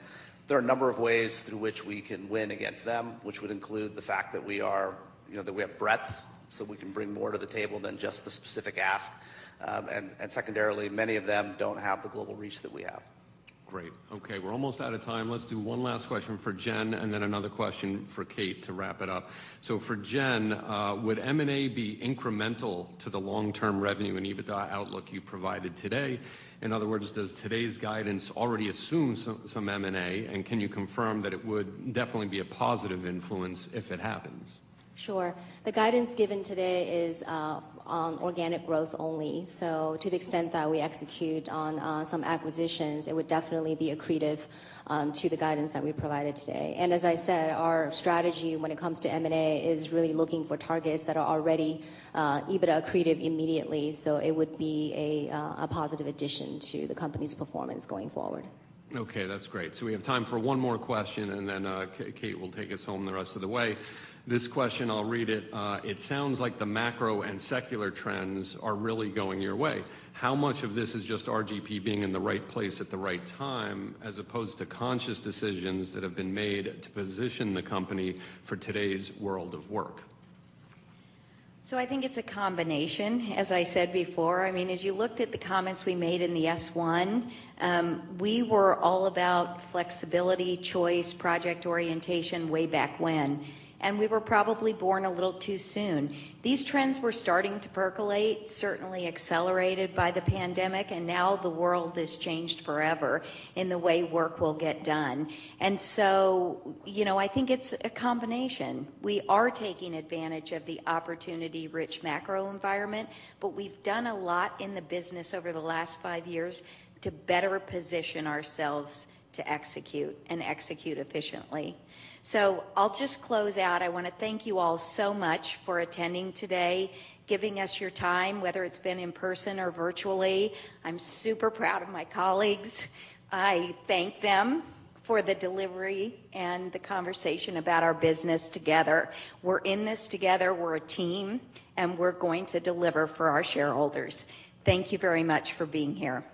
there are a number of ways through which we can win against them, which would include the fact that we are, you know, that we have breadth, so we can bring more to the table than just the specific ask. Secondarily, many of them don't have the global reach that we have. Great. Okay, we're almost out of time. Let's do one last question for Jen and then another question for Kate to wrap it up. For Jen, would M&A be incremental to the long-term revenue and EBITDA outlook you provided today? In other words, does today's guidance already assume some M&A, and can you confirm that it would definitely be a positive influence if it happens? Sure. The guidance given today is organic growth only. To the extent that we execute on some acquisitions, it would definitely be accretive to the company guidance that we provided today. As I said, our strategy when it comes to M&A is really looking for targets that are already EBITDA accretive immediately. It would be a positive addition to the company's performance going forward. Okay, that's great. We have time for one more question, and then, Kate will take us home the rest of the way. This question, I'll read it. It sounds like the macro and secular trends are really going your way. How much of this is just RGP being in the right place at the right time as opposed to conscious decisions that have been made to position the company for today's world of work? I think it's a combination, as I said before. I mean, as you looked at the comments we made in the S-1, we were all about flexibility, choice, project orientation way back when. We were probably born a little too soon. These trends were starting to percolate, certainly accelerated by the pandemic, and now the world has changed forever in the way work will get done. You know, I think it's a combination. We are taking advantage of the opportunity-rich macro environment, but we've done a lot in the business over the last five years to better position ourselves to execute and execute efficiently. I'll just close out. I wanna thank you all so much for attending today, giving us your time, whether it's been in person or virtually. I'm super proud of my colleagues. I thank them for the delivery and the conversation about our business together. We're in this together. We're a team, and we're going to deliver for our shareholders. Thank you very much for being here.